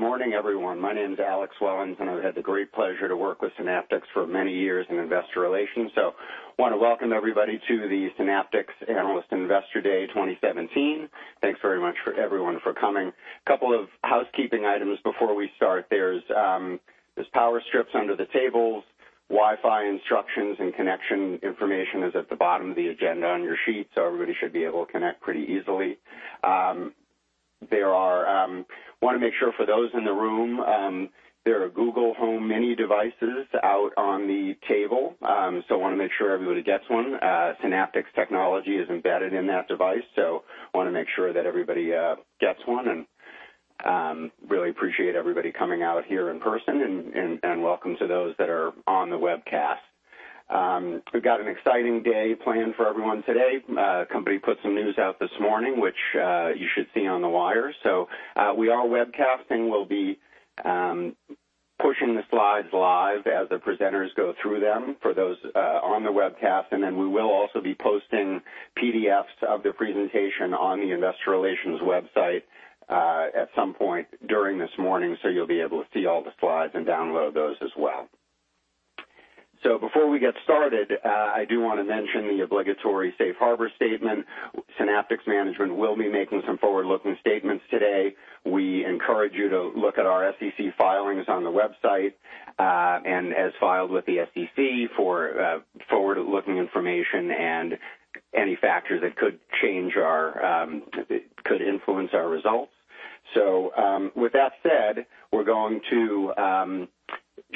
Good morning, everyone. My name's Alex Wellins, and I've had the great pleasure to work with Synaptics for many years in investor relations. Want to welcome everybody to the Synaptics Analyst and Investor Day 2017. Thanks very much everyone for coming. Couple of housekeeping items before we start. There's power strips under the tables, Wi-Fi instructions and connection information is at the bottom of the agenda on your sheet. Everybody should be able to connect pretty easily. Want to make sure for those in the room, there are Google Home Mini devices out on the table. Want to make sure everybody gets one. Synaptics technology is embedded in that device. Want to make sure that everybody gets one, and really appreciate everybody coming out here in person and welcome to those that are on the webcast. We've got an exciting day planned for everyone today. Company put some news out this morning, which you should see on the wire. We are webcasting. We'll be pushing the slides live as the presenters go through them for those on the webcast. We will also be posting PDFs of the presentation on the investor relations website at some point during this morning, you'll be able to see all the slides and download those as well. Before we get started, I do want to mention the obligatory safe harbor statement. Synaptics management will be making some forward-looking statements today. We encourage you to look at our SEC filings on the website, and as filed with the SEC for forward-looking information and any factor that could influence our results. With that said, we're going to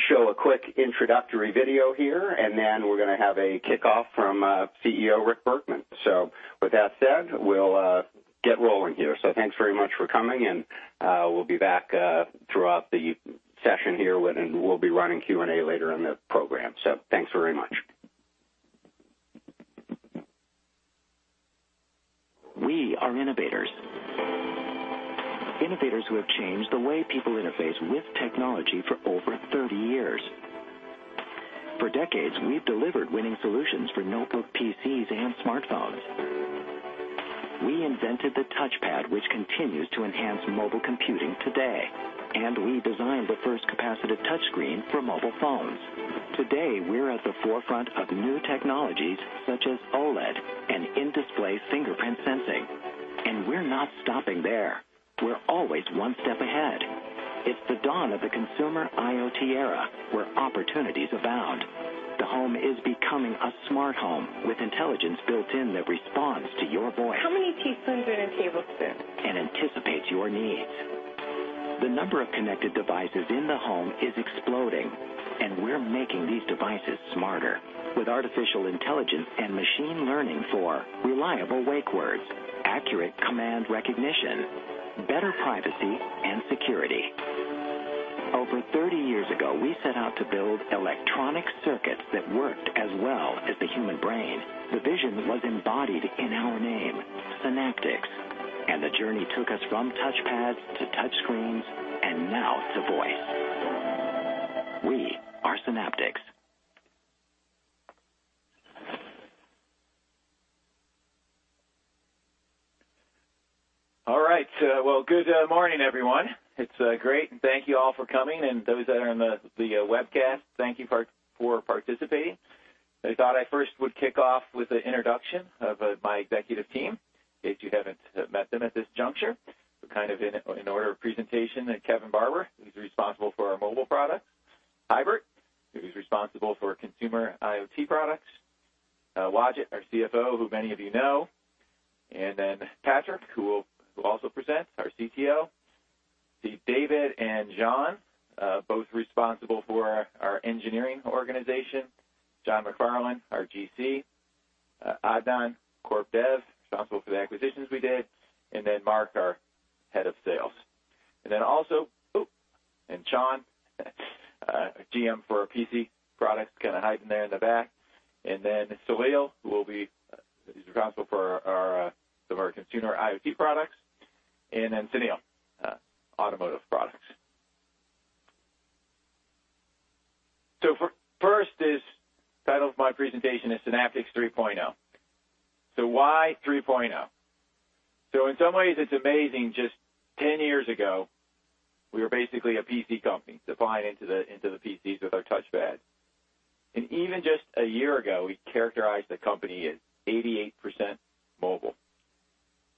show a quick introductory video here, and then we're going to have a kickoff from CEO, Rick Bergman. With that said, we'll get rolling here. Thanks very much for coming, and we'll be back throughout the session here, and we'll be running Q&A later in the program. Thanks very much. We are innovators. Innovators who have changed the way people interface with technology for over 30 years. For decades, we've delivered winning solutions for notebook PCs and smartphones. We invented the touchpad, which continues to enhance mobile computing today. We designed the first capacitive touch screen for mobile phones. Today, we're at the forefront of new technologies, such as OLED and in-display fingerprint sensing, and we're not stopping there. We're always one step ahead. It's the dawn of the consumer IoT era, where opportunities abound. The home is becoming a smart home with intelligence built in that responds to your voice. How many teaspoons in a tablespoon? Anticipates your needs. The number of connected devices in the home is exploding, and we're making these devices smarter with artificial intelligence and machine learning for reliable wake words, accurate command recognition, better privacy, and security. Over 30 years ago, we set out to build electronic circuits that worked as well as the human brain. The vision was embodied in our name, Synaptics, and the journey took us from touchpads to touch screens and now to voice. We are Synaptics. All right. Good morning, everyone. It's great, and thank you all for coming, and those that are on the webcast, thank you for participating. I thought I first would kick off with an introduction of my executive team, in case you haven't met them at this juncture. In order of presentation, Kevin Barber, who's responsible for our mobile products. Huibert, who's responsible for consumer IoT products. Wajid, our CFO, who many of you know. Patrick, who will also present, our CTO. See David and John, both responsible for our engineering organization. John McFarland, our GC. Adnan, corp dev, responsible for the acquisitions we did. Mark, our head of sales. John, our GM for our PC products, kind of hiding there in the back. Saleel, he's responsible for some of our consumer IoT products. Sunil, automotive products. First is title of my presentation is Synaptics 3.0. Why 3.0? In some ways, it's amazing, just 10 years ago, we were basically a PC company, supplying into the PCs with our touchpads. Even just a year ago, we characterized the company as 88% mobile.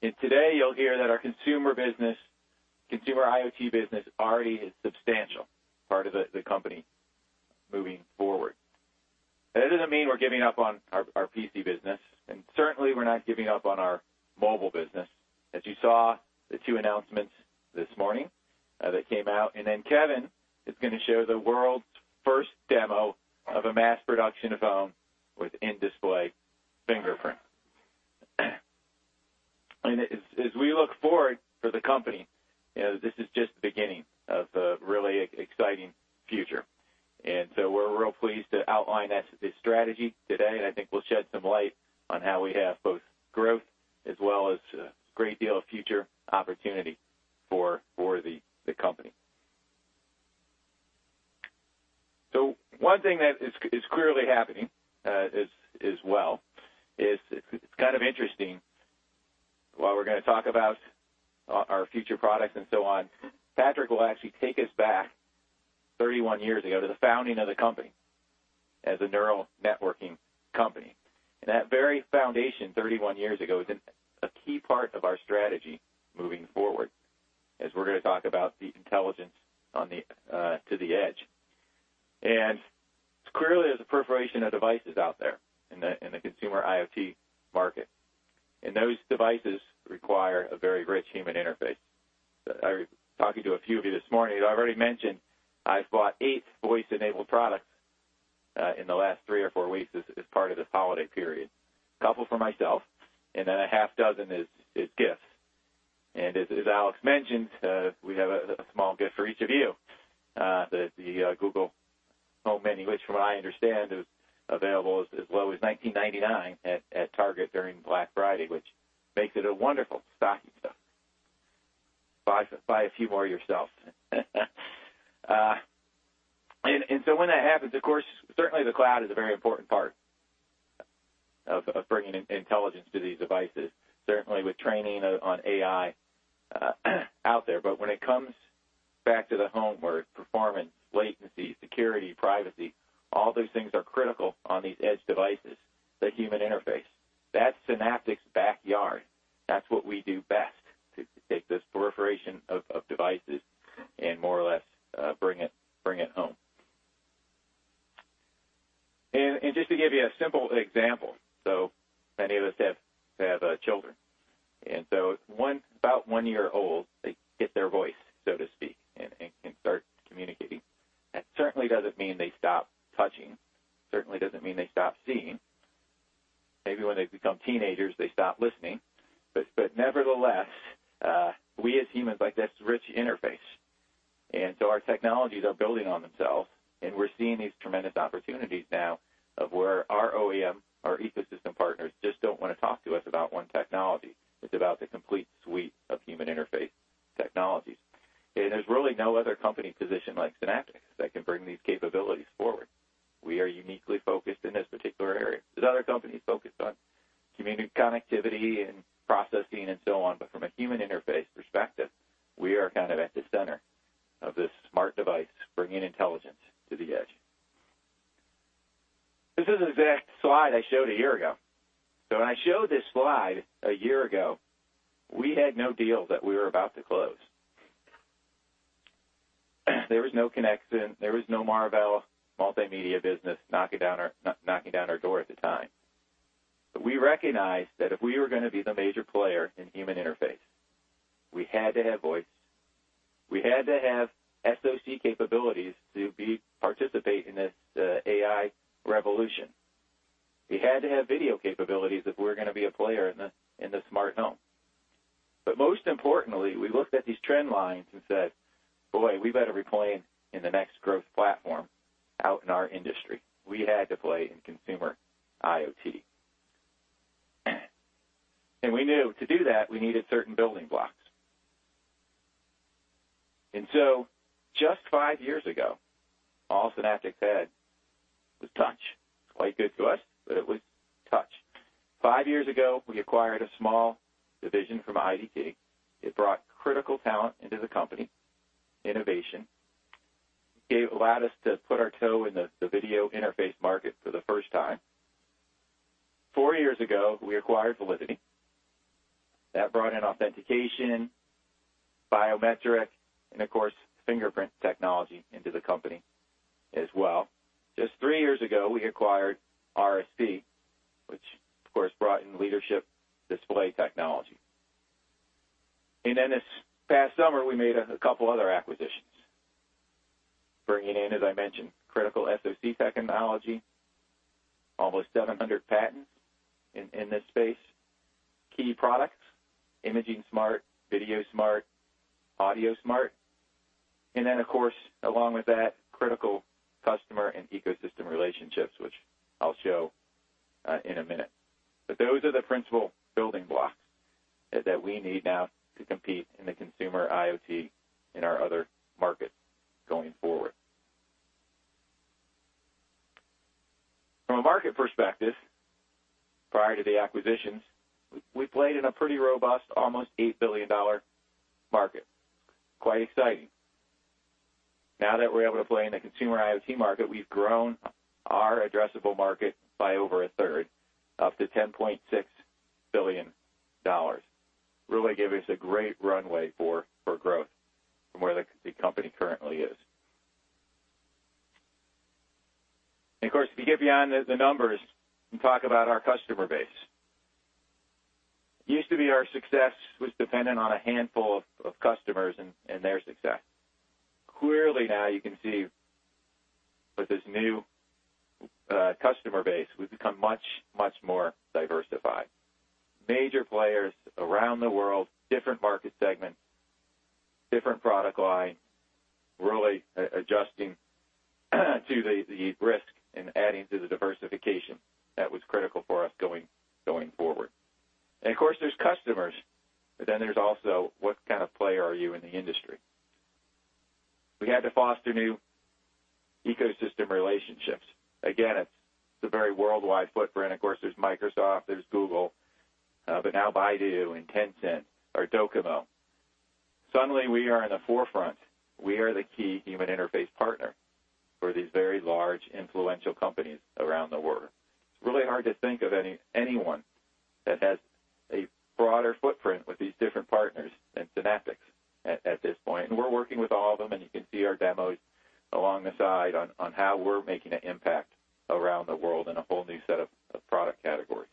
Today you'll hear that our consumer IoT business already is substantial part of the company moving forward. That doesn't mean we're giving up on our PC business, certainly we're not giving up on our mobile business. As you saw the two announcements this morning that came out, Kevin is going to show the world's first demo of a mass production phone with in-display fingerprint. As we look forward for the company, this is just the beginning of a really exciting future. We're real pleased to outline the strategy today, and I think we'll shed some light on how we have both growth as well as a great deal of future opportunity for the company. One thing that is clearly happening as well is kind of interesting. While we're going to talk about our future products and so on, Patrick will actually take us back 31 years ago to the founding of the company as a neural networking company. That very foundation 31 years ago is a key part of our strategy moving forward, as we're going to talk about the intelligence to the edge. Clearly, there's a proliferation of devices out there in the consumer IoT market, and those devices require a very rich human interface. I was talking to a few of you this morning. I've already mentioned I've bought eight voice-enabled products in the last three or four weeks as part of this holiday period, a couple for myself, and then a half dozen as gifts. As Alex mentioned, we have a small gift for each of you, the Google Home Mini, which from what I understand is available as low as $19.99 at Target during Black Friday, which makes it a wonderful stocking stuffer. Buy a few more yourself. When that happens, of course, certainly the cloud is a very important part of bringing intelligence to these devices, certainly with training on AI out there. When it comes back to the home, where performance, latency, security, privacy, all those things are critical on these edge devices, the human interface, that's Synaptics' backyard. That's what we do best, to take this proliferation of devices and more or less bring it home. Just to give you a simple example, so many of us have children. About one year old, they get their voice, so to speak, and can start communicating. That certainly doesn't mean they stop touching, certainly doesn't mean they stop seeing. Maybe when they become teenagers, they stop listening. Nevertheless, we as humans like this rich interface. Our technologies are building on themselves, and we're seeing these tremendous opportunities now of where our OEM, our ecosystem partners, just don't want to talk to us about one technology. It's about the complete suite of human interface technologies. There's really no other company positioned like Synaptics that can bring these capabilities forward. We are uniquely focused in this particular area. There's other companies focused on community connectivity and processing and so on, but from a human interface perspective, we are kind of at the center of this smart device, bringing intelligence to the edge. This is the exact slide I showed a year ago. When I showed this slide a year ago, we had no deal that we were about to close. There was no Conexant, there was no Marvell multimedia business knocking down our door at the time. We recognized that if we were going to be the major player in human interface, we had to have voice. We had to have SoC capabilities to participate in this AI revolution. We had to have video capabilities if we're going to be a player in the smart home. Most importantly, we looked at these trend lines and said, "Boy, we better be playing in the next growth platform out in our industry." We had to play in consumer IoT. We knew to do that, we needed certain building blocks. Just five years ago, all Synaptics had was touch. It was quite good to us, but it was touch. Five years ago, we acquired a small division from IDT. It brought critical talent into the company, innovation. It allowed us to put our toe in the video interface market for the first time. Four years ago, we acquired Validity. That brought in authentication, biometric, and of course, fingerprint technology into the company as well. Just three years ago, we acquired RSP, which of course, brought in leadership display technology. This past summer, we made a couple other acquisitions, bringing in, as I mentioned, critical SoC technology, almost 700 patents in this space, key products, ImagingSmart, VideoSmart, AudioSmart, and then, of course, along with that, critical customer and ecosystem relationships, which I'll show in a minute. Those are the principal building blocks that we need now to compete in the consumer IoT in our other markets going forward. From a market perspective, prior to the acquisitions, we played in a pretty robust, almost $8 billion market. Quite exciting. Now that we're able to play in the consumer IoT market, we've grown our addressable market by over a third, up to $10.6 billion. Really gave us a great runway for growth from where the company currently is. Of course, if you get beyond the numbers and talk about our customer base. It used to be our success was dependent on a handful of customers and their success. Clearly now you can see with this new customer base, we've become much more diversified. Major players around the world, different market segments, different product lines, really adjusting to the risk and adding to the diversification that was critical for us going forward. Of course, there's customers, but then there's also what kind of player are you in the industry? We had to foster new ecosystem relationships. Again, it's a very worldwide footprint. Of course, there's Microsoft, there's Google, but now Baidu and Tencent or Docomo. Suddenly, we are in the forefront. We are the key human interface partner for these very large influential companies around the world. It's really hard to think of anyone that has a broader footprint with these different partners than Synaptics at this point. We're working with all of them, and you can see our demos along the side on how we're making an impact around the world in a whole new set of product categories.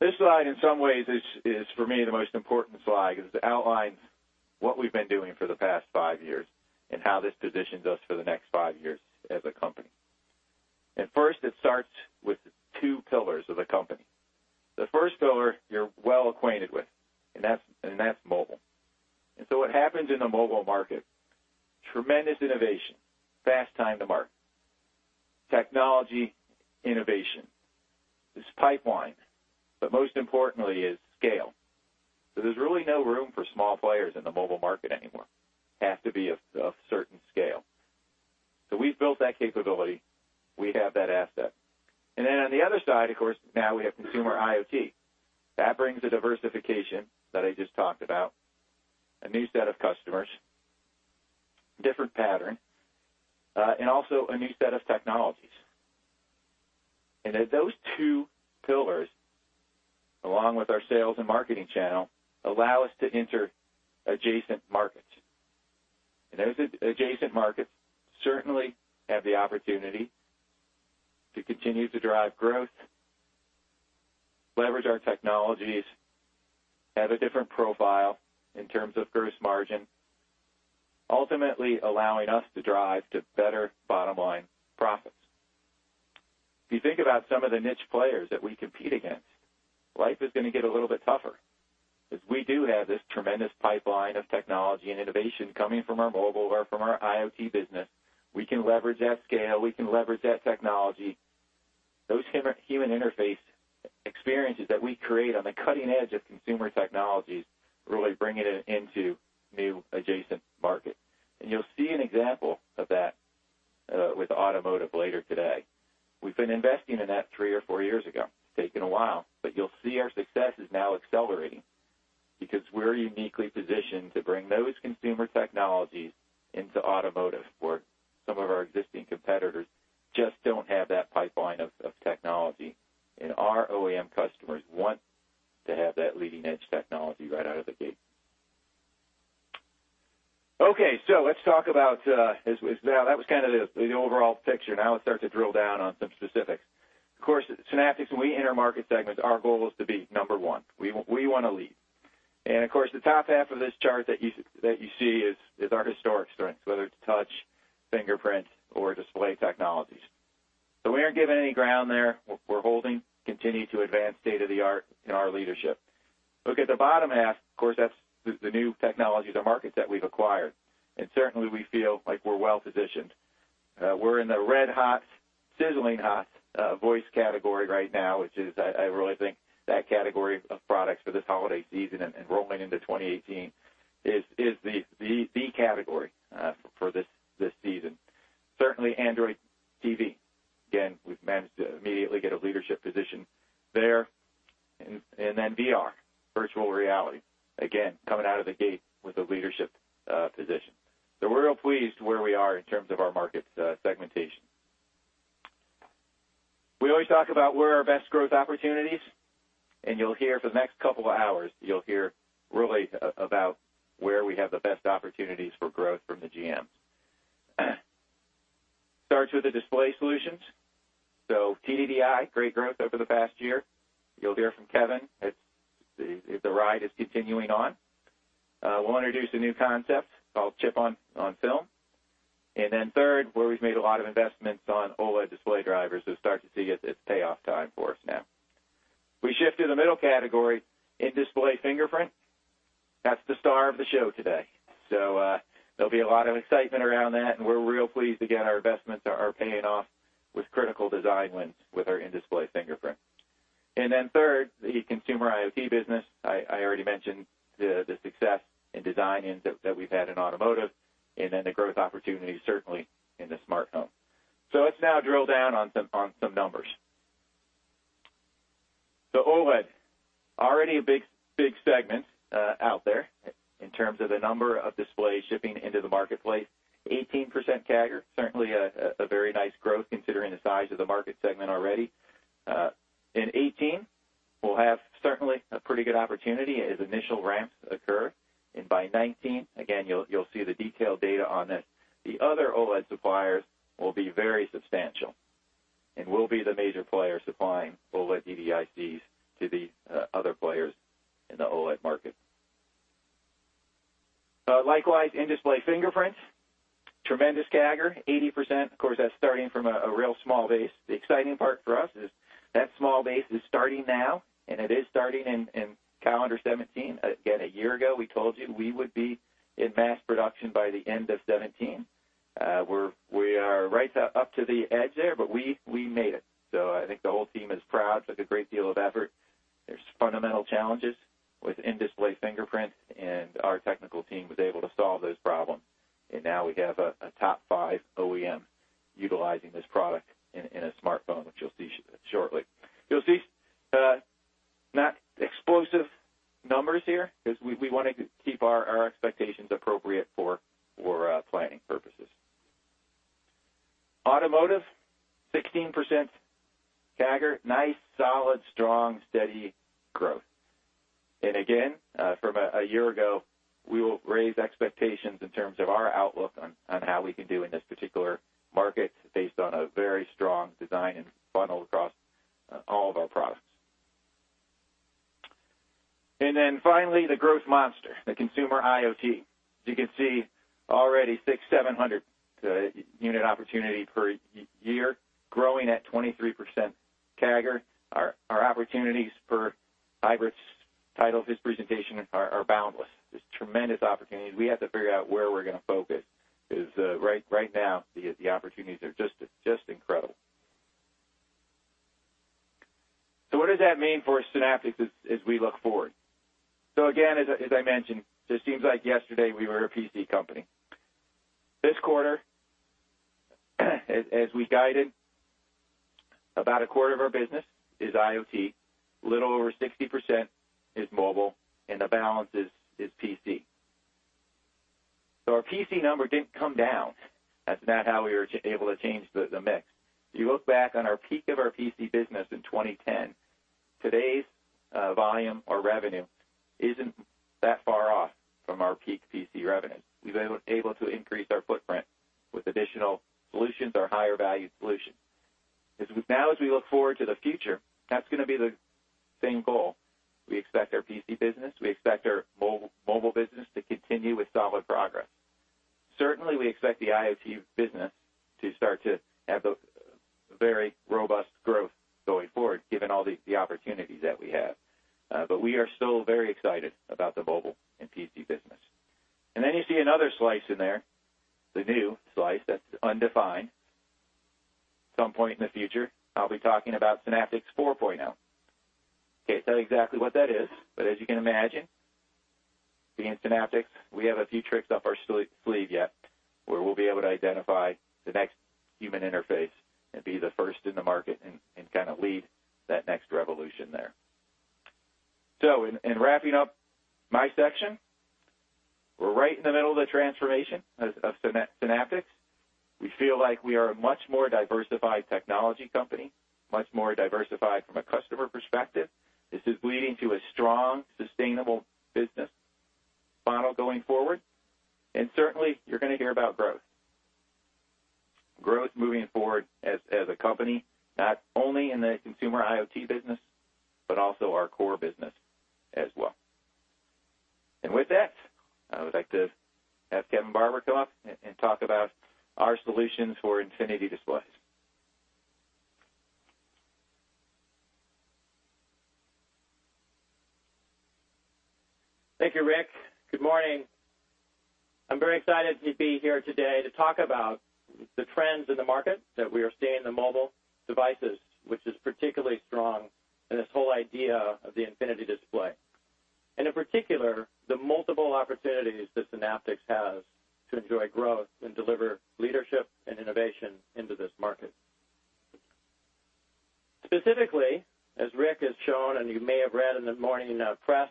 This slide, in some ways, is for me, the most important slide, because it outlines what we've been doing for the past five years and how this positions us for the next five years as a company. First, it starts with the two pillars of the company. The first pillar you're well acquainted with, that's mobile. What happens in the mobile market, tremendous innovation, fast time to market, technology innovation. There's pipeline. Most importantly is scale. There's really no room for small players in the mobile market anymore, have to be of a certain scale. We've built that capability. We have that asset. On the other side, of course, now we have consumer IoT. That brings the diversification that I just talked about, a new set of customers, different pattern, also a new set of technologies. Those two pillars, along with our sales and marketing channel, allow us to enter adjacent markets. Those adjacent markets certainly have the opportunity to continue to drive growth, leverage our technologies, have a different profile in terms of gross margin, ultimately allowing us to drive to better bottom line profits. If you think about some of the niche players that we compete against, life is going to get a little bit tougher, because we do have this tremendous pipeline of technology and innovation coming from our mobile or from our IoT business. We can leverage that scale. We can leverage that technology. Those human interface experiences that we create on the cutting edge of consumer technologies really bring it into new adjacent markets. You'll see an example of that with automotive later today. We've been investing in that three or four years ago. It's taken a while, but you'll see our success is now accelerating because we're uniquely positioned to bring those consumer technologies into automotive, where some of our existing competitors just don't have that pipeline of technology. Our OEM customers want to have that leading-edge technology right out of the gate. Okay. Let's talk about, now that was kind of the overall picture. Now let's start to drill down on some specifics. Of course, at Synaptics, when we enter market segments, our goal is to be number one. We want to lead. Of course, the top half of this chart that you see is our historic strengths, whether it's touch, fingerprint, or display technologies. We aren't giving any ground there. We're holding, continuing to advance state-of-the-art in our leadership. Look at the bottom half, of course, that's the new technologies or markets that we've acquired. Certainly, we feel like we're well-positioned. We're in the red hot, sizzling hot voice category right now, which is, I really think, that category of products for this holiday season and rolling into 2018 is the category for this season. Certainly Android TV, again, we've managed to immediately get a leadership position there. VR, virtual reality, again, coming out of the gate with a leadership position. We're real pleased where we are in terms of our market segmentation. We always talk about where are our best growth opportunities, and for the next couple of hours, you'll hear really about where we have the best opportunities for growth from the GMs. Starts with the display solutions. TDDI, great growth over the past year. You'll hear from Kevin. The ride is continuing on. We'll introduce a new concept called chip-on-film. Then third, where we've made a lot of investments on OLED display drivers, you'll start to see it's payoff time for us now. We shift to the middle category in-display fingerprint. That's the star of the show today. There'll be a lot of excitement around that, we're real pleased, again, our investments are paying off with critical design wins with our in-display fingerprint. Third, the consumer IoT business. I already mentioned the success in design-ins that we've had in automotive, the growth opportunities certainly in the smartphone. Let's now drill down on some numbers. OLED, already a big segment out there in terms of the number of displays shipping into the marketplace. 18% CAGR, certainly a very nice growth considering the size of the market segment already. In 2018, we'll have certainly a pretty good opportunity as initial ramps occur. By 2019, again, you'll see the detailed data on this. The other OLED suppliers will be very substantial, and we'll be the major player supplying OLED DDICs to the other players in the OLED market. Likewise, in-display fingerprints, tremendous CAGR, 80%. Of course, that's starting from a real small base. The exciting part for us is that small base is starting now, and it is starting in calendar 2017. Again, a year ago, we told you we would be in mass production by the end of 2017. We are right up to the edge there, we made it. I think the whole team is proud. It took a great deal of effort. There's fundamental challenges with in-display fingerprint, our technical team was able to solve those problems, now we have a top 5 OEM utilizing this product in a smartphone, which you'll see shortly. You'll see not explosive numbers here, because we wanted to keep our expectations appropriate for planning purposes. Automotive, 16% CAGR. Nice, solid, strong, steady growth. Again, from a year ago, we will raise expectations in terms of our outlook on how we can do in this particular market based on a very strong design-in funnel across all of our products. Finally, the growth monster, the consumer IoT. As you can see already, 600, 700 unit opportunity per year, growing at 23% CAGR. Our opportunities for Huibert's title of his presentation are boundless. There's tremendous opportunities. We have to figure out where we're going to focus, because right now, the opportunities are just incredible. What does that mean for Synaptics as we look forward? Again, as I mentioned, it seems like yesterday we were a PC company. This quarter, as we guided, about a quarter of our business is IoT, a little over 60% is mobile, the balance is PC. Our PC number didn't come down. That's not how we were able to change the mix. If you look back on our peak of our PC business in 2010, today's volume or revenue isn't that far off from our peak PC revenue. We've been able to increase our footprint with additional solutions or higher value solutions. Now, as we look forward to the future, that's going to be the same goal. We expect our PC business, we expect our mobile business to continue with solid progress. Certainly, we expect the IoT business to start to have a very robust growth going forward, given all the opportunities that we have. We are still very excited about the mobile and PC business. You see another slice in there, the new slice that's undefined. At some point in the future, I'll be talking about Synaptics 4.0. Can't tell you exactly what that is, but as you can imagine, being Synaptics, we have a few tricks up our sleeve yet where we'll be able to identify the next human interface and be the first in the market and kind of lead that next revolution there. In wrapping up my section, we're right in the middle of the transformation of Synaptics. We feel like we are a much more diversified technology company, much more diversified from a customer perspective. This is leading to a strong, sustainable business model going forward. Certainly, you're going to hear about growth. Growth moving forward as a company, not only in the consumer IoT business, but also our core business as well. With that, I would like to have Kevin Barber come up and talk about our solutions for infinity displays. Thank you, Rick. Good morning. I'm very excited to be here today to talk about the trends in the market that we are seeing in the mobile devices, which is particularly strong in this whole idea of the infinity display. In particular, the multiple opportunities that Synaptics has to enjoy growth and deliver leadership and innovation into this market. Specifically, as Rick has shown, and you may have read in the morning press,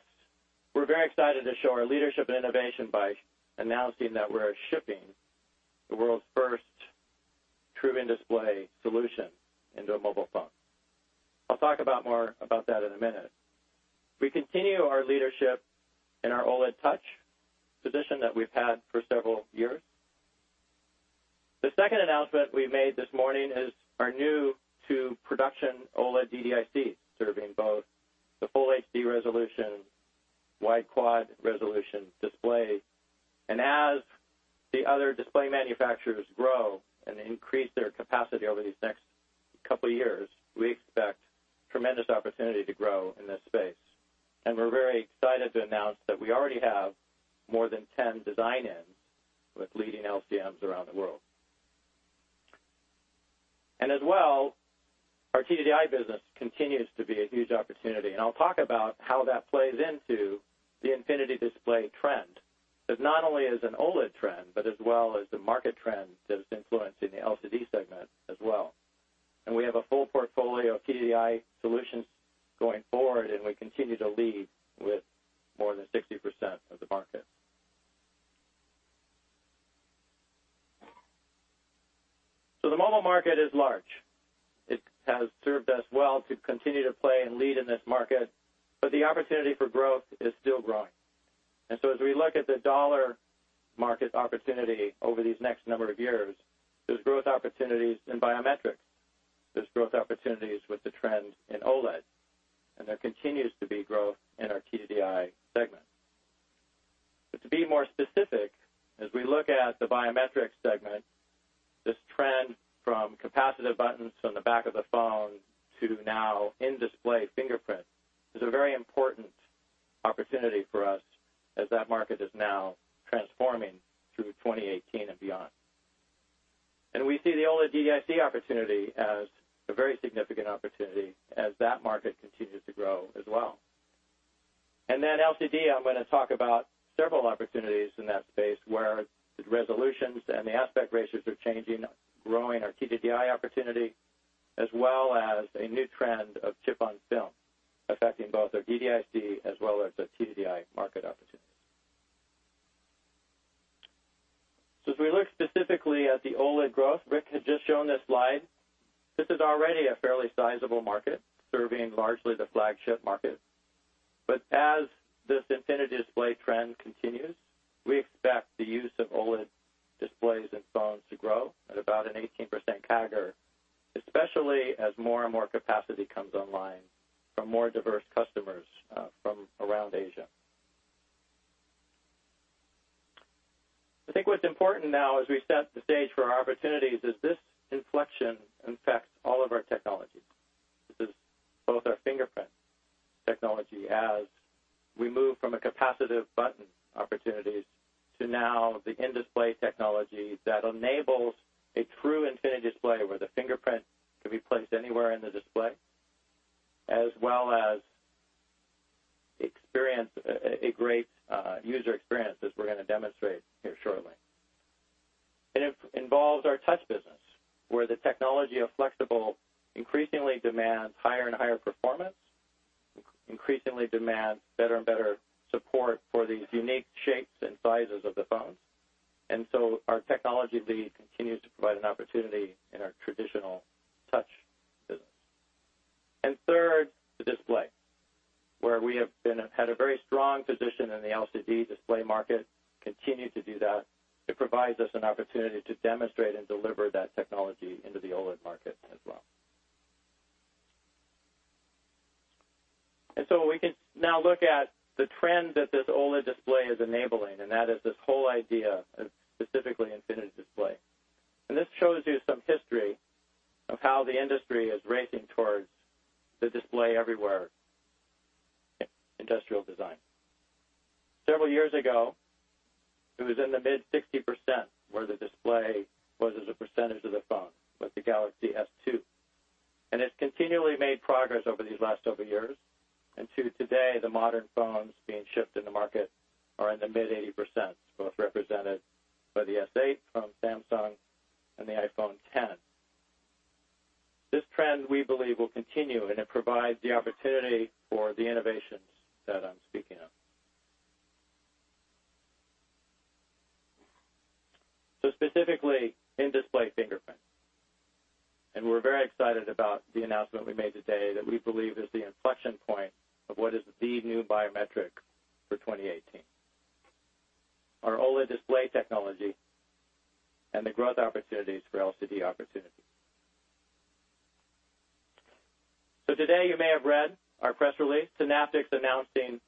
we're very excited to show our leadership and innovation by announcing that we're shipping the world's first true in-display solution into a mobile phone. I'll talk about more about that in a minute. We continue our leadership in our OLED touch position that we've had for several years. The second announcement we made this morning is our new two production OLED DDIC serving both the full HD resolution, wide quad resolution display. As the other display manufacturers grow and increase their capacity over these next couple of years, we expect tremendous opportunity to grow in this space. We're very excited to announce that we already have more than 10 design-ins with leading LCMs around the world. As well, our TDDI business continues to be a huge opportunity, and I'll talk about how that plays into the infinity display trend, as not only as an OLED trend, but as well as the market trend that is influencing the LCD segment as well. We have a full portfolio of TDDI solutions going forward, and we continue to lead with more than 60% of the market. The mobile market is large. It has served us well to continue to play and lead in this market, but the opportunity for growth is still growing. As we look at the dollar market opportunity over these next number of years, there's growth opportunities in biometrics, there's growth opportunities with the trend in OLED, and there continues to be growth in our TDDI segment. To be more specific, as we look at the biometric segment, this trend from capacitive buttons on the back of the phone to now in-display fingerprint is a very important opportunity for us as that market is now transforming through 2018 and beyond. We see the OLED DDIC opportunity as a very significant opportunity as that market continues to grow as well. LCD, I'm going to talk about several opportunities in that space where the resolutions and the aspect ratios are changing, growing our TDDI opportunity, as well as a new trend of chip-on-film, affecting both our DDIC as well as the TDDI market opportunities. As we look specifically at the OLED growth, Rick had just shown this slide. This is already a fairly sizable market, serving largely the flagship market. As this Infinity Display trend continues, we expect the use of OLED displays and phones to grow at about an 18% CAGR, especially as more and more capacity comes online from more diverse customers from around Asia. I think what's important now as we set the stage for our opportunities is this inflection impacts all of our technology. This is both our fingerprint technology as we move from a capacitive button opportunities to now the in-display technology that enables a true Infinity Display, where the fingerprint can be placed anywhere in the display, as well as experience a great user experience, as we are going to demonstrate here shortly. It involves our touch business, where the technology of flexible increasingly demands higher and higher performance, increasingly demands better and better support for these unique shapes and sizes of the phones. Our technology lead continues to provide an opportunity in our traditional touch business. Third, the display, where we have had a very strong position in the LCD display market, continue to do that. It provides us an opportunity to demonstrate and deliver that technology into the OLED market as well. We can now look at the trend that this OLED display is enabling, and that is this whole idea of specifically Infinity Display. This shows you some history of how the industry is racing towards the display everywhere, industrial design. Several years ago, it was in the mid-60% where the display was as a percentage of the phone with the Galaxy S II, and it continually made progress over these last years. To today, the modern phones being shipped in the market are in the mid-80%, both represented by the S8 from Samsung and the iPhone X. This trend, we believe, will continue, and it provides the opportunity for the innovations that I am speaking of. Specifically, in-display fingerprint. We are very excited about the announcement we made today that we believe is the inflection point of what is the new biometric for 2018, our OLED display technology and the growth opportunities for LCD opportunities. Today you may have read our press release, Synaptics announcing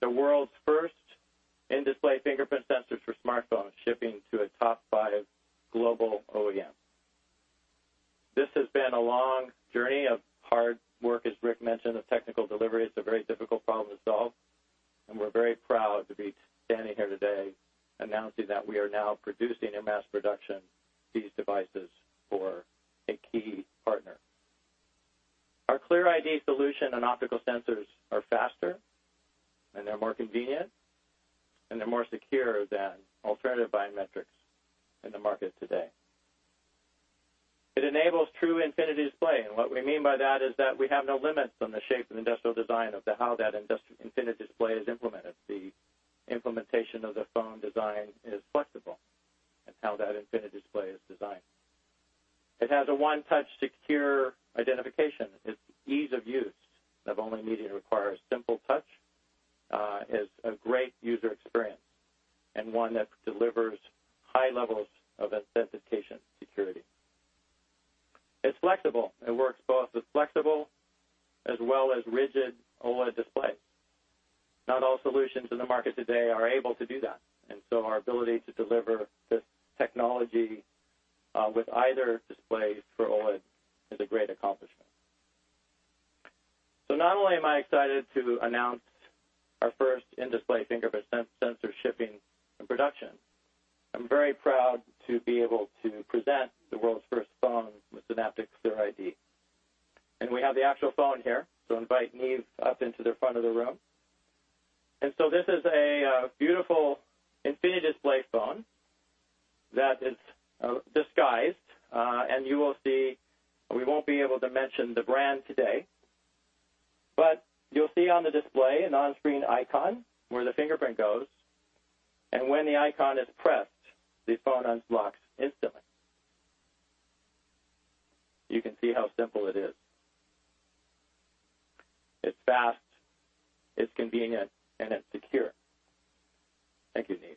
the world's first in-display fingerprint sensors for smartphones, shipping to a top five global OEM. This has been a long journey of hard work, as Rick mentioned, of technical delivery. It is a very difficult problem to solve. We are very proud to be standing here today announcing that we are now producing in mass production these devices for a key partner. Our Clear ID solution and optical sensors are faster, they are more convenient, and they are more secure than alternative biometrics in the market today. It enables true Infinity Display, and what we mean by that is that we have no limits on the shape and industrial design of how that Infinity Display is implemented. The implementation of the phone design is flexible and how that Infinity Display is designed. It has a one-touch secure identification. Its ease of use, of only needing to require a simple touch, is a great user experience and one that delivers high levels of authentication security. It is flexible. It works both with flexible as well as rigid OLED displays. Not all solutions in the market today are able to do that, our ability to deliver this technology, with either displays for OLED, is a great accomplishment. Not only am I excited to announce our first in-display fingerprint sensor shipping in production, I'm very proud to be able to present the world's first phone with Synaptics Clear ID. We have the actual phone here, so invite Niamh up into the front of the room. This is a beautiful infinity display phone that is disguised. You will see, we won't be able to mention the brand today, but you'll see on the display an on-screen icon where the fingerprint goes. When the icon is pressed, the phone unlocks instantly. You can see how simple it is. It's fast, it's convenient, and it's secure. Thank you, Niamh.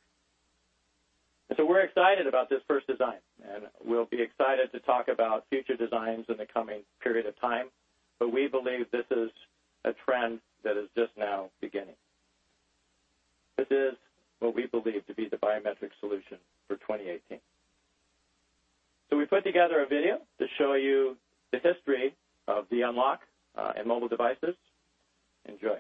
We're excited about this first design, and we'll be excited to talk about future designs in the coming period of time. We believe this is a trend that is just now beginning. This is what we believe to be the biometric solution for 2018. We put together a video to show you the history of the unlock in mobile devices. Enjoy.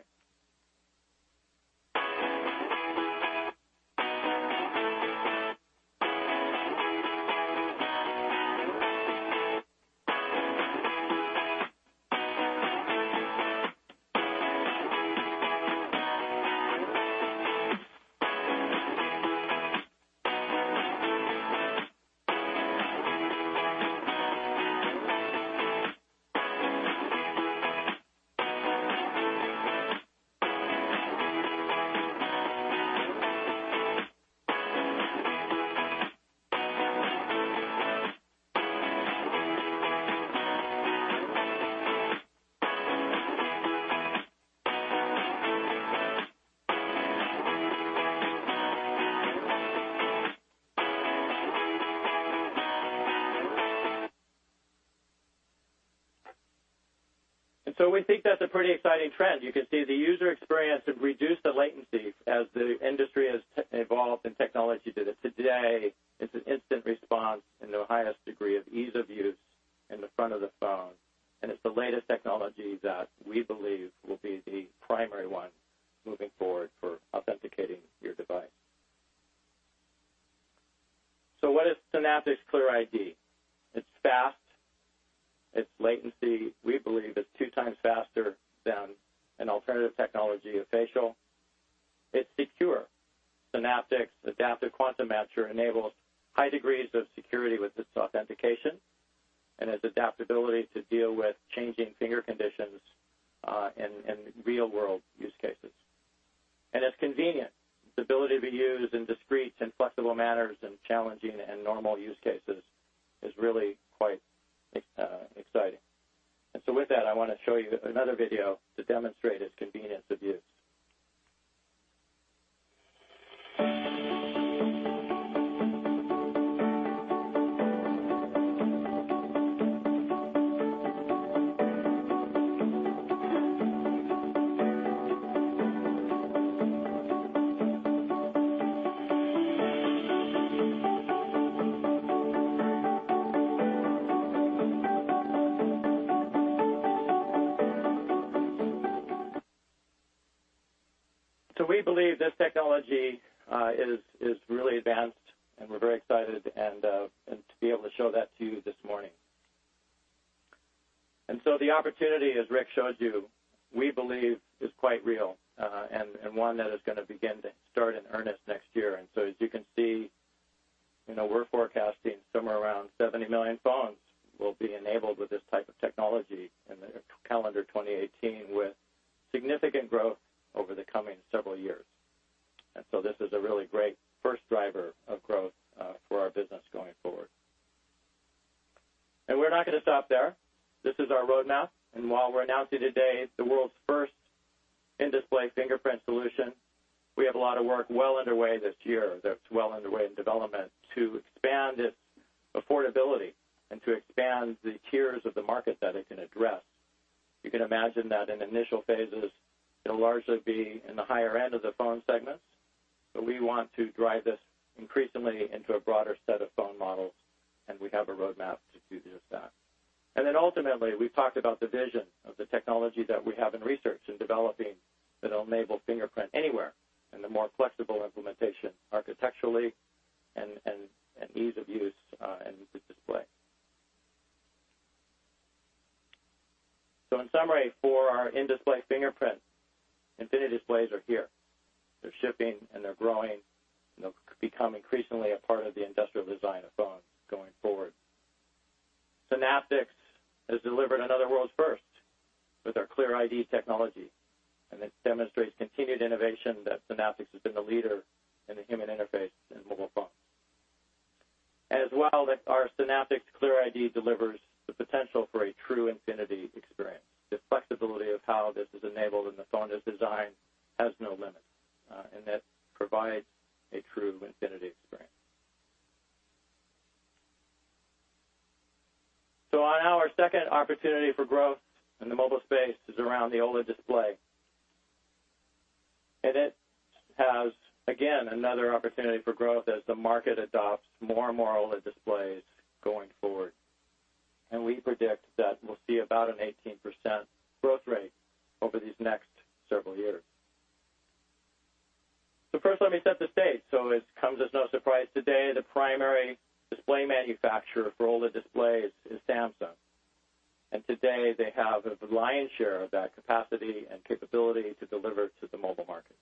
We think that's a pretty exciting trend. You can see the user experience have reduced the latency as the industry has evolved and technology did it. Today, it's an instant response and the highest degree of ease of use in the front of the phone, and it's the latest technology that we believe will be the primary one moving forward for authenticating your device. What is Synaptics Clear ID? It's fast. Its latency, we believe, is two times faster than an alternative technology of facial. It's secure. Synaptics Adaptive Quantum Matcher enables high degrees of security with this authentication and has adaptability to deal with changing finger conditions, in real-world use cases. It's convenient. The ability to be used in discrete and flexible manners in challenging and normal use cases is really quite exciting. With that, I want to show you another video to demonstrate its convenience of use. We believe this technology is really advanced, and we're very excited and to be able to show that to you this morning. The opportunity, as Rick showed you, we believe is quite real, and one that is going to begin to start in earnest next year. As you can see, we're forecasting somewhere around 70 million phones will be enabled with this type of technology in calendar 2018, with significant growth over the coming several years. This is a really great first driver of growth for our business going forward. We're not going to stop there. This is our roadmap, and while we're announcing today the world's first in-display fingerprint solution, we have a lot of work well underway this year, that's well underway in development to expand its affordability and to expand the tiers of the market that it can address. You can imagine that in initial phases, it'll largely be in the higher end of the phone segments, but we want to drive this increasingly into a broader set of phone models, and we have a roadmap to do just that. Ultimately, we talked about the vision of the technology that we have in research in developing that'll enable fingerprint anywhere and the more flexible implementation architecturally and ease of use in the display. In summary, for our in-display fingerprint, Infinity displays are here. They're shipping, and they're growing, and they'll become increasingly a part of the industrial design of phones going forward. Synaptics has delivered another world's first with our Clear ID technology, and it demonstrates continued innovation that Synaptics has been a leader in the human interface in mobile phones. As well that our Synaptics Clear ID delivers the potential for a true infinity experience. The flexibility of how this is enabled in the phone's design has no limits, and that provides a true infinity experience. On our second opportunity for growth in the mobile space is around the OLED display. It has, again, another opportunity for growth as the market adopts more and more OLED displays going forward. We predict that we'll see about an 18% growth rate over these next several years. First, let me set the stage. It comes as no surprise, today, the primary display manufacturer for OLED displays is Samsung. Today, they have the lion's share of that capacity and capability to deliver to the mobile market.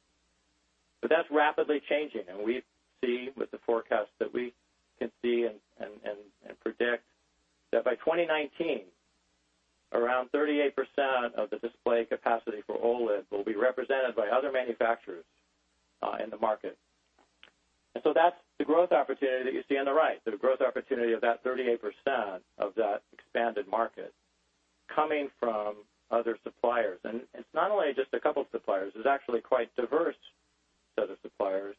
That's rapidly changing, and we see with the forecast that we can see and predict that by 2019, around 38% of the display capacity for OLED will be represented by other manufacturers in the market. That's the growth opportunity that you see on the right, the growth opportunity of that 38% of that expanded market coming from other suppliers. It's not only just a couple suppliers, it's actually quite diverse set of suppliers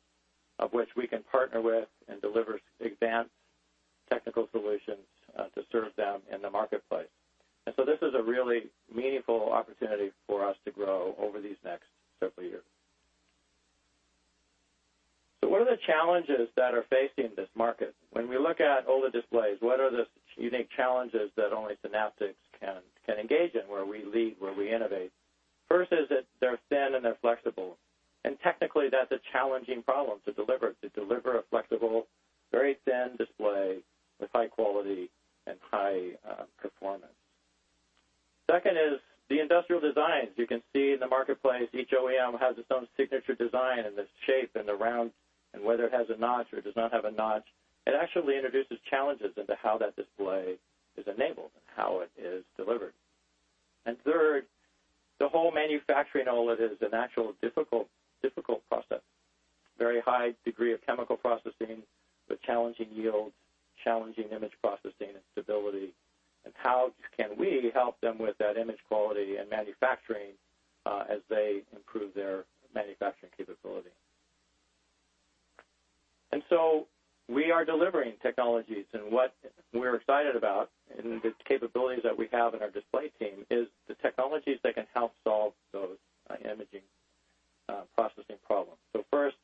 of which we can partner with and deliver advanced technical solutions, to serve them in the marketplace. This is a really meaningful opportunity for us to grow over these next several years. What are the challenges that are facing this market? When we look at all the displays, what are the unique challenges that only Synaptics can engage in, where we lead, where we innovate? First is that they're thin and they're flexible. Technically, that's a challenging problem to deliver, to deliver a flexible, very thin display with high quality and high performance. Second is the industrial designs. You can see in the marketplace, each OEM has its own signature design, and the shape, and the round, and whether it has a notch or does not have a notch. It actually introduces challenges into how that display is enabled and how it is delivered. Third, the whole manufacturing OLED is an actual difficult process. Very high degree of chemical processing with challenging yields, challenging image processing, and stability, and how can we help them with that image quality and manufacturing, as they improve their manufacturing capability. We are delivering technologies, and what we're excited about and the capabilities that we have in our display team is the technologies that can help solve those imaging processing problems. First,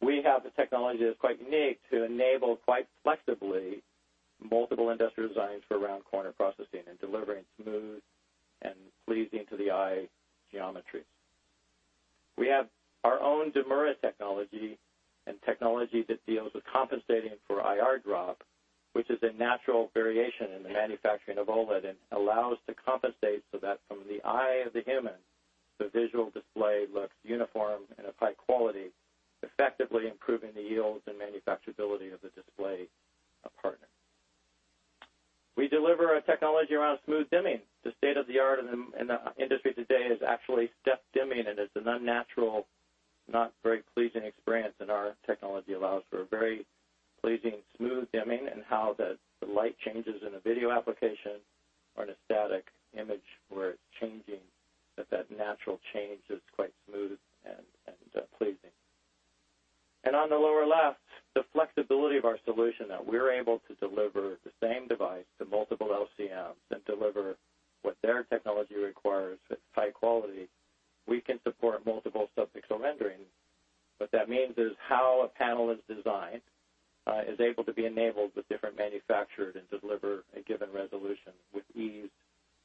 we have the technology that's quite unique to enable, quite flexibly, multiple industrial designs for round corner processing and delivering smooth and pleasing-to-the-eye geometry. We have our own Demura technology and technology that deals with compensating for IR drop, which is a natural variation in the manufacturing of OLED and allows to compensate so that from the eye of the human, the visual display looks uniform and of high quality, effectively improving the yields and manufacturability of the display partner. We deliver a technology around smooth dimming. The state-of-the-art in the industry today is actually step dimming, and it's an unnatural, not very pleasing experience. Our technology allows for a very pleasing, smooth dimming in how the light changes in a video application or in a static image where it's changing, that natural change is quite smooth and pleasing. On the lower left, the flexibility of our solution that we're able to deliver the same device to multiple LCMs and deliver what their technology requires with high quality. We can support multiple subpixel renderings. What that means is how a panel is designed is able to be enabled with different manufacturers and deliver a given resolution with ease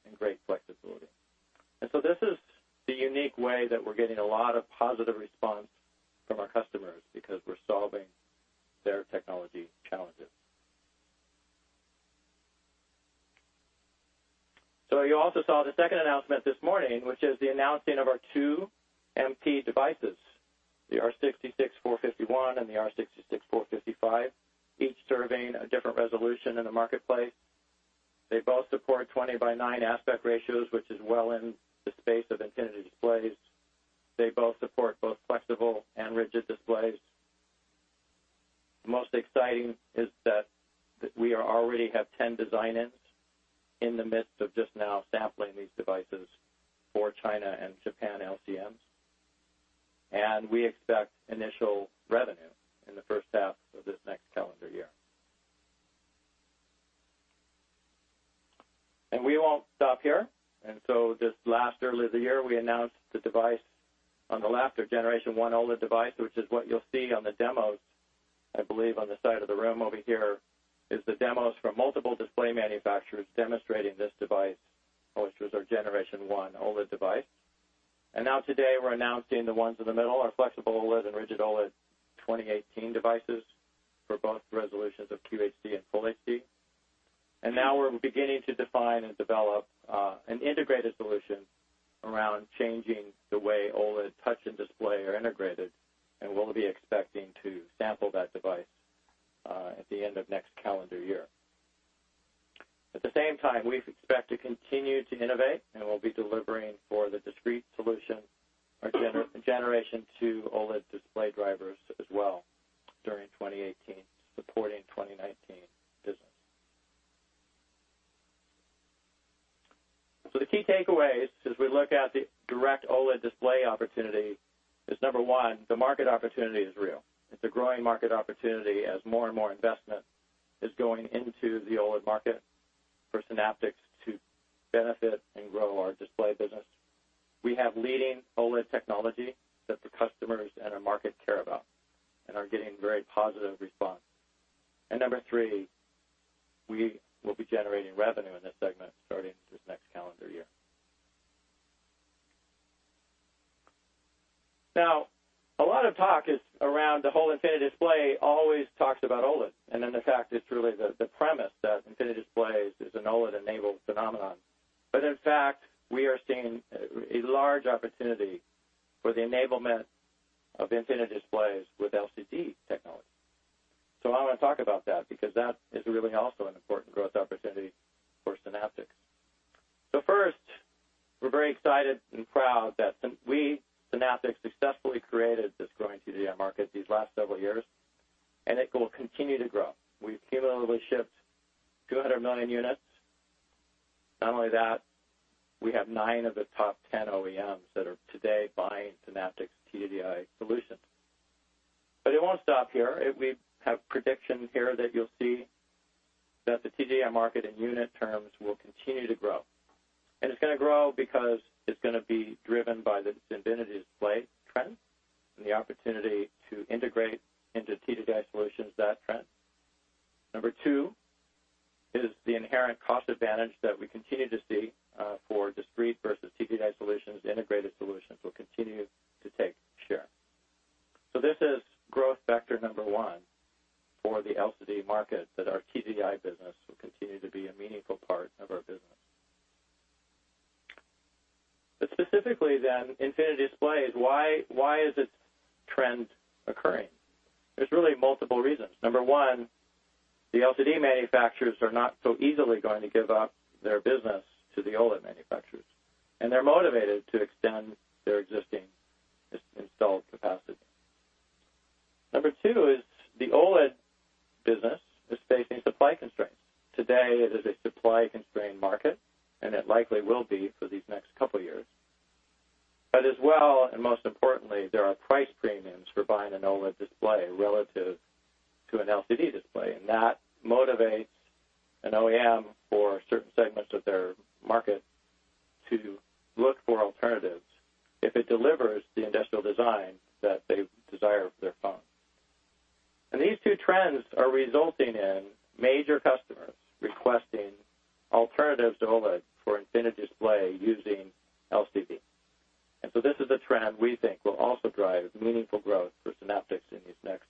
and great flexibility. This is the unique way that we're getting a lot of positive response from our customers because we're solving their technology challenges. You also saw the second announcement this morning, which is the announcing of our two MP devices, the R66451 and the R66455, each serving a different resolution in the marketplace. They both support 20 by 9 aspect ratios, which is well in the space of infinity displays. They both support both flexible and rigid displays. Most exciting is that we already have 10 design-ins in the midst of just now sampling these devices for China and Japan LCMs. We expect initial revenue in the first half of this next calendar year. We won't stop here. Just last early of the year, we announced the device on the left, our Generation One OLED device, which is what you'll see on the demos, I believe on the side of the room over here is the demos from multiple display manufacturers demonstrating this device, which was our Generation One OLED device. Now today, we're announcing the ones in the middle, our flexible OLED and rigid OLED 2018 devices for both resolutions of QHD and Full HD. Now we're beginning to define and develop an integrated solution around changing the way OLED touch and display are integrated, and we'll be expecting to sample that device at the end of next calendar year. At the same time, we expect to continue to innovate, we'll be delivering for the discrete solution, our Generation Two OLED display drivers as well during 2018, supporting 2019 business. The key takeaways as we look at the direct OLED display opportunity is, number one, the market opportunity is real. It's a growing market opportunity as more and more investment is going into the OLED market for Synaptics to benefit and grow our display business. We have leading OLED technology that the customers and our market care about and are getting very positive response. Number three, we will be generating revenue in this segment starting this next calendar year. A lot of talk is around the whole infinity display always talks about OLED. The fact it's really the premise that infinity displays is an OLED-enabled phenomenon. In fact, we are seeing a large opportunity for the enablement of infinity displays with LCD technology. I want to talk about that because that is really also an important growth opportunity for Synaptics. First, we're very excited and proud that we, Synaptics, successfully created this growing TDDI market these last several years, and it will continue to grow. We've cumulatively shipped 209 million units. Not only that, we have nine of the top 10 OEMs that are today buying Synaptics TDDI solutions. It won't stop here. We have predictions here that you'll see that the TDDI market in unit terms will continue to grow. It's going to grow because it's going to be driven by this infinity display trend, and the opportunity to integrate into TDDI solutions that trend. Number two is the inherent cost advantage that we continue to see for discrete versus TDDI solutions. Integrated solutions will continue to take share. This is growth factor number one for the LCD market, that our TDDI business will continue to be a meaningful part of our business. Specifically then, infinity displays. Why is this trend occurring? There's really multiple reasons. Number one, the LCD manufacturers are not so easily going to give up their business to the OLED manufacturers, and they're motivated to extend their existing installed capacity. Number two is the OLED business is facing supply constraints. Today, it is a supply-constrained market, and it likely will be for these next couple of years. As well, and most importantly, there are price premiums for buying an OLED display relative to an LCD display. That motivates an OEM for certain segments of their market to look for alternatives, if it delivers the industrial design that they desire for their phone. These two trends are resulting in major customers requesting alternatives to OLED for infinity display using LCD. This is a trend we think will also drive meaningful growth for Synaptics in these next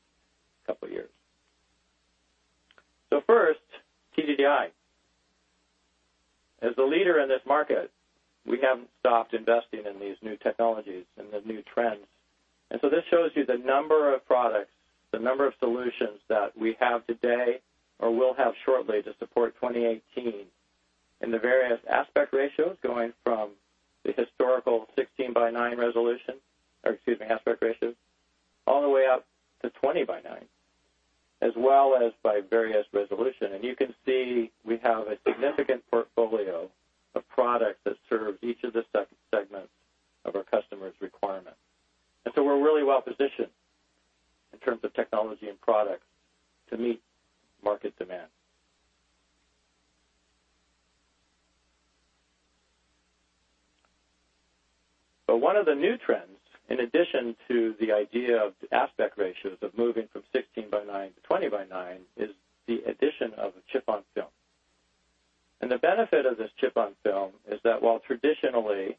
couple of years. First, TDDI. As the leader in this market, we haven't stopped investing in these new technologies and the new trends. This shows you the number of products, the number of solutions that we have today, or will have shortly to support 2018. In the various aspect ratios, going from the historical 16 by 9 resolution, or excuse me, aspect ratio, all the way up to 20 by 9, as well as by various resolution. You can see we have a significant portfolio of products that serves each of the segments of our customers' requirements. We're really well positioned in terms of technology and products to meet market demand. One of the new trends, in addition to the idea of aspect ratios, of moving from 16 by 9 to 20 by 9, is the addition of a chip-on-film. The benefit of this chip-on-film is that while traditionally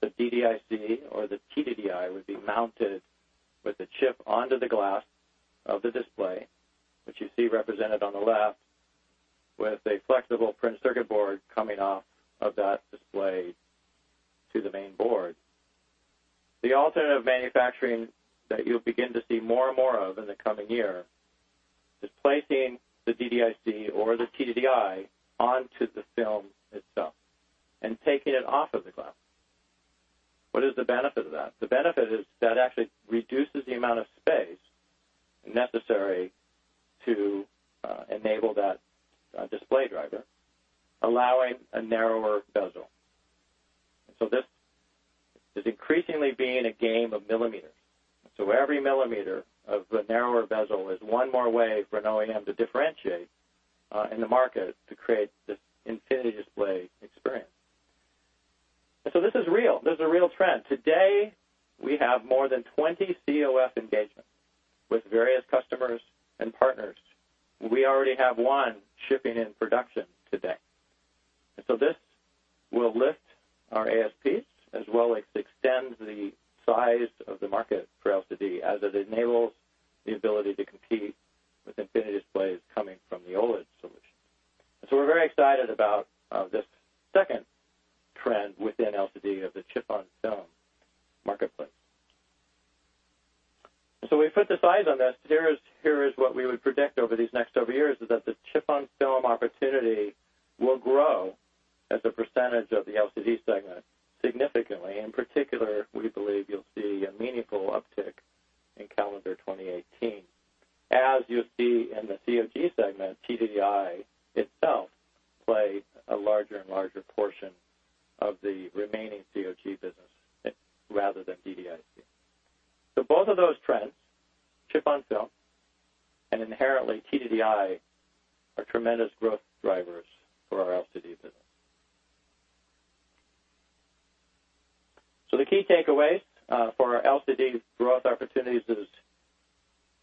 the DDIC or the TDDI would be mounted with the chip onto the glass of the display, which you see represented on the left, with a flexible printed circuit board coming off of that display to the main board. The alternative manufacturing that you'll begin to see more and more of in the coming year is placing the DDIC or the TDDI onto the film itself and taking it off of the glass. What is the benefit of that? The benefit is that actually reduces the amount of space necessary to enable that display driver, allowing a narrower bezel. This is increasingly being a game of millimeters. Every millimeter of the narrower bezel is one more way for an OEM to differentiate in the market to create this infinity display experience. This is real. This is a real trend. Today, we have more than 20 CoF engagements with various customers and partners. We already have one shipping in production today. This will lift our ASPs as well as extend the size of the market for LCD as it enables the ability to compete with infinity displays coming from the OLED solution. We're very excited about this second trend within LCD of the chip-on-film marketplace. We put the size on this. Here is what we would predict over these next several years, is that the chip-on-film opportunity will grow as a percentage of the LCD segment significantly. In particular, we believe you'll see a meaningful uptick in calendar 2018, as you'll see in the COG segment, TDDI itself play a larger and larger portion of the remaining COG business rather than DDIC. Both of those trends, chip-on-film and inherently TDDI, are tremendous growth drivers for our LCD business. The key takeaways for our LCD growth opportunities is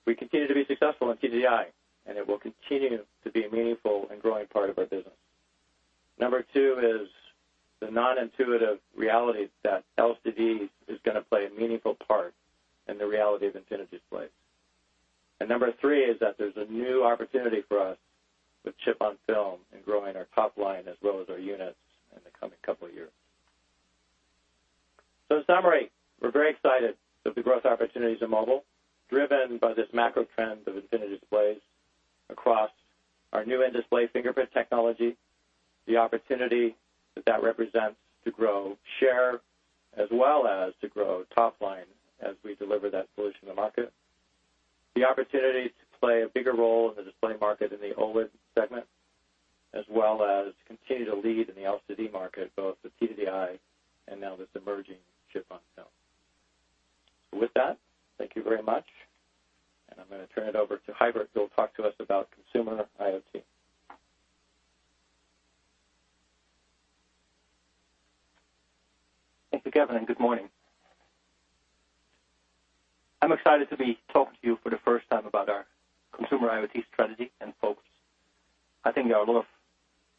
we continue to be successful in TDDI, and it will continue to be a meaningful and growing part of our business. Number two is the non-intuitive reality that LCD is going to play a meaningful part in the reality of infinity displays. Number three is that there's a new opportunity for us with chip-on-film and growing our top line as well as our units in the coming couple of years. In summary, we're very excited that the growth opportunities in mobile, driven by this macro trend of infinity displays across our new in-display fingerprint technology, the opportunity that that represents to grow share, as well as to grow top line as we deliver that solution to market. The opportunity to play a bigger role in the display market in the OLED segment, as well as to continue to lead in the LCD market, both with TDDI and now this emerging chip-on-film. With that, thank you very much. I'm going to turn it over to Huibert, who'll talk to us about consumer IoT. Thank you, Kevin, and good morning. I'm excited to be talking to you for the first time about our consumer IoT strategy and focus. I think there are a lot of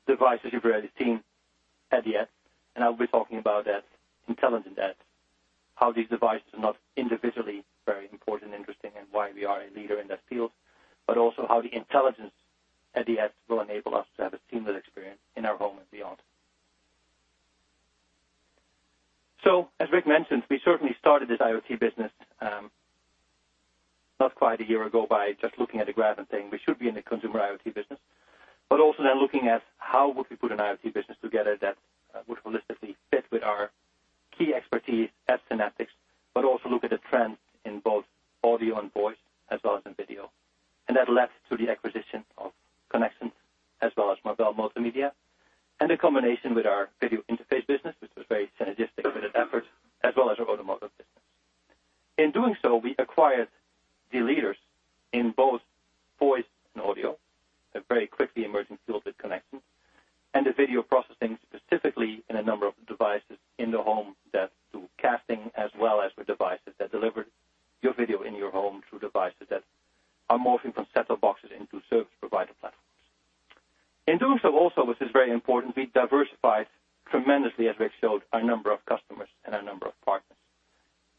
devices you've already seen at the edge, and I'll be talking about that intelligence at the edge, how these devices are not individually very important, interesting, and why we are a leader in that field, but also how the intelligence at the edge will enable us to have a seamless experience in our home and beyond. As Rick mentioned, we certainly started this IoT business not quite a year ago by just looking at a graph and saying we should be in the consumer IoT business, but also then looking at how would we put an IoT business together that would holistically fit with our key expertise at Synaptics, but also look at the trends in both audio and voice as well as in video. That led to the acquisition of Conexant as well as Marvell Multimedia, and a combination with our video interface business, which was very synergistic with its efforts, as well as our automotive business. In doing so, we acquired the leaders in both voice and audio, a very quickly emerging field with Conexant, and the video processing specifically in a number of devices in the home that do casting, as well as with devices that deliver your video in your home through devices that are morphing from set-top boxes into service provider platforms. In doing so also, which is very important, we diversified tremendously, as Rick showed, our number of customers and our number of partners.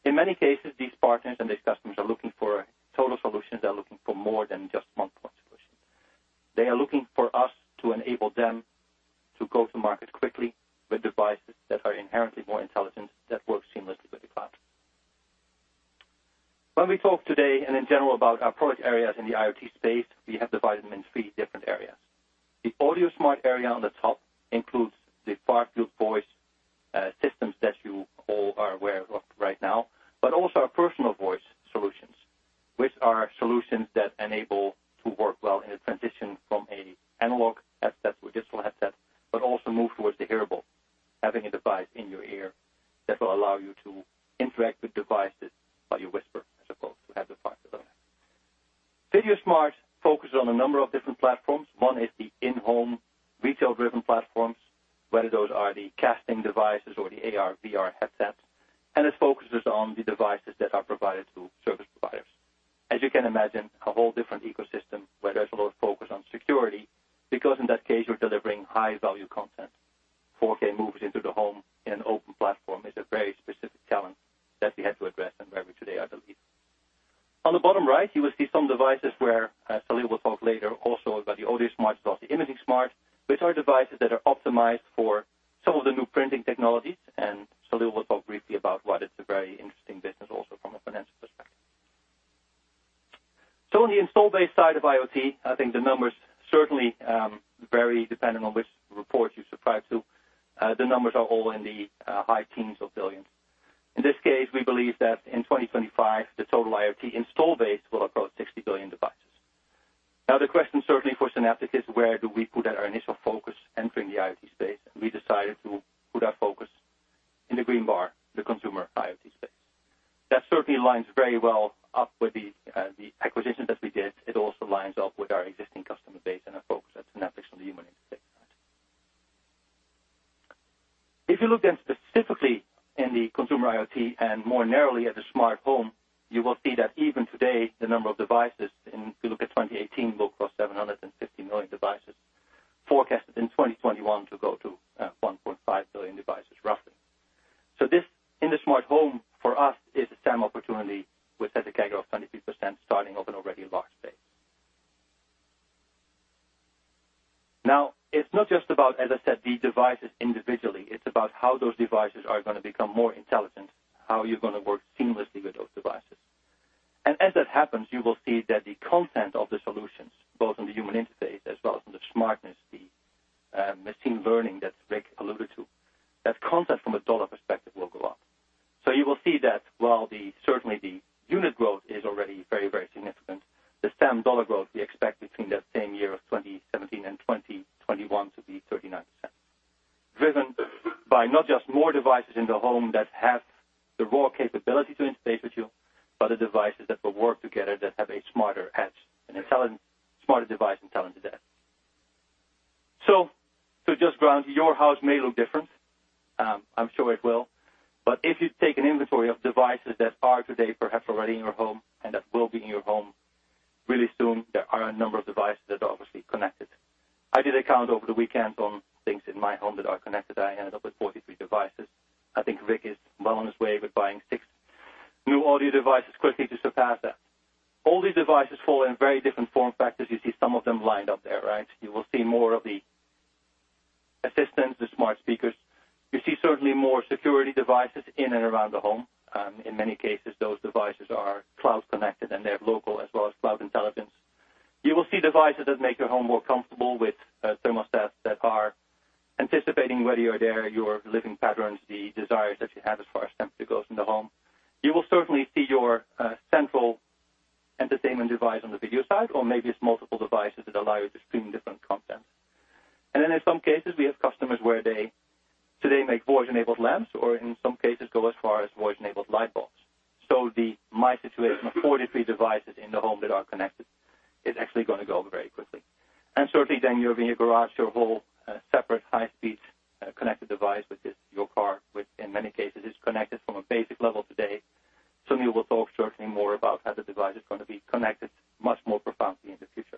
In many cases, these partners and these customers are looking for total solutions. They are looking for more than just one-point solution. They are looking for us to enable them to go to market quickly with devices that are inherently more intelligent, that work seamlessly with the cloud. When we talk today and in general about our product areas in the IoT space, we have divided them in three different areas. The AudioSmart area on the top includes the far-field voice systems that you all are aware of right now, but also our personal voice solutions, which are solutions that enable to work well in a transition from an analog headset to a digital headset, but also move towards the hearable, having a device in your ear that will allow you to interact with devices by your whisper, as opposed to have the far-field one. VideoSmart focuses on a number of different platforms. One is the in-home retail-driven platforms, whether those are the casting devices or the AR/VR headsets. It focuses on the devices that are provided to service providers. As you can imagine, a whole different ecosystem where there's a lot of focus on security, because in that case, you're delivering high-value content. 4K moves into the home in an open platform is a very specific challenge that we had to address and where we today are the lead. On the bottom right, you will see some devices where Saleel will talk later also about the AudioSmart as well as the ImagingSmart, which are devices that are optimized for some of the new printing technologies. Saleel will talk briefly about why that's a very interesting business also from a financial perspective. On the install base side of IoT, I think the numbers certainly vary depending on which report you subscribe to. The numbers are all in the high teens of billions. In this case, we believe that in 2025, the total IoT install base will approach 60 billion devices. The question certainly for Synaptics is where do we put our initial focus entering the IoT space? We decided to put our focus in the green bar, the consumer IoT space. That certainly lines very well up with the acquisition that we did. It also lines up with our existing customer base and our focus at Synaptics on the human interface side. If you look specifically in the consumer IoT and more narrowly at the smart home, you will see that even today, the number of devices, and if you look at 2018, will cross 750 million devices, forecasted in 2021 to go to 1.5 billion devices, roughly. This in the smart home for us is the same opportunity with a CAGR of 23% starting off an already large base. It's not just about, as I said, the devices individually. It's about how those devices are going to become more intelligent, how you're going to work seamlessly with those devices. As that happens, you will see that the content of the solutions, both on the human interface as well as on the smartness, the machine learning that Rick alluded to, that content from a dollar perspective will go up. You will see that while certainly the unit growth is already very, very significant, the SAM dollar growth we expect between that same year of 2017 and 2021 to be 39%, driven by not just more devices in the home that have the raw capability to interface with you, but the devices that will work together that have a smarter edge, an intelligent, smarter device, intelligent edge. To just ground, your house may look different. I'm sure it will. If you take an inventory of devices that are today perhaps already in your home and that will be in your home really soon, there are a number of devices that are obviously connected. I did a count over the weekend on things in my home that are connected. I ended up with 43 devices. I think Rick is well on his way with buying six new audio devices quickly to surpass that. All these devices fall in very different form factors. You see some of them lined up there, right? You will see more of the assistants, the smart speakers. You see certainly more security devices in and around the home. In many cases, those devices are cloud connected, and they have local as well as cloud intelligence. You will see devices that make your home more comfortable with thermostats that are anticipating whether you're there, your living patterns, the desires that you have as far as temperature goes in the home. You will certainly see your central Entertainment device on the video side, or maybe it's multiple devices that allow you to stream different content. In some cases, we have customers where they today make voice-enabled lamps, or in some cases go as far as voice-enabled light bulbs. My situation of 43 devices in the home that are connected is actually going to go very quickly. Certainly then you have in your garage your whole separate high-speed connected device, which is your car, which in many cases is connected from a basic level today. Sunil will talk certainly more about how the device is going to be connected much more profoundly in the future.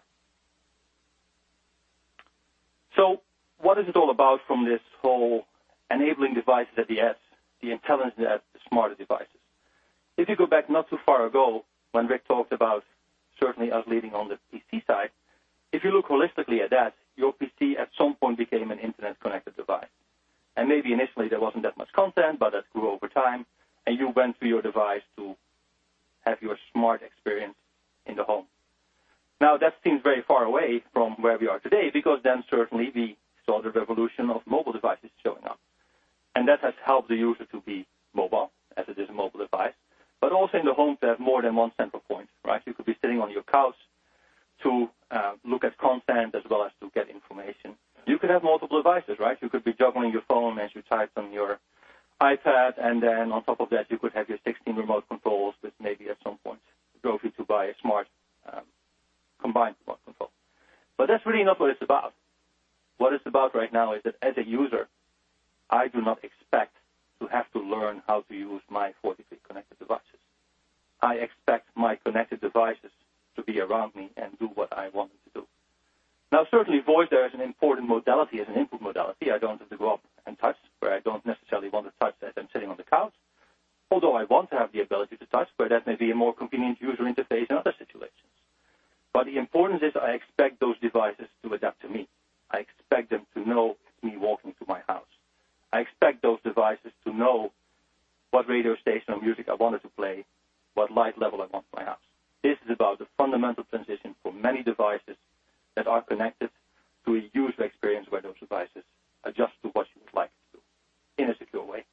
What is it all about from this whole enabling devices at the edge, the intelligent edge, the smarter devices? If you go back not too far ago, when Rick talked about certainly us leading on the PC side, if you look holistically at that, your PC at some point became an internet-connected device. Maybe initially there wasn't that much content, but that grew over time, and you went through your device to have your smart experience in the home. That seems very far away from where we are today because then certainly we saw the revolution of mobile devices showing up. That has helped the user to be mobile, as it is a mobile device, but also in the home to have more than one central point, right? You could be sitting on your couch to look at content as well as to get information. You could have multiple devices, right? You could be juggling your phone as you type on your iPad, and then on top of that, you could have your 16 remote controls, which maybe at some point drove you to buy a smart, combined remote control. That's really not what it's about. What it's about right now is that as a user, I do not expect to have to learn how to use my 43 connected devices. I expect my connected devices to be around me and do what I want them to do. Certainly voice there is an important modality, as an input modality. I don't have to go up and touch where I don't necessarily want to touch as I'm sitting on the couch, although I want to have the ability to touch where that may be a more convenient user interface in other situations. The importance is I expect those devices to adapt to me. I expect them to know me walking through my house. I expect those devices to know what radio station or music I want it to play, what light level I want for my house. This is about the fundamental transition for many devices that are connected to a user experience where those devices adjust to what you would like to do in a secure way.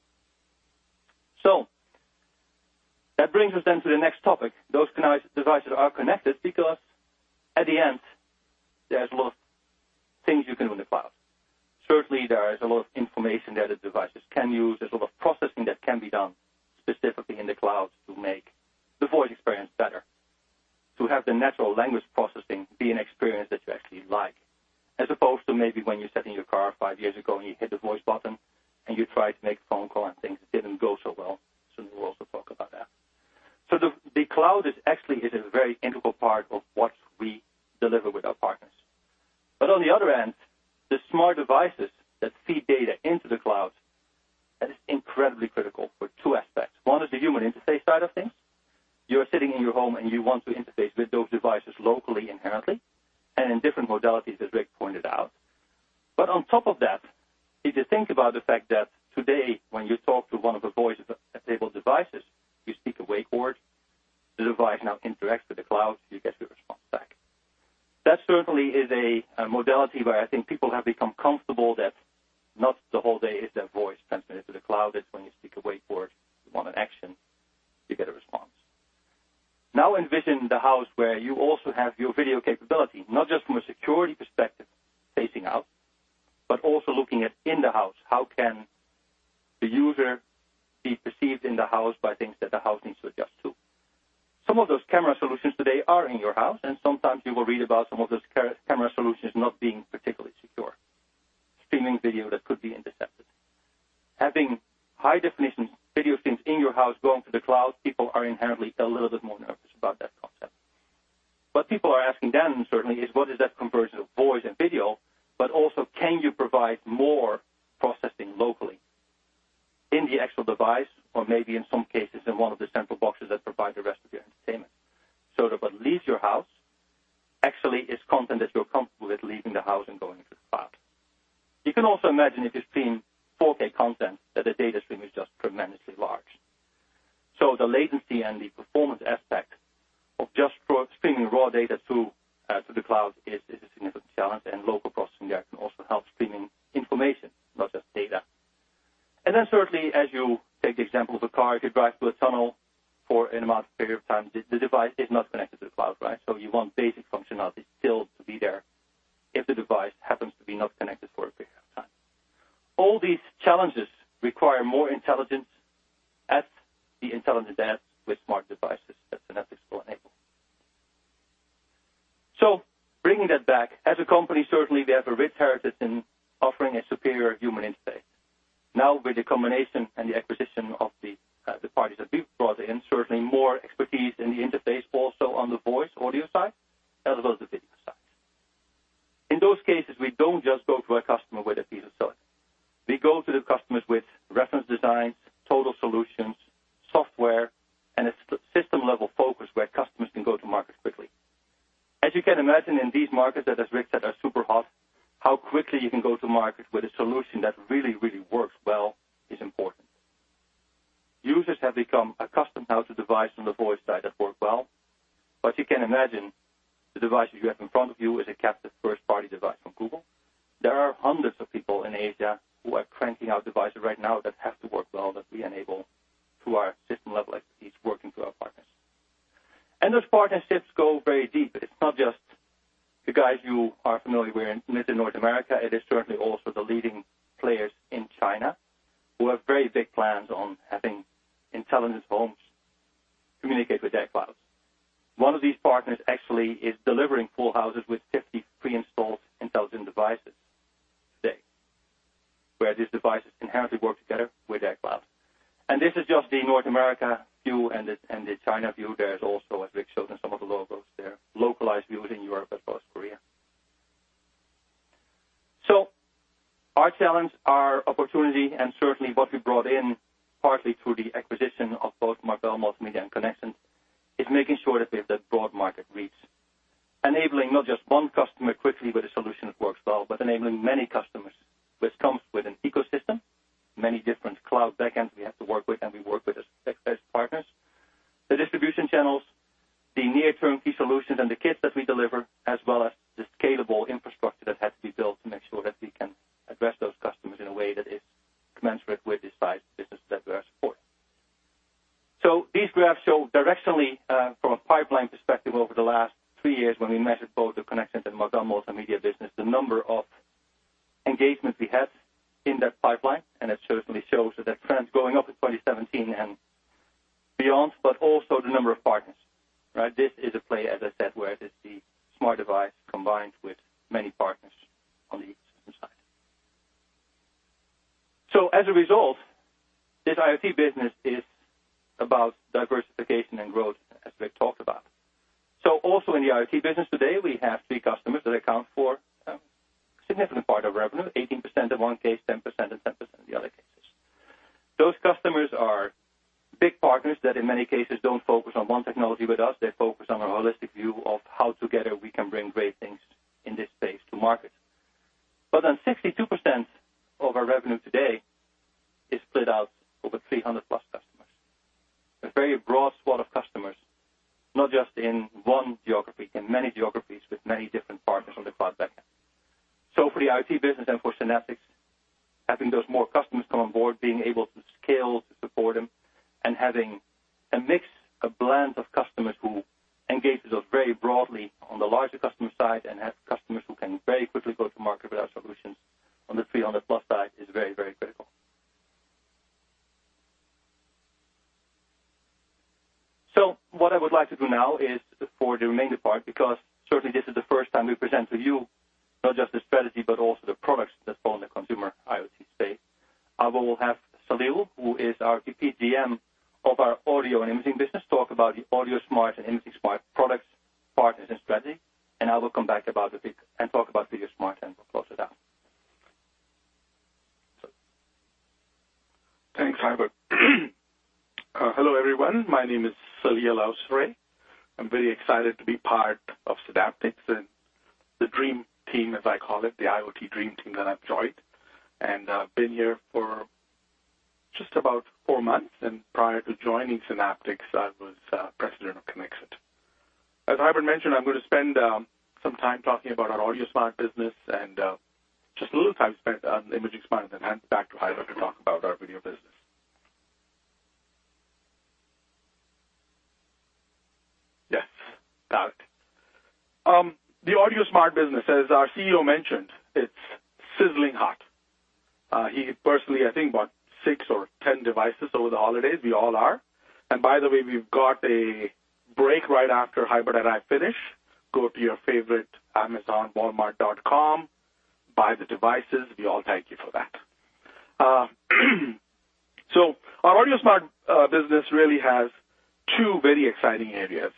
That brings us then to the next topic. Those devices are connected because at the end, there's a lot of things you can do in the cloud. Certainly, there is a lot of information there that devices can use. There's a lot of processing that can be done specifically in the cloud to make the voice experience better, to have the natural language processing be an experience that you actually like, as opposed to maybe when you sat in your car five years ago and you hit the voice button and you tried to make a phone call and things didn't go so well. Sunil will also talk about that. The cloud actually is a very integral part not just in one geography, in many geographies with many different partners on the cloud back end. For the IoT business and for Synaptics, having those more customers come on board, being able to scale to support them, and having a mix, a blend of customers who engage with us very broadly on the larger customer side and have customers who can very quickly go to market with our solutions on the 300 plus side is very, very critical. What I would like to do now is for the remaining part, because certainly this is the first time we present to you not just the strategy, but also the products that fall in the consumer IoT space. I will have Saleel, who is our VP GM of our AudioSmart and ImagingSmart business, talk about the AudioSmart and ImagingSmart products, partners, and strategy. I will come back and talk about VideoSmart, and we'll close it out. Thanks, Huibert. Hello, everyone. My name is Saleel Awsare. I'm very excited to be part of Synaptics and the dream team, as I call it, the IoT dream team that I've joined. I've been here for just about four months, and prior to joining Synaptics, I was president of Conexant. As Huibert mentioned, I'm going to spend some time talking about our AudioSmart business and just a little time spent on ImagingSmart, then hand it back to Huibert to talk about our video business. Yes, got it. The AudioSmart business, as our CEO mentioned, it's sizzling hot. He personally, I think, bought six or 10 devices over the holidays. We all are. By the way, we've got a break right after Huibert and I finish. Go to your favorite Amazon, walmart.com, buy the devices. We all thank you for that. Our AudioSmart business really has two very exciting areas.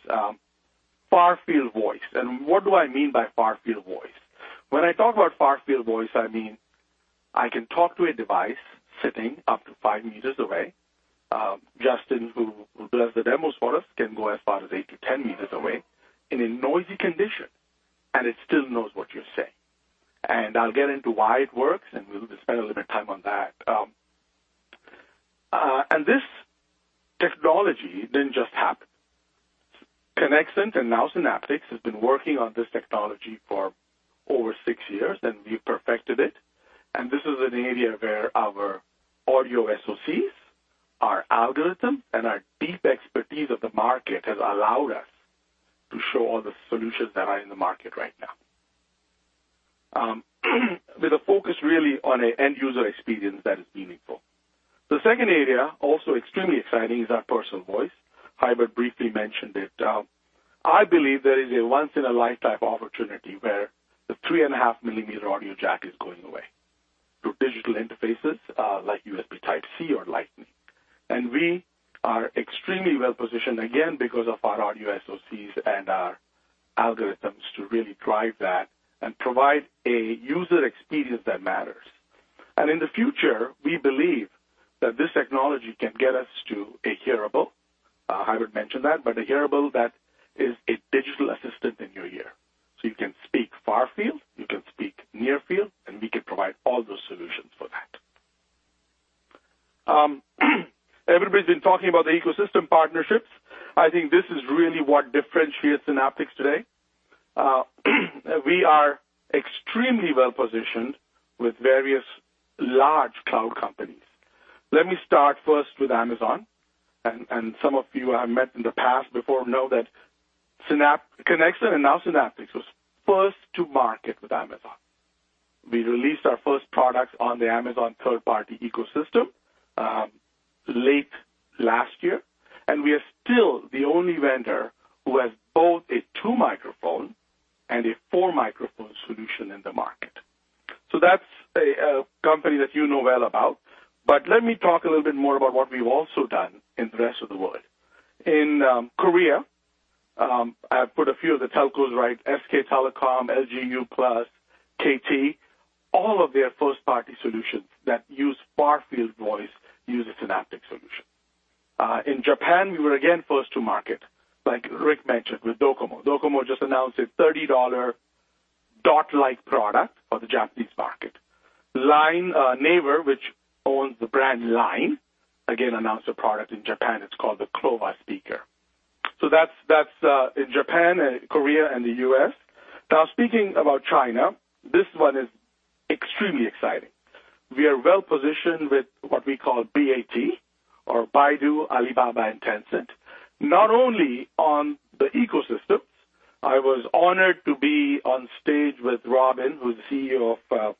Far-field voice. What do I mean by far-field voice? When I talk about far-field voice, I mean I can talk to a device sitting up to five meters away. Justin, who does the demos for us, can go as far as eight to 10 meters away in a noisy condition, and it still knows what you're saying. I'll get into why it works, and we'll spend a little bit of time on that. This technology didn't just happen. Conexant, and now Synaptics, has been working on this technology for over six years, and we've perfected it. This is an area where our audio SoCs, our algorithms, and our deep expertise of the market has allowed us to show all the solutions that are in the market right now, with a focus really on an end-user experience that is meaningful. The second area, also extremely exciting, is our personal voice. Huibert briefly mentioned it. I believe there is a once in a lifetime opportunity where the three-and-a-half-millimeter audio jack is going away to digital interfaces like USB Type-C or Lightning. We are extremely well positioned, again, because of our audio SoCs and our algorithms to really drive that and provide a user experience that matters. In the future, we believe that this technology can get us to a hearable. Huibert mentioned that, but a hearable that is a digital assistant in your ear. You can speak far-field, you can speak near-field, and we can provide all the solutions for that. Everybody's been talking about the ecosystem partnerships. I think this is really what differentiates Synaptics today. We are extremely well-positioned with various large cloud companies. Let me start first with Amazon, and some of you I met in the past before know that Conexant, and now Synaptics, was first to market with Amazon. We released our first products on the Amazon third-party ecosystem late last year, and we are still the only vendor who has both a two-microphone and a four-microphone solution in the market. That's a company that you know well about. Let me talk a little bit more about what we've also done in the rest of the world. In Korea, I've put a few of the telcos, SK Telecom, LG U+, KT, all of their first-party solutions that use far-field voice use a Synaptics solution. In Japan, we were again first to market, like Rick mentioned, with Docomo. Docomo just announced a $30 dot-like product for the Japanese market. Naver, which owns the brand Line, again, announced a product in Japan. It's called the Clova Speaker. That's in Japan and Korea and the U.S. Speaking about China, this one is extremely exciting. We are well-positioned with what we call BAT or Baidu, Alibaba, and Tencent, not only on the ecosystems. I was honored to be on stage with Robin, who's the CEO of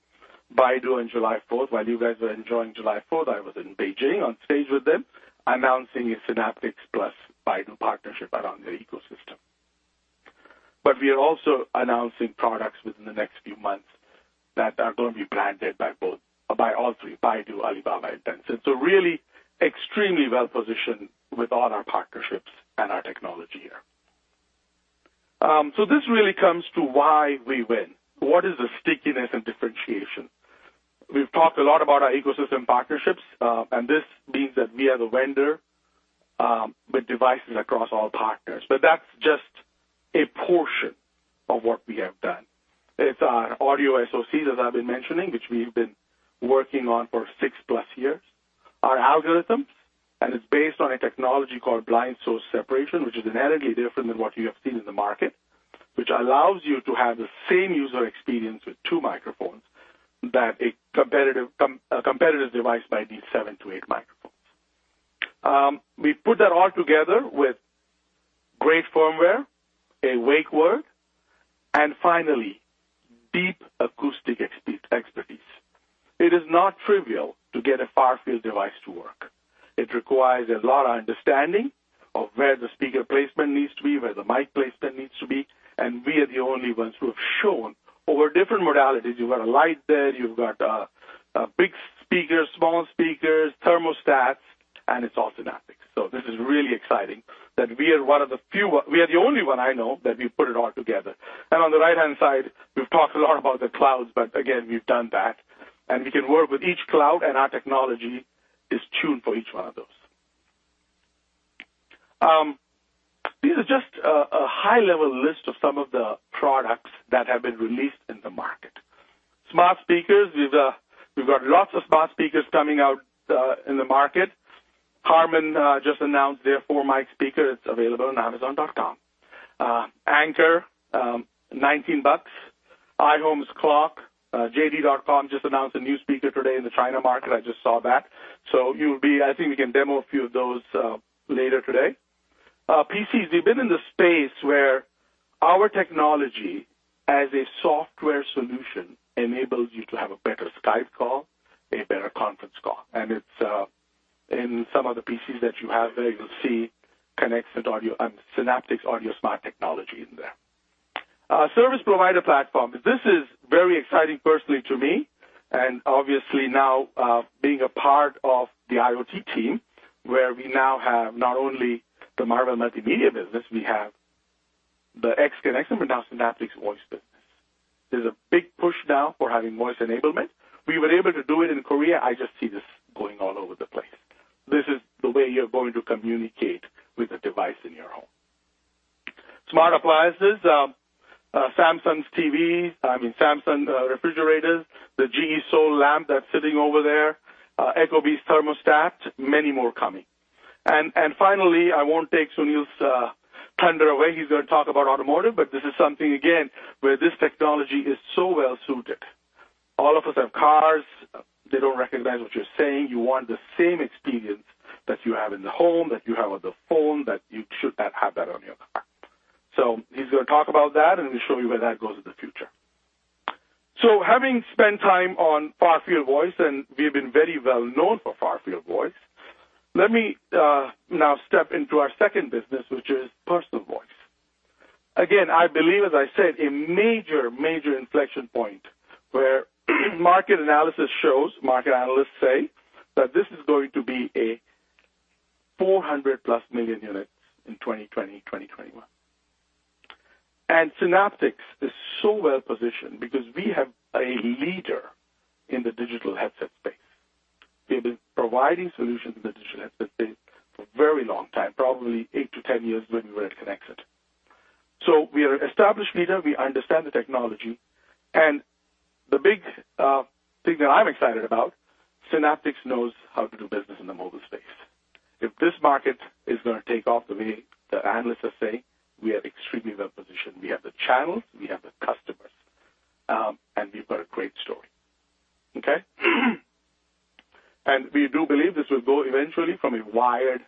Baidu on July 4th. While you guys were enjoying July 4th, I was in Beijing on stage with them, announcing a Synaptics plus Baidu partnership around their ecosystem. We are also announcing products within the next few months that are going to be branded by all three, Baidu, Alibaba, and Tencent. Really extremely well-positioned with all our partnerships and our technology here. This really comes to why we win. What is the stickiness and differentiation? We've talked a lot about our ecosystem partnerships, and this means that we are the vendor with devices across all partners. That's just a portion of what we have done. It's our audio SoC, as I've been mentioning, which we've been working on for six-plus years, our algorithms, and it's based on a technology called blind source separation, which is inherently different than what you have seen in the market, which allows you to have the same user experience with two microphones that a competitive device might need seven to eight microphones. We put that all together with great firmware, a wake word, and finally, deep acoustic expertise. It is not trivial to get a far-field device to work. It requires a lot of understanding of where the speaker placement needs to be, where the mic placement needs to be, and we are the only ones who have shown over different modalities. You've got a light there, you've got big speakers, small speakers, thermostats, and it's all Synaptics. This is really exciting that we are one of the few ones. We are the only one I know that we put it all together. On the right-hand side, we've talked a lot about the clouds, again, we've done that, and we can work with each cloud, and our technology is tuned for each one of those. These are just a high-level list of some of the products that have been released in the market. Smart speakers, we've got lots of smart speakers coming out in the market. Harman just announced their 4-mic speaker. It's available on amazon.com. Anker, $19. iHome's clock. JD.com just announced a new speaker today in the China market. I just saw that. I think we can demo a few of those later today. PCs, we've been in the space where our technology as a software solution enables you to have a better Skype call, a better conference call, and it's in some of the PCs that you have there, you'll see Synaptics AudioSmart technology in there. Service provider platform. This is very exciting personally to me, obviously now being a part of the IoT team, where we now have not only the Marvell Multimedia business, we have the ex Conexant, but now Synaptics voice business. There's a big push now for having voice enablement. We were able to do it in Korea. I just see this going all over the place. This is the way you're going to communicate with a device in your home. Smart appliances, Samsung's TV, I mean, Samsung refrigerators, the GE Sol lamp that's sitting over there, Ecobee's thermostat, many more coming. Finally, I won't take Sunil's thunder away. He's going to talk about automotive, this is something, again, where this technology is so well-suited. All of us have cars. They don't recognize what you're saying. You want the same experience that you have in the home, that you have on the phone, that you should have that on your car. He's going to talk about that, we'll show you where that goes in the future. Having spent time on far-field voice, we've been very well-known for far-field voice, let me now step into our second business, which is personal voice. Again, I believe, as I said, a major inflection point where market analysis shows, market analysts say that this is going to be a 400-plus million units in 2020, 2021. Synaptics is so well-positioned because we have a leader in the digital headset space. We have been providing solutions in the digital Very long time, probably 8 to 10 years when we were at Conexant. We are established leader, we understand the technology, the big thing that I'm excited about, Synaptics knows how to do business in the mobile space. If this market is going to take off the way the analysts are saying, we are extremely well positioned. We have the channels, we have the customers, and we've got a great story. Okay? We do believe this will go eventually from a wired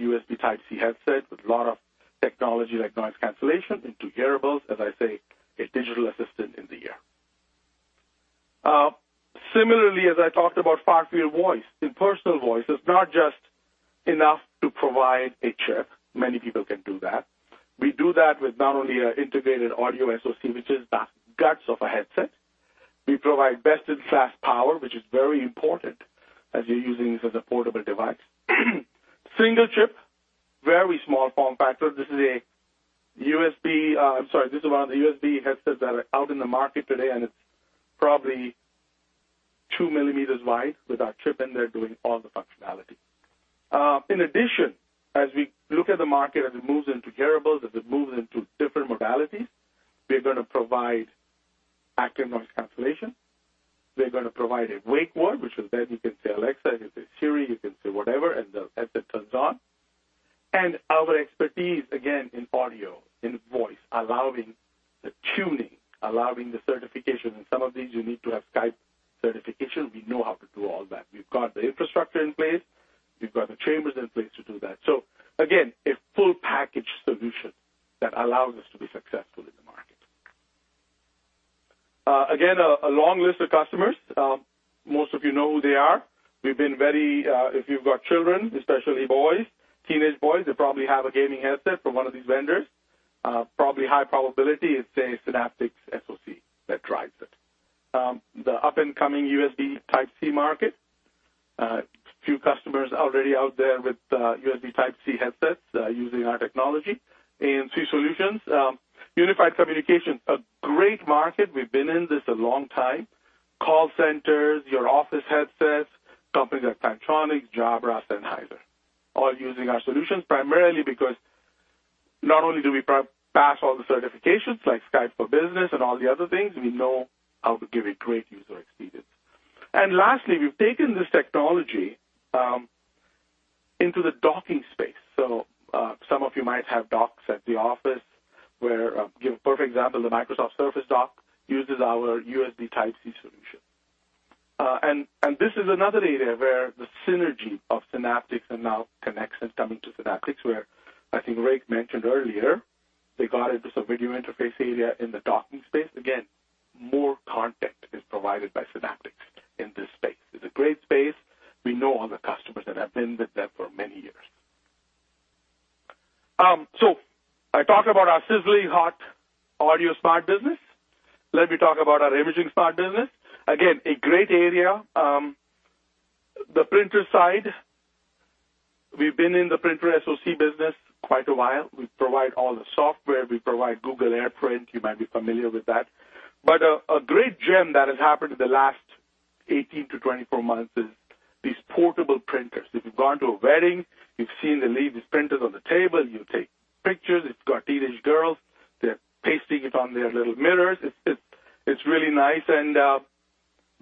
USB Type-C headset with a lot of technology like noise cancellation into hearables, as I say, a digital assistant in the ear. Similarly, as I talked about far-field voice, in personal voice, it's not just enough to provide a chip. Many people can do that. We do that with not only our integrated audio SoC, which is the guts of a headset. We provide best-in-class power, which is very important as you're using this as a portable device. Single chip, very small form factor. This is a USB, I'm sorry, this is one of the USB headsets that are out in the market today, and it's probably two millimeters wide with our chip in there doing all the functionality. In addition, as we look at the market, as it moves into hearables, as it moves into different modalities, we are going to provide active noise cancellation. We're going to provide a wake word, which is then you can say Alexa, you can say Siri, you can say whatever, and the headset turns on. Our expertise, again, in audio, in voice, allowing the tuning, allowing the certification. In some of these, you need to have Skype certification. We know how to do all that. We've got the infrastructure in place. We've got the chambers in place to do that. Again, a full package solution that allows us to be successful in the market. Again, a long list of customers. Most of you know who they are. If you've got children, especially boys, teenage boys, they probably have a gaming headset from one of these vendors. Probably high probability it's a Synaptics SoC that drives it. The up-and-coming USB Type-C market. A few customers already out there with USB Type-C headsets using our technology. ANC solutions. Unified communication, a great market. We've been in this a long time. Call centers, your office headsets, companies like Plantronics, Jabra, Sennheiser, all using our solutions primarily because not only do we pass all the certifications like Skype for Business and all the other things, we know how to give a great user experience. Lastly, we've taken this technology into the docking space. Some of you might have docks at the office where, give a perfect example, the Microsoft Surface dock uses our USB Type-C solution. This is another area where the synergy of Synaptics and now Conexant coming to Synaptics, where I think Rick mentioned earlier, they got into some video interface area in the docking space. Again, more content is provided by Synaptics in this space. It's a great space. We know all the customers and have been with them for many years. I talked about our sizzling hot AudioSmart business. Let me talk about our ImagingSmart business. Again, a great area. The printer side, we've been in the printer SoC business quite a while. We provide all the software. We provide Google Cloud Print. You might be familiar with that. A great gem that has happened in the last 18-24 months is these portable printers. If you've gone to a wedding, you've seen the latest printers on the table. You take pictures. It's got teenage girls. They're pasting it on their little mirrors. It's really nice.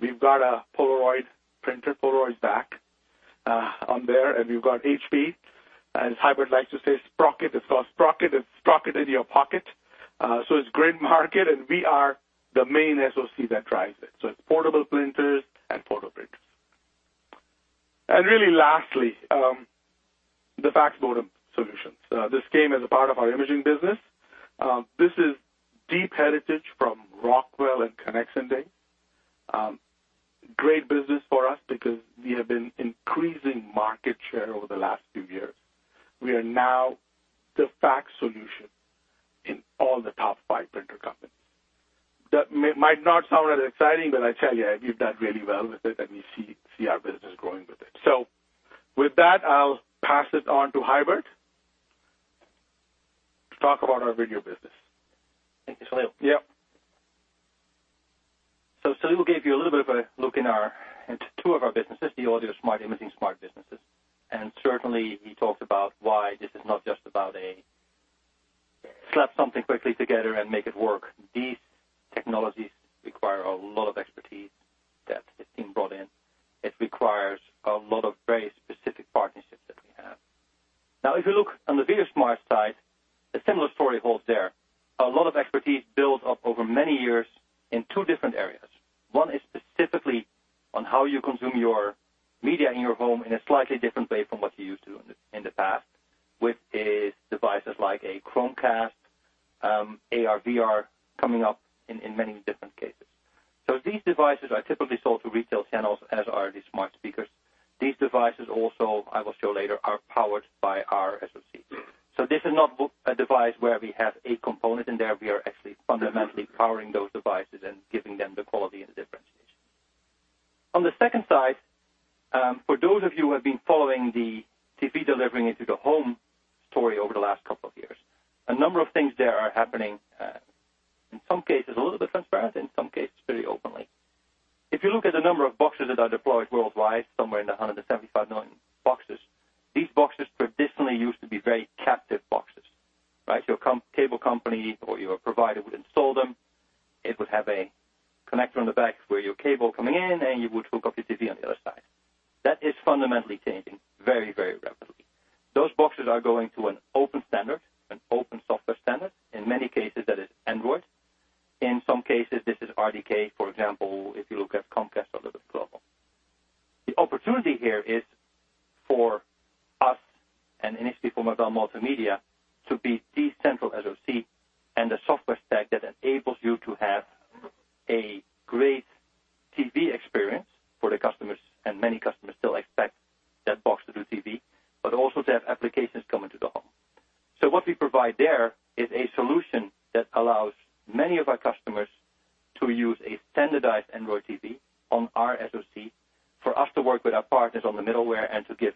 We've got a Polaroid printer, Polaroid's back on there, and we've got HP. As Huibert likes to say, Sprocket, the first Sprocket. It's Sprocket in your pocket. It's great market and we are the main SoC that drives it. It's portable printers and photo printers. Really lastly, the fax modem solutions. This came as a part of our imaging business. This is deep heritage from Rockwell and Conexant days. Great business for us because we have been increasing market share over the last few years. We are now the fax solution in all the top five printer companies. That might not sound really exciting, but I tell you, we've done really well with it and we see our business growing with it. With that, I'll pass it on to Huibert to talk about our video business. Thank you, Saleel. Yep. Saleel gave you a little bit of a look into two of our businesses, the AudioSmart, ImagingSmart businesses. Certainly, he talked about why this is not just about a slap something quickly together and make it work. These technologies require a lot of expertise that his team brought in. It requires a lot of very specific partnerships that we have. Now, if you look on the VideoSmart side, a similar story holds there. A lot of expertise built up over many years in two different areas. One is specifically on how you consume your media in your home in a slightly different way from what you're used to in the past, with these devices like a Chromecast, AR/VR coming up in many different cases. These devices are typically sold through retail channels, as are the smart speakers. These devices also, I will show later, are powered by our SoC. This is not a device where we have a component in there. We are actually fundamentally powering those devices and giving them the quality and the differentiation. On the second side, for those of you who have been following the TV delivering into the home story over the last couple of years, a number of things there are happening Some cases a little bit transparent, in some cases very openly. If you look at the number of boxes that are deployed worldwide, somewhere in the 175 million boxes, these boxes traditionally used to be very captive boxes. Your cable company or your provider would install them. It would have a connector on the back where your cable coming in, and you would hook up your TV on the other side. That is fundamentally changing very rapidly. Those boxes are going to an open standard, an open software standard. In many cases, that is Android. In some cases, this is RDK, for example, if you look at Comcast a little bit global. The opportunity here is for us and initially for Marvell Multimedia to be the central SoC and the software stack that enables you to have a great TV experience for the customers, and many customers still expect that box to do TV, but also to have applications come into the home. What we provide there is a solution that allows many of our customers to use a standardized Android TV on our SoC for us to work with our partners on the middleware and to give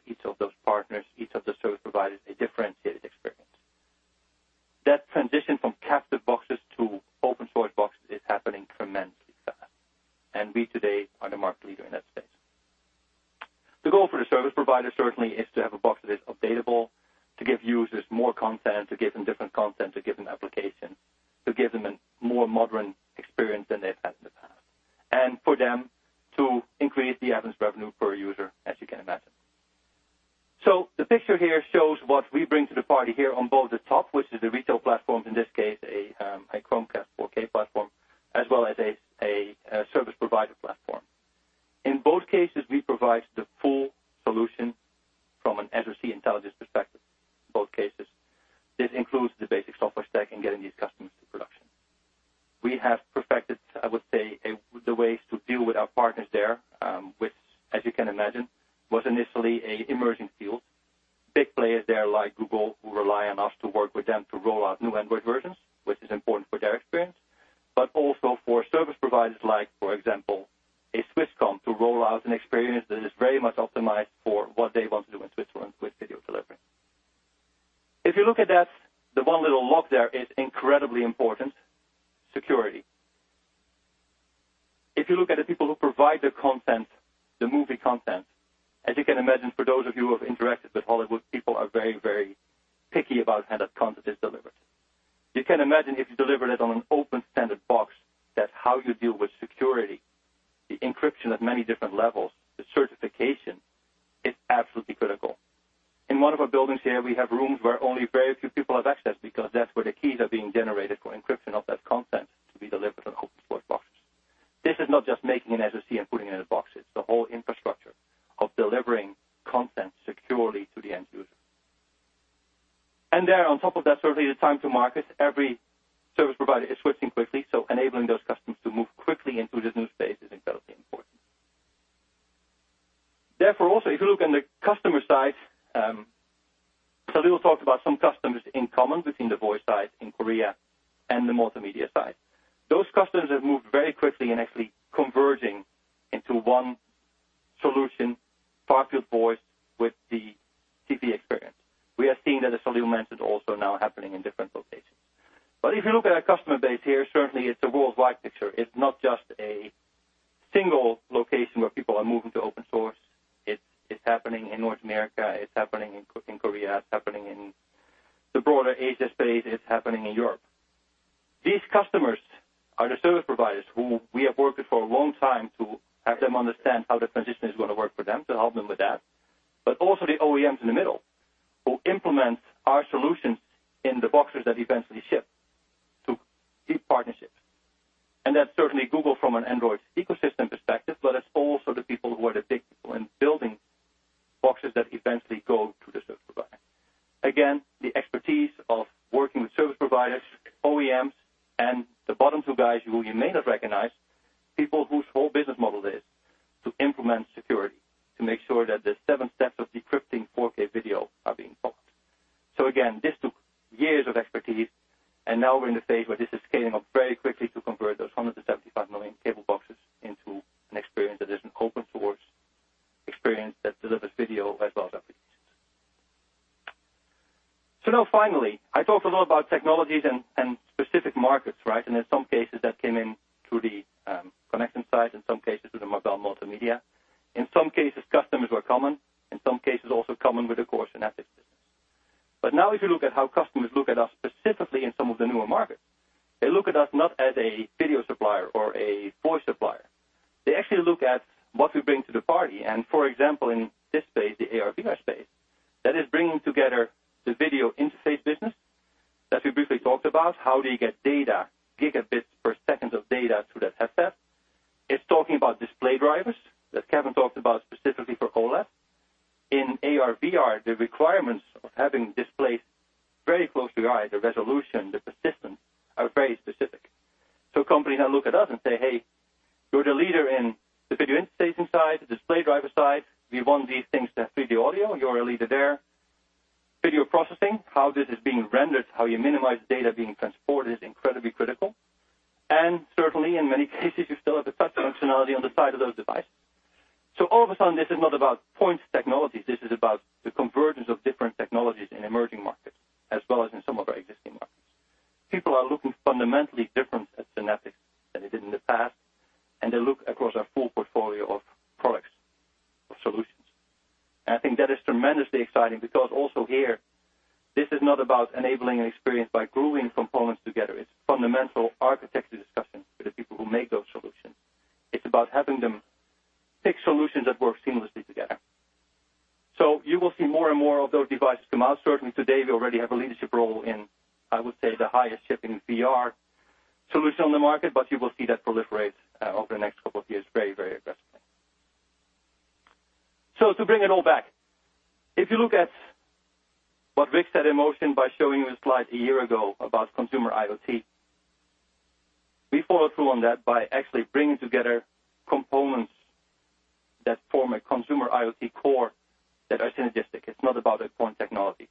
that are synergistic. It's not about a point technology.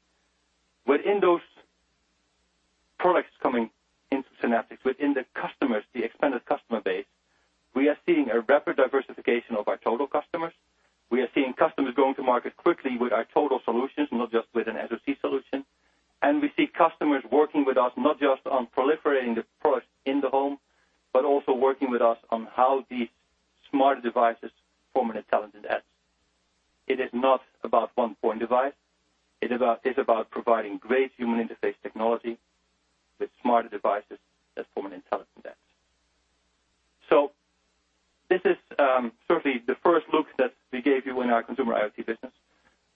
Within those products coming into Synaptics, within the customers, the expanded customer base, we are seeing a rapid diversification of our total customers. We are seeing customers going to market quickly with our total solutions, not just with an SoC solution. We see customers working with us not just on proliferating the products in the home, but also working with us on how these smarter devices form an intelligent edge. It is not about one point device. It's about providing great human interface technology with smarter devices that form an intelligent edge. This is certainly the first look that we gave you in our consumer IoT business.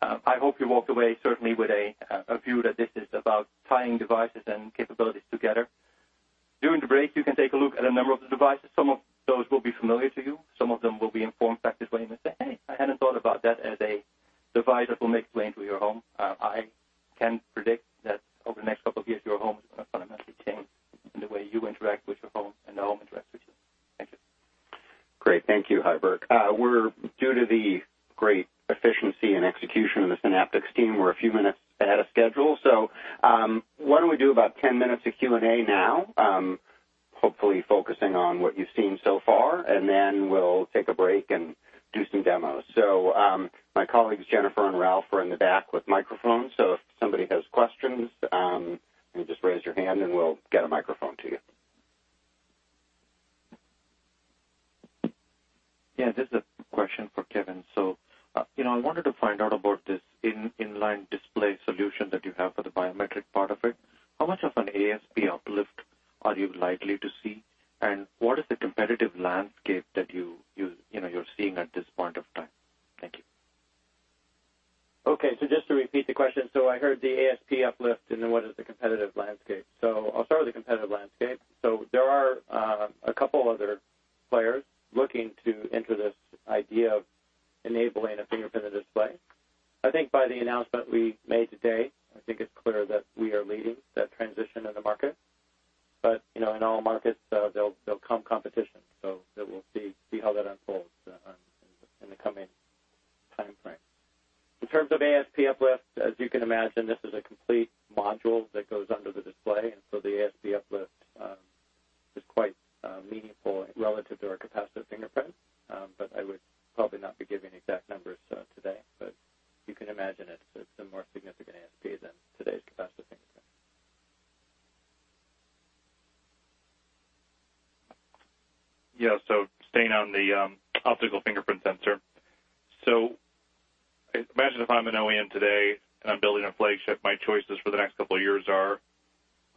I hope you walked away certainly with a view that this is about tying devices and capabilities together. During the break, you can take a look at a number of the devices. Some of those will be familiar to you. Some of them will be in form factors where you may say, "Hey, I hadn't thought about that as a device that will make its way into your home." I can predict that over the next couple of years, your home is going to fundamentally change in the way you interact with your home, and the home interacts with you. Thank you. Great. Thank you, Huibert. Due to the great efficiency and execution of the Synaptics team, we're a few minutes ahead of schedule. Why don't we do about 10 minutes of Q&A now, hopefully focusing on what you've seen so far, and then we'll take a break and do some demos. My colleagues, Jennifer and Ralph, are in the back with microphones, so if somebody has questions, you can just raise your hand, and we'll get a microphone to you. Yeah, this is a question for Kevin. I wanted to find out about this in-line display solution that you have for the biometric part of it. How much of an ASP uplift are you likely to see? What is the competitive landscape that you're seeing at this point of time? Thank you. Okay, just to repeat the question. I heard the ASP uplift, what is the competitive landscape. I'll start with the competitive landscape. There are a couple other players looking to enter this idea of enabling a fingerprint in a display. I think by the announcement we made today, I think it's clear that we are leading that transition in the market. In all markets, there'll come competition. We'll see how that unfolds in the coming timeframe. In terms of ASP uplift, as you can imagine, this is a complete module that goes under the display, the ASP uplift is quite meaningful relative to our capacitive fingerprint. I would probably not be giving exact numbers today, but you can imagine it's a more significant ASP than today's capacitive fingerprint. Yeah, staying on the optical fingerprint sensor. Imagine if I'm an OEM today and I'm building a flagship, my choices for the next couple of years are,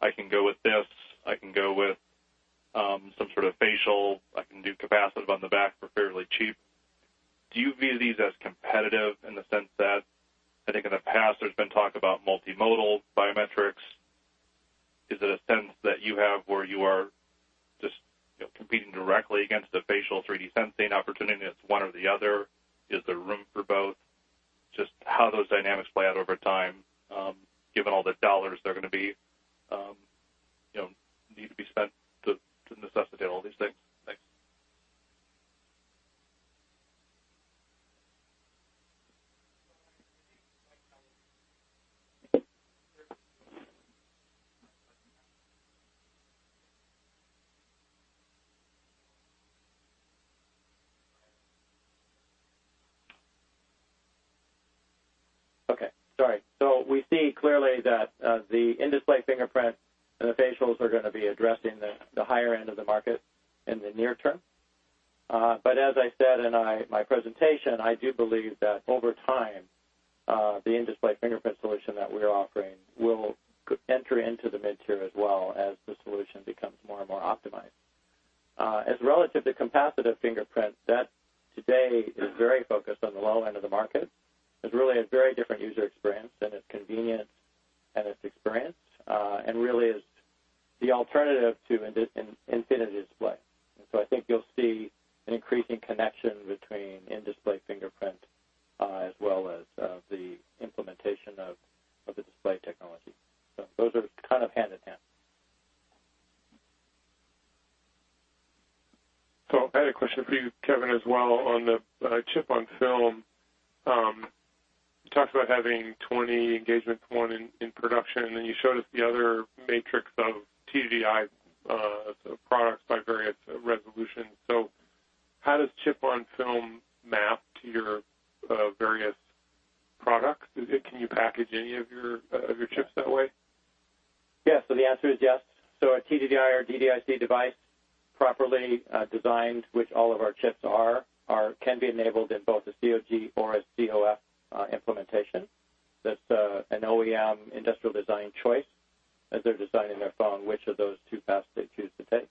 I can go with this, I can go with some sort of facial, I can do capacitive on the back for fairly cheap. Do you view these as competitive in the sense that, I think in the past, there's been talk about multimodal biometrics. Is it a sense that you have where you are just competing directly against the facial 3D sensing opportunity, and it's one or the other? Is there room for both? Just how those dynamics play out over time, given all the dollars that are going to be need to be spent to necessitate all these things. Thanks. Okay. Sorry. We see clearly that the in-display fingerprint and the facials are going to be addressing the higher end of the market in the near term. As I said in my presentation, I do believe that over time, the in-display fingerprint solution that we're offering will enter into the mid-tier as well as the solution becomes more and more optimized. As relative to capacitive fingerprint, that today is very focused on the low end of the market. It's really a very different user experience in its convenience and its experience, and really is the alternative to in-display. I think you'll see an increasing connection between in-display fingerprint as well as the implementation of the display technology. Those are kind of hand in hand. I had a question for you, Kevin, as well on the chip-on-film. You talked about having 20 engagements, one in production, and then you showed us the other matrix of TDDI products by various resolutions. How does chip-on-film map to your various products? Can you package any of your chips that way? Yes, the answer is yes. A TDDI or DDIC device properly designed, which all of our chips are, can be enabled in both a COG or a COF implementation. That's an OEM industrial design choice as they're designing their phone, which of those two paths they choose to take.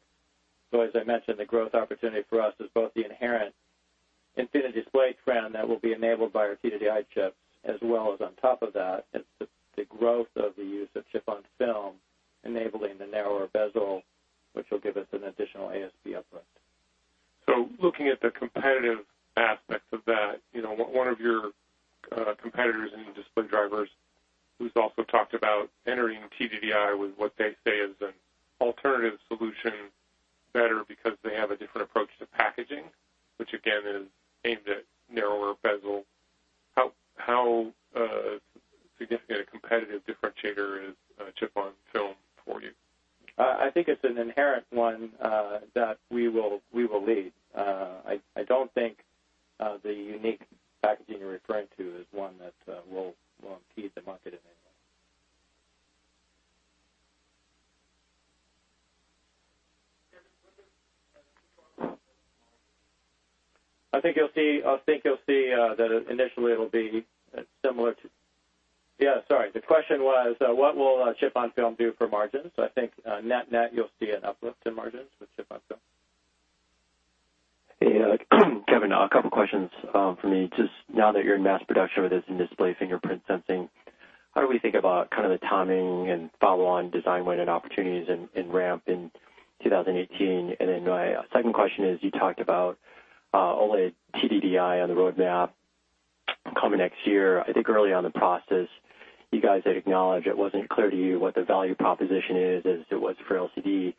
As I mentioned, the growth opportunity for us is both the inherent infinity display trend that will be enabled by our TDDI chips, as well as on top of that, the growth of the use of chip-on-film enabling the narrower bezel, which will give us an additional ASP uplift. Looking at the competitive aspects of that, one of your competitors in display drivers who's also talked about entering TDDI with what they say is an alternative solution better because they have a different approach to packaging, which again is aimed at narrower bezel. How significant a competitive differentiator is chip-on-film for you? I think it's an inherent one that we will lead. I don't think the unique packaging you're referring to is one that will impede the market in any way. The question was, what will chip-on-film do for margins? I think net-net, you'll see an uplift in margins with chip-on-film. Kevin, a couple questions for me. Just now that you're in mass production with this in-display fingerprint sensing, how do we think about the timing and follow-on design win and opportunities in ramp in 2018? My second question is, you talked about OLED TDDI on the roadmap coming next year. I think early on in the process, you guys had acknowledged it wasn't clear to you what the value proposition is as it was for LCD.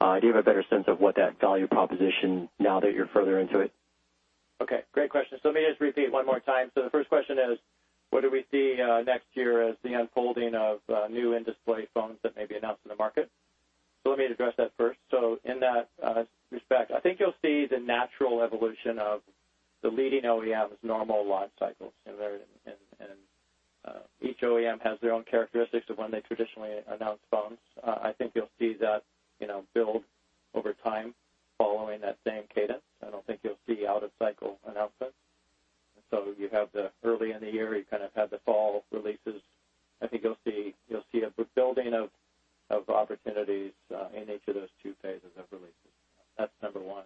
Do you have a better sense of what that value proposition now that you're further into it? Okay, great question. Let me just repeat one more time. The first question is, what do we see next year as the unfolding of new in-display phones that may be announced in the market? Let me address that first. In that respect, I think you'll see the natural evolution of the leading OEMs normal life cycles. Each OEM has their own characteristics of when they traditionally announce phones. I think you'll see that build over time following that same cadence. I don't think you'll see out of cycle announcements. You have the early in the year, you kind of have the fall releases. I think you'll see a building of opportunities in each of those two phases of releases. That's number one.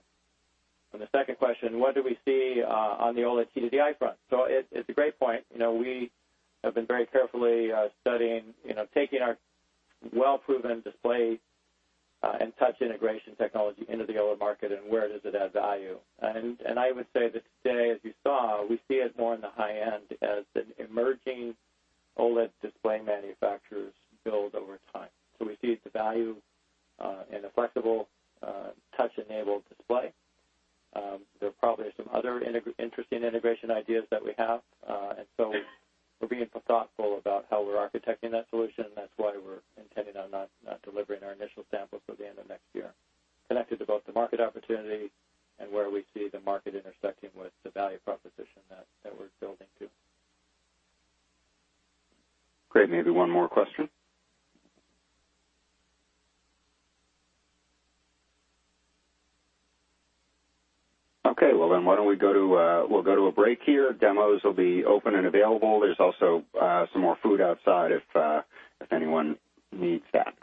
The second question, what do we see on the OLED TDDI front? It's a great point. We have been very carefully studying, taking our well-proven display and touch integration technology into the OLED market, and where does it add value. I would say that today, as you saw, we see it more in the high end as an emerging OLED display manufacturers build over time. We see the value in a flexible, touch-enabled display. There probably are some other interesting integration ideas that we have. We're being thoughtful about how we're architecting that solution. That's why we're intending on not delivering our initial samples till the end of next year, connected to both the market opportunity and where we see the market intersecting with the value proposition that we're building to. Great. Maybe one more question. Okay. Why don't we go to a break here. Demos will be open and available. There's also some more food outside if anyone needs that.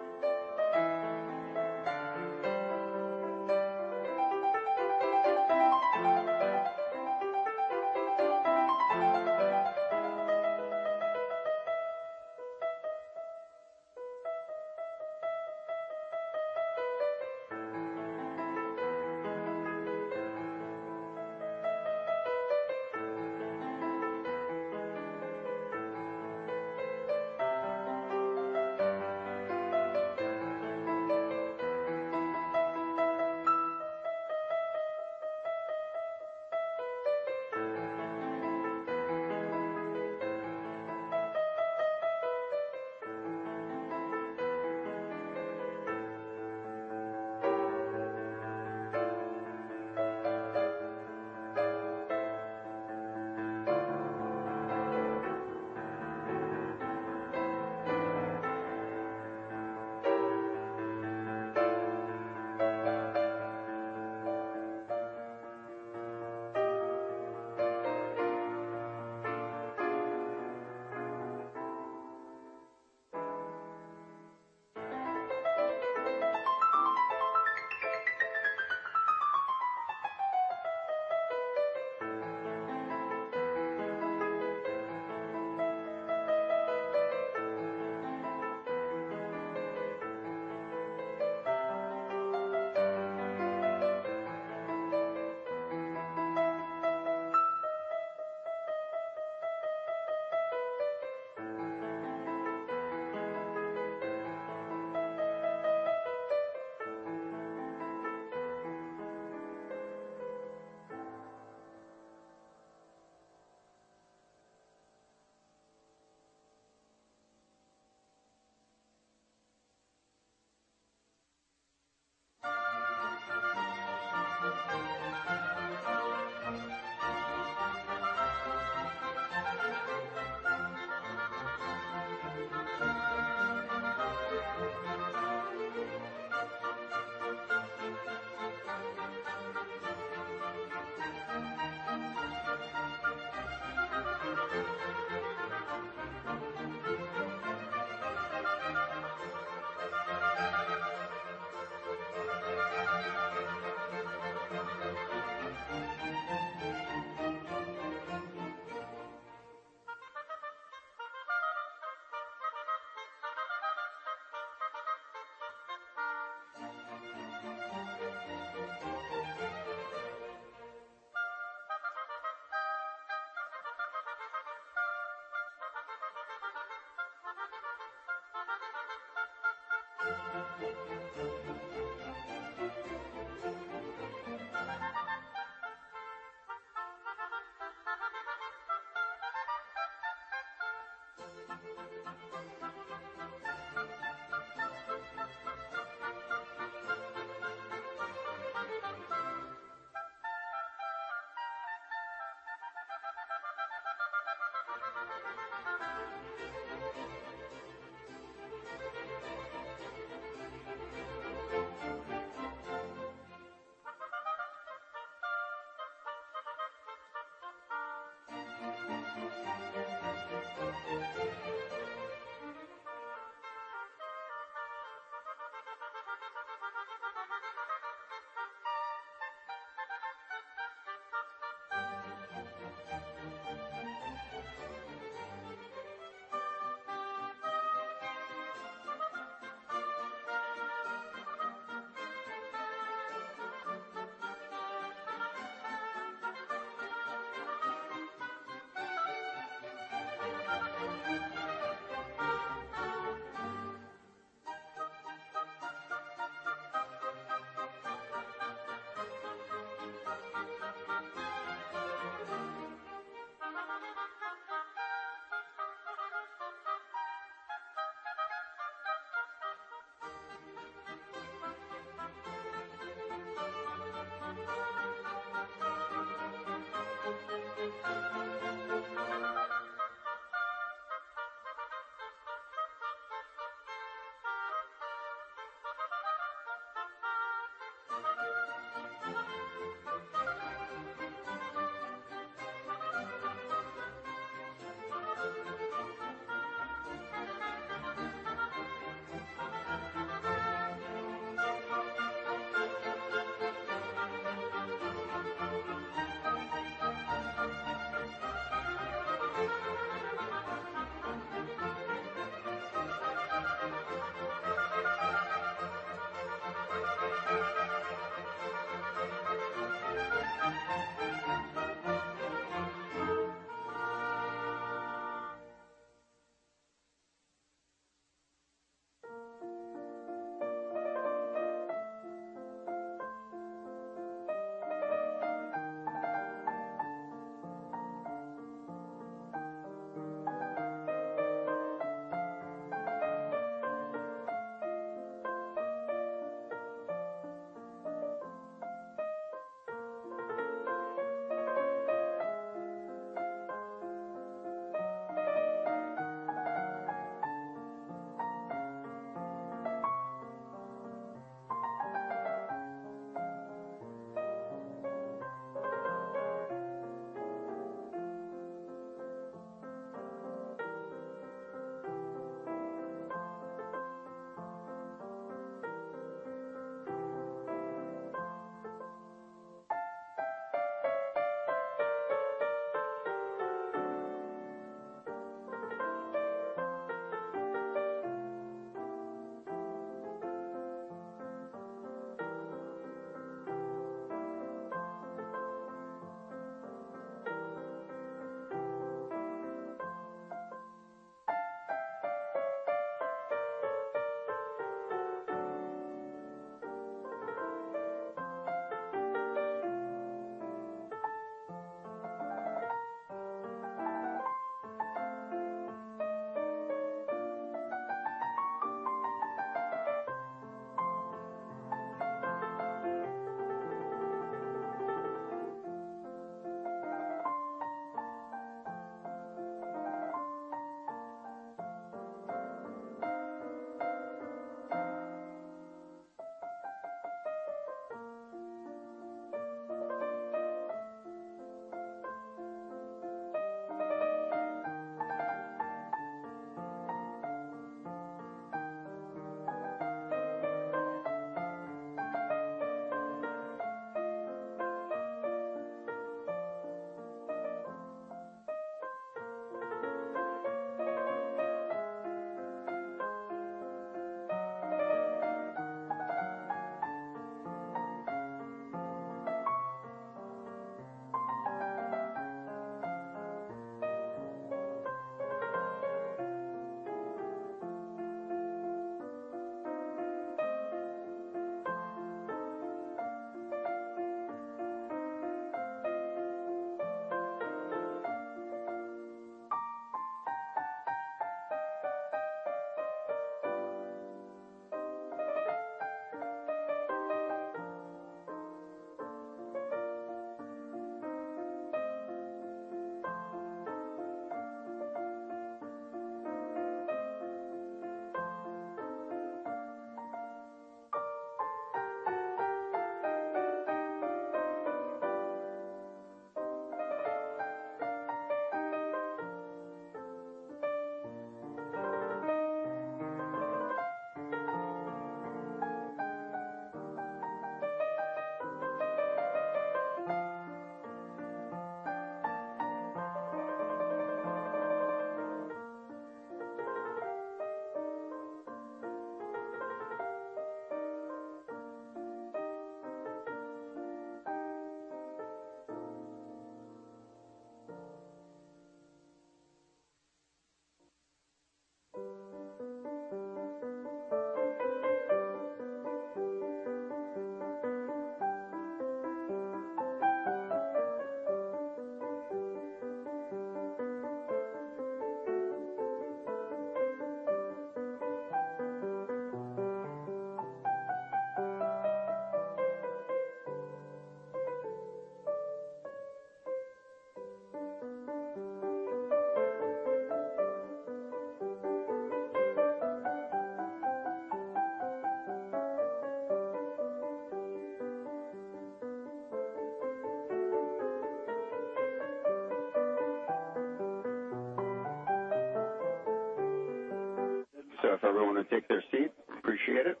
If everyone will take their seat. Appreciate it.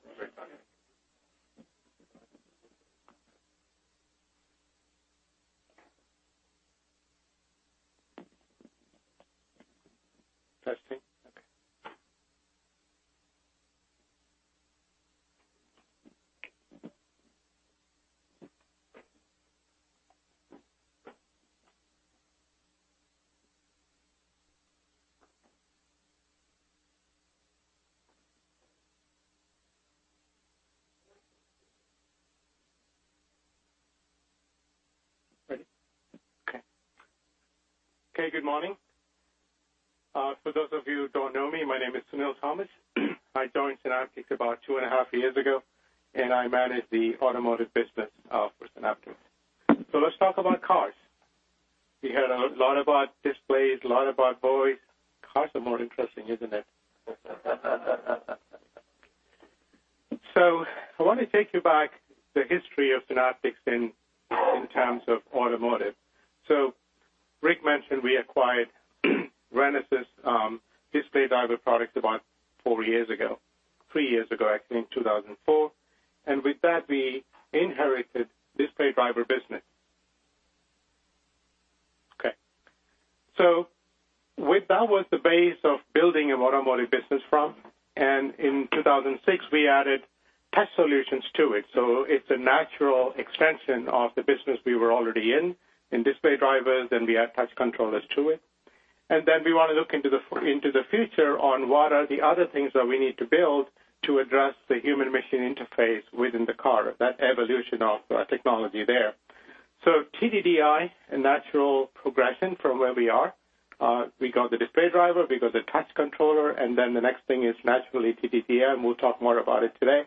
Testing. Okay. Ready? Okay. Okay, good morning. For those of you who don't know me, my name is Sunil Thomas. I joined Synaptics about two and a half years ago, and I manage the automotive business for Synaptics. Let's talk about cars. We heard a lot about displays, a lot about voice. Cars are more interesting, isn't it? I want to take you back the history of Synaptics in terms of automotive. Rick mentioned we acquired Renesas display driver product about four years ago. Three years ago, actually, in 2004. With that, we inherited display driver business. Okay. With that was the base of building an automotive business from, and in 2006, we added touch solutions to it. It's a natural extension of the business we were already in display drivers, then we add touch controllers to it. We want to look into the future on what are the other things that we need to build to address the human-machine interface within the car, that evolution of technology there. TDDI, a natural progression from where we are. We got the display driver, we got the touch controller, the next thing is naturally TDDI, and we'll talk more about it today.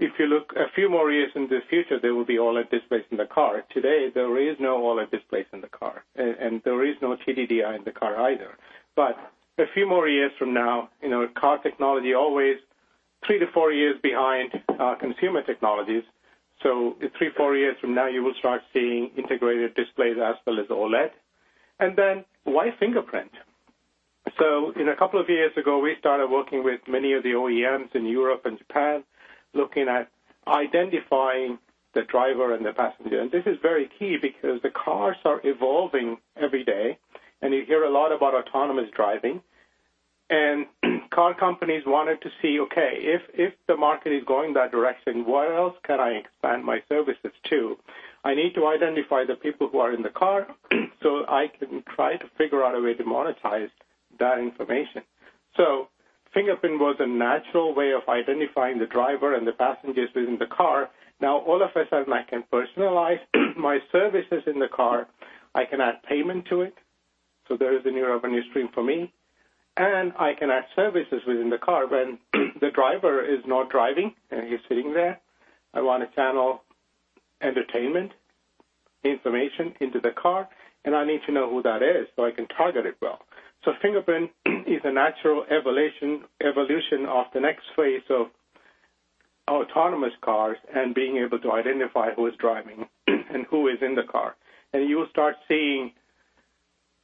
If you look a few more years in the future, there will be OLED displays in the car. Today, there is no OLED displays in the car, and there is no TDDI in the car either. A few more years from now, car technology always three to four years behind consumer technologies. In three, four years from now, you will start seeing integrated displays as well as OLED. Why fingerprint? In a couple of years ago, we started working with many of the OEMs in Europe and Japan, looking at identifying the driver and the passenger. This is very key because the cars are evolving every day, and you hear a lot about autonomous driving. Car companies wanted to see, okay, if the market is going that direction, where else can I expand my services to? I need to identify the people who are in the car so I can try to figure out a way to monetize that information. Fingerprint was a natural way of identifying the driver and the passengers within the car. Now, all of a sudden, I can personalize my services in the car. I can add payment to it. There is a new revenue stream for me, and I can add services within the car when the driver is not driving, and he's sitting there. I want to channel entertainment information into the car, and I need to know who that is so I can target it well. Fingerprint is a natural evolution of the next phase of autonomous cars and being able to identify who is driving and who is in the car. You will start seeing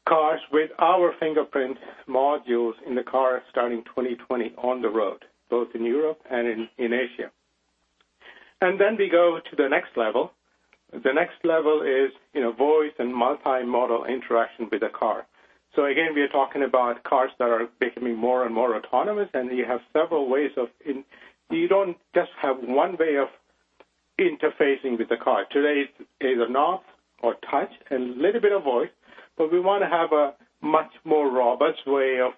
cars with our fingerprint modules in the car starting 2020 on the road, both in Europe and in Asia. We go to the next level. The next level is voice and multi-modal interaction with the car. Again, we are talking about cars that are becoming more and more autonomous, and you don't just have one way of interfacing with the car. Today, it's either knob or touch and little bit of voice, but we want to have a much more robust way of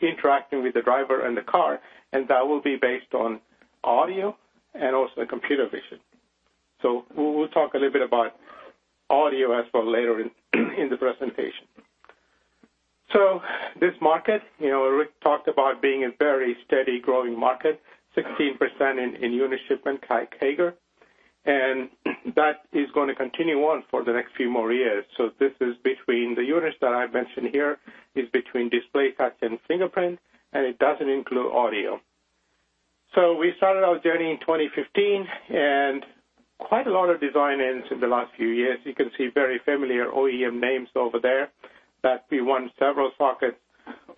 interacting with the driver and the car, and that will be based on audio and also computer vision. We will talk a little bit about audio as for later in the presentation. This market, Rick talked about being a very steady growing market, 16% in unit shipment CAGR, and that is going to continue on for the next few more years. The units that I mentioned here is between display, touch, and fingerprint, and it doesn't include audio. We started our journey in 2015, and quite a lot of design-ins in the last few years. You can see very familiar OEM names over there, that we won several sockets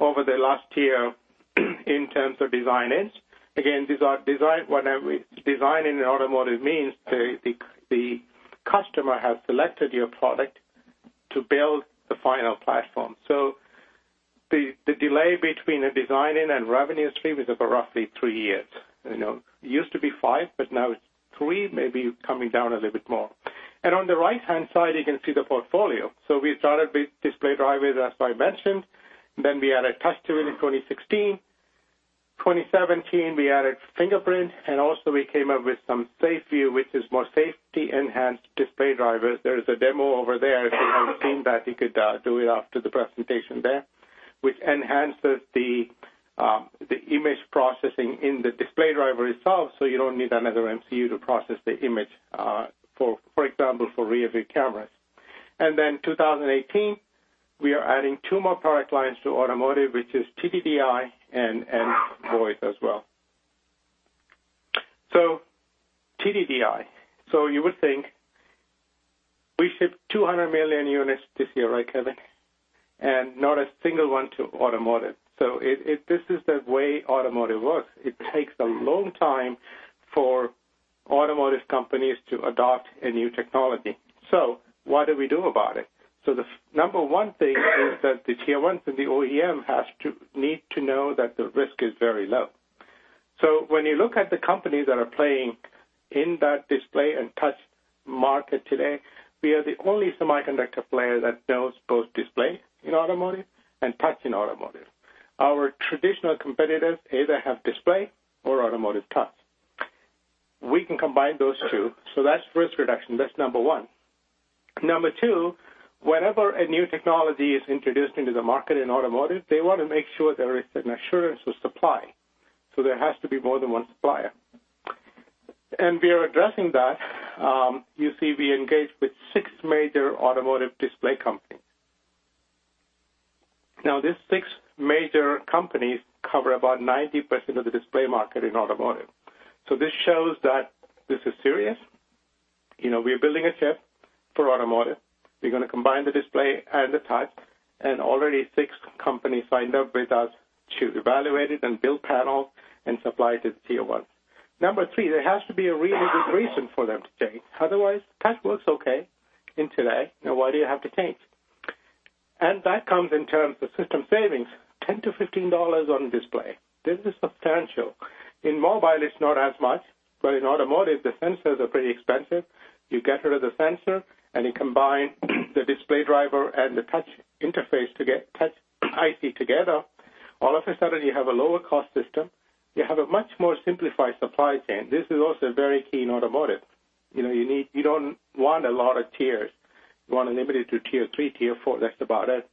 over the last year in terms of design-ins. Again, design in automotive means the customer has selected your product to build the final platform. The delay between a design-in and revenue stream is about roughly three years. It used to be five, but now it's three, maybe coming down a little bit more. On the right-hand side, you can see the portfolio. We started with display drivers, as I mentioned. We added touch to it in 2016. 2017, we added fingerprint, and also we came up with some SafeView, which is more safety-enhanced display drivers. There is a demo over there. If you haven't seen that, you could do it after the presentation there, which enhances the image processing in the display driver itself, so you don't need another MCU to process the image, for example, for rearview cameras. 2018, we are adding two more product lines to automotive, which is TDDI and voice as well. TDDI. You would think we ship 200 million units this year, right, Kevin? Not a single one to automotive. This is the way automotive works. It takes a long time for automotive companies to adopt a new technology. What do we do about it? The number 1 thing is that the tier 1s and the OEM need to know that the risk is very low. When you look at the companies that are playing in that display and touch market today, we are the only semiconductor player that does both display in automotive and touch in automotive. Our traditional competitors either have display or automotive touch. We can combine those two, so that's risk reduction. That's number 1. Number 2, whenever a new technology is introduced into the market in automotive, they want to make sure there is an assurance of supply. There has to be more than one supplier. We are addressing that. You see, we engaged with six major automotive display companies. Now, these six major companies cover about 90% of the display market in automotive. This shows that this is serious. We are building a chip for automotive. We're going to combine the display and the touch, and already six companies signed up with us to evaluate it and build panels and supply to tier 1s. Number 3, there has to be a really good reason for them to change. Otherwise, touch works okay in today. Now, why do you have to change? That comes in terms of system savings, $10-$15 on display. This is substantial. In mobile, it's not as much, but in automotive, the sensors are pretty expensive. You get rid of the sensor, and you combine the display driver and the touch IC together. All of a sudden, you have a lower cost system. You have a much more simplified supply chain. This is also very key in automotive. You don't want a lot of tiers. You want to limit it to tier 3, tier 4, that's about it.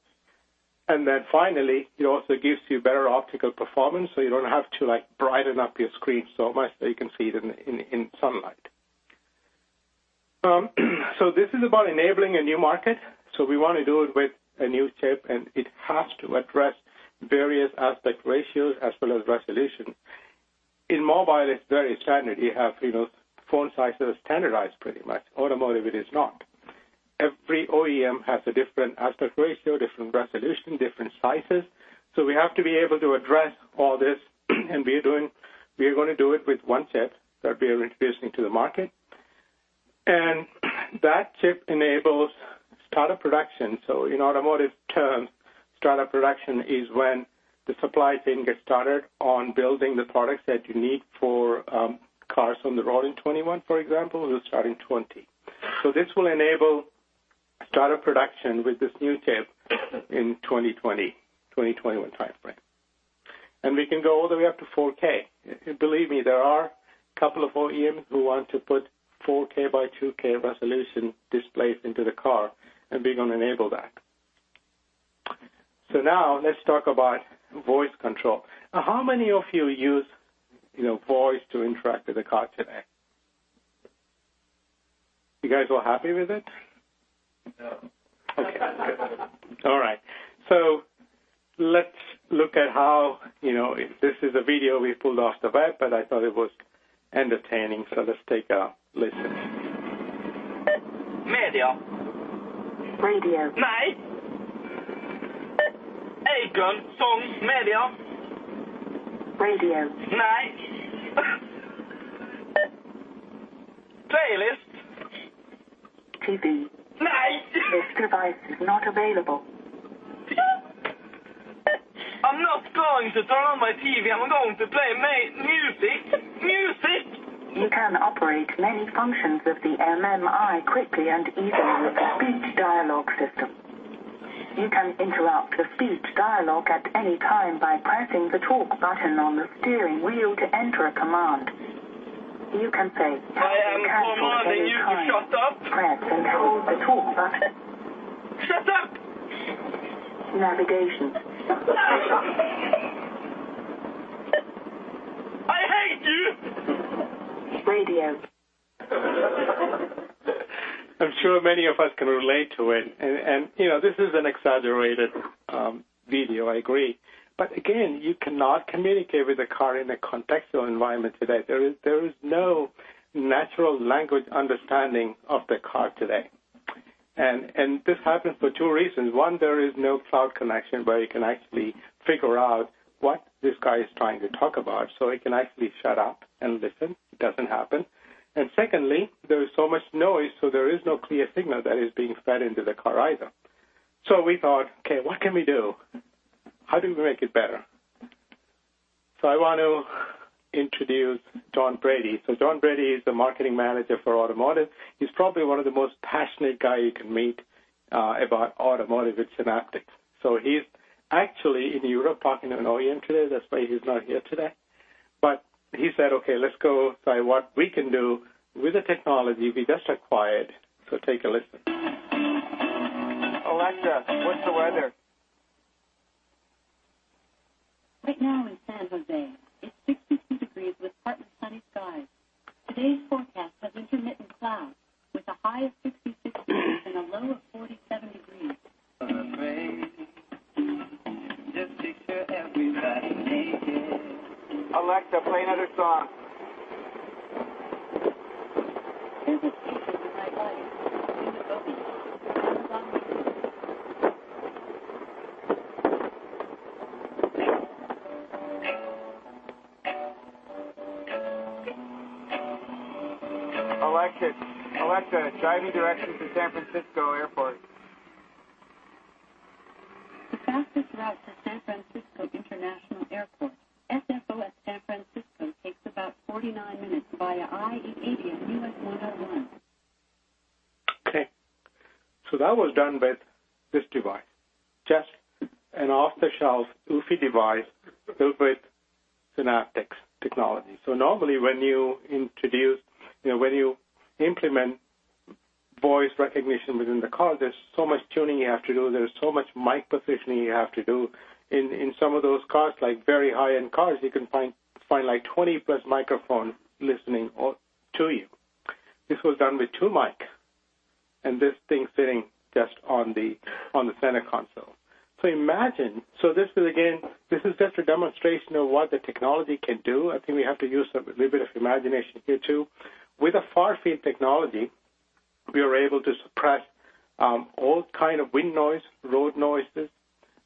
Finally, it also gives you better optical performance, so you don't have to brighten up your screen so much that you can see it in sunlight. This is about enabling a new market. We want to do it with a new chip, and it has to address various aspect ratios as well as resolution. In mobile, it's very standard. You have phone sizes standardized pretty much. Automotive, it is not. Every OEM has a different aspect ratio, different resolution, different sizes. We have to be able to address all this, and we are going to do it with one chip that we are introducing to the market. That chip enables startup production. In automotive terms, startup production is when the supply chain gets started on building the products that you need for cars on the road in 2021, for example, it will start in 2020. This will enable startup production with this new chip in 2020, 2021 timeframe. We can go all the way up to 4K. Believe me, there are a couple of OEMs who want to put 4K by 2K resolution displays into the car, and we're going to enable that. Now let's talk about voice control. How many of you use voice to interact with the car today? You guys all happy with it? No. Okay, good. All right. Let's look at how This is a video we pulled off the web, but I thought it was entertaining, so let's take a listen. Media. Radio. Nice. Adnan, Songs, media. Radio. Nice. Playlist. TV. Nice. This device is not available. I'm not going to turn on my TV. I'm going to play music. You can operate many functions of the MMI quickly and easily with the speech dialogue system. You can interrupt the speech dialogue at any time by pressing the talk button on the steering wheel to enter a command. You can say. I am commanding you, shut up. Press and hold the talk button. Shut up. Navigation. I hate you. Radio. I'm sure many of us can relate to it. This is an exaggerated video, I agree. Again, you cannot communicate with the car in a contextual environment today. There is no natural language understanding of the car today. This happens for two reasons. One, there is no cloud connection where you can actually figure out what this guy is trying to talk about, so it can actually shut up and listen. It doesn't happen. Secondly, there is so much noise, so there is no clear signal that is being fed into the car either. We thought, "Okay, what can we do? How do we make it better?" I want to introduce John Brady. John Brady is the marketing manager for automotive. He's probably one of the most passionate guy you can meet about automotive at Synaptics. He's actually in Europe talking to an OEM today. That's why he's not here today. He said, "Okay, let's go try what we can do with the technology we just acquired." Take a listen. Alexa, what's the weather? Right now in San Jose, it's 62 degrees with partly sunny skies. Today's forecast has intermittent clouds, with a high of 66 degrees and a low of 47 degrees. Alexa, play another song. Here's the seasons in my life, a theme from by Amazon Music. Alexa, driving directions to San Francisco Airport. The fastest route to San Francisco International Airport, SFO San Francisco takes about 49 minutes via I-880 and U.S. 101. That was done with this device. Just an off-the-shelf Eufy device built with Synaptics technology. Normally, when you implement voice recognition within the car, there's so much tuning you have to do. There's so much mic positioning you have to do. In some of those cars, like very high-end cars, you can find 20-plus microphone listening to you. This was done with two mic, and this thing sitting just on the center console. This is again, just a demonstration of what the technology can do. I think we have to use a little bit of imagination here, too. With a far-field technology, we are able to suppress all kind of wind noise, road noises,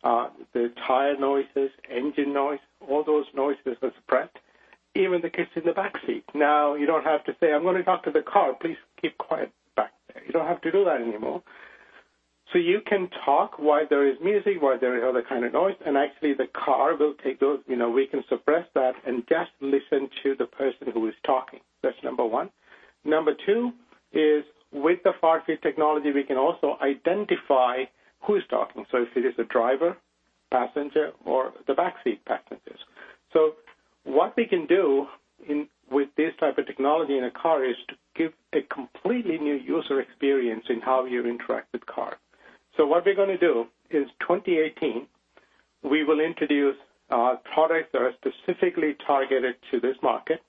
the tire noises, engine noise, all those noises are suppressed. Even the kids in the back seat. Now, you don't have to say, "I'm going to talk to the car. Please keep quiet back there." You don't have to do that anymore. You can talk while there is music, while there is other kind of noise, and actually, the car will take those. We can suppress that and just listen to the person who is talking. That's number one. Number two is with the far-field technology, we can also identify who's talking. If it is a driver, passenger, or the back seat passengers. What we can do with this type of technology in a car is to give a completely new user experience in how you interact with car. What we're going to do is 2018, we will introduce products that are specifically targeted to this market,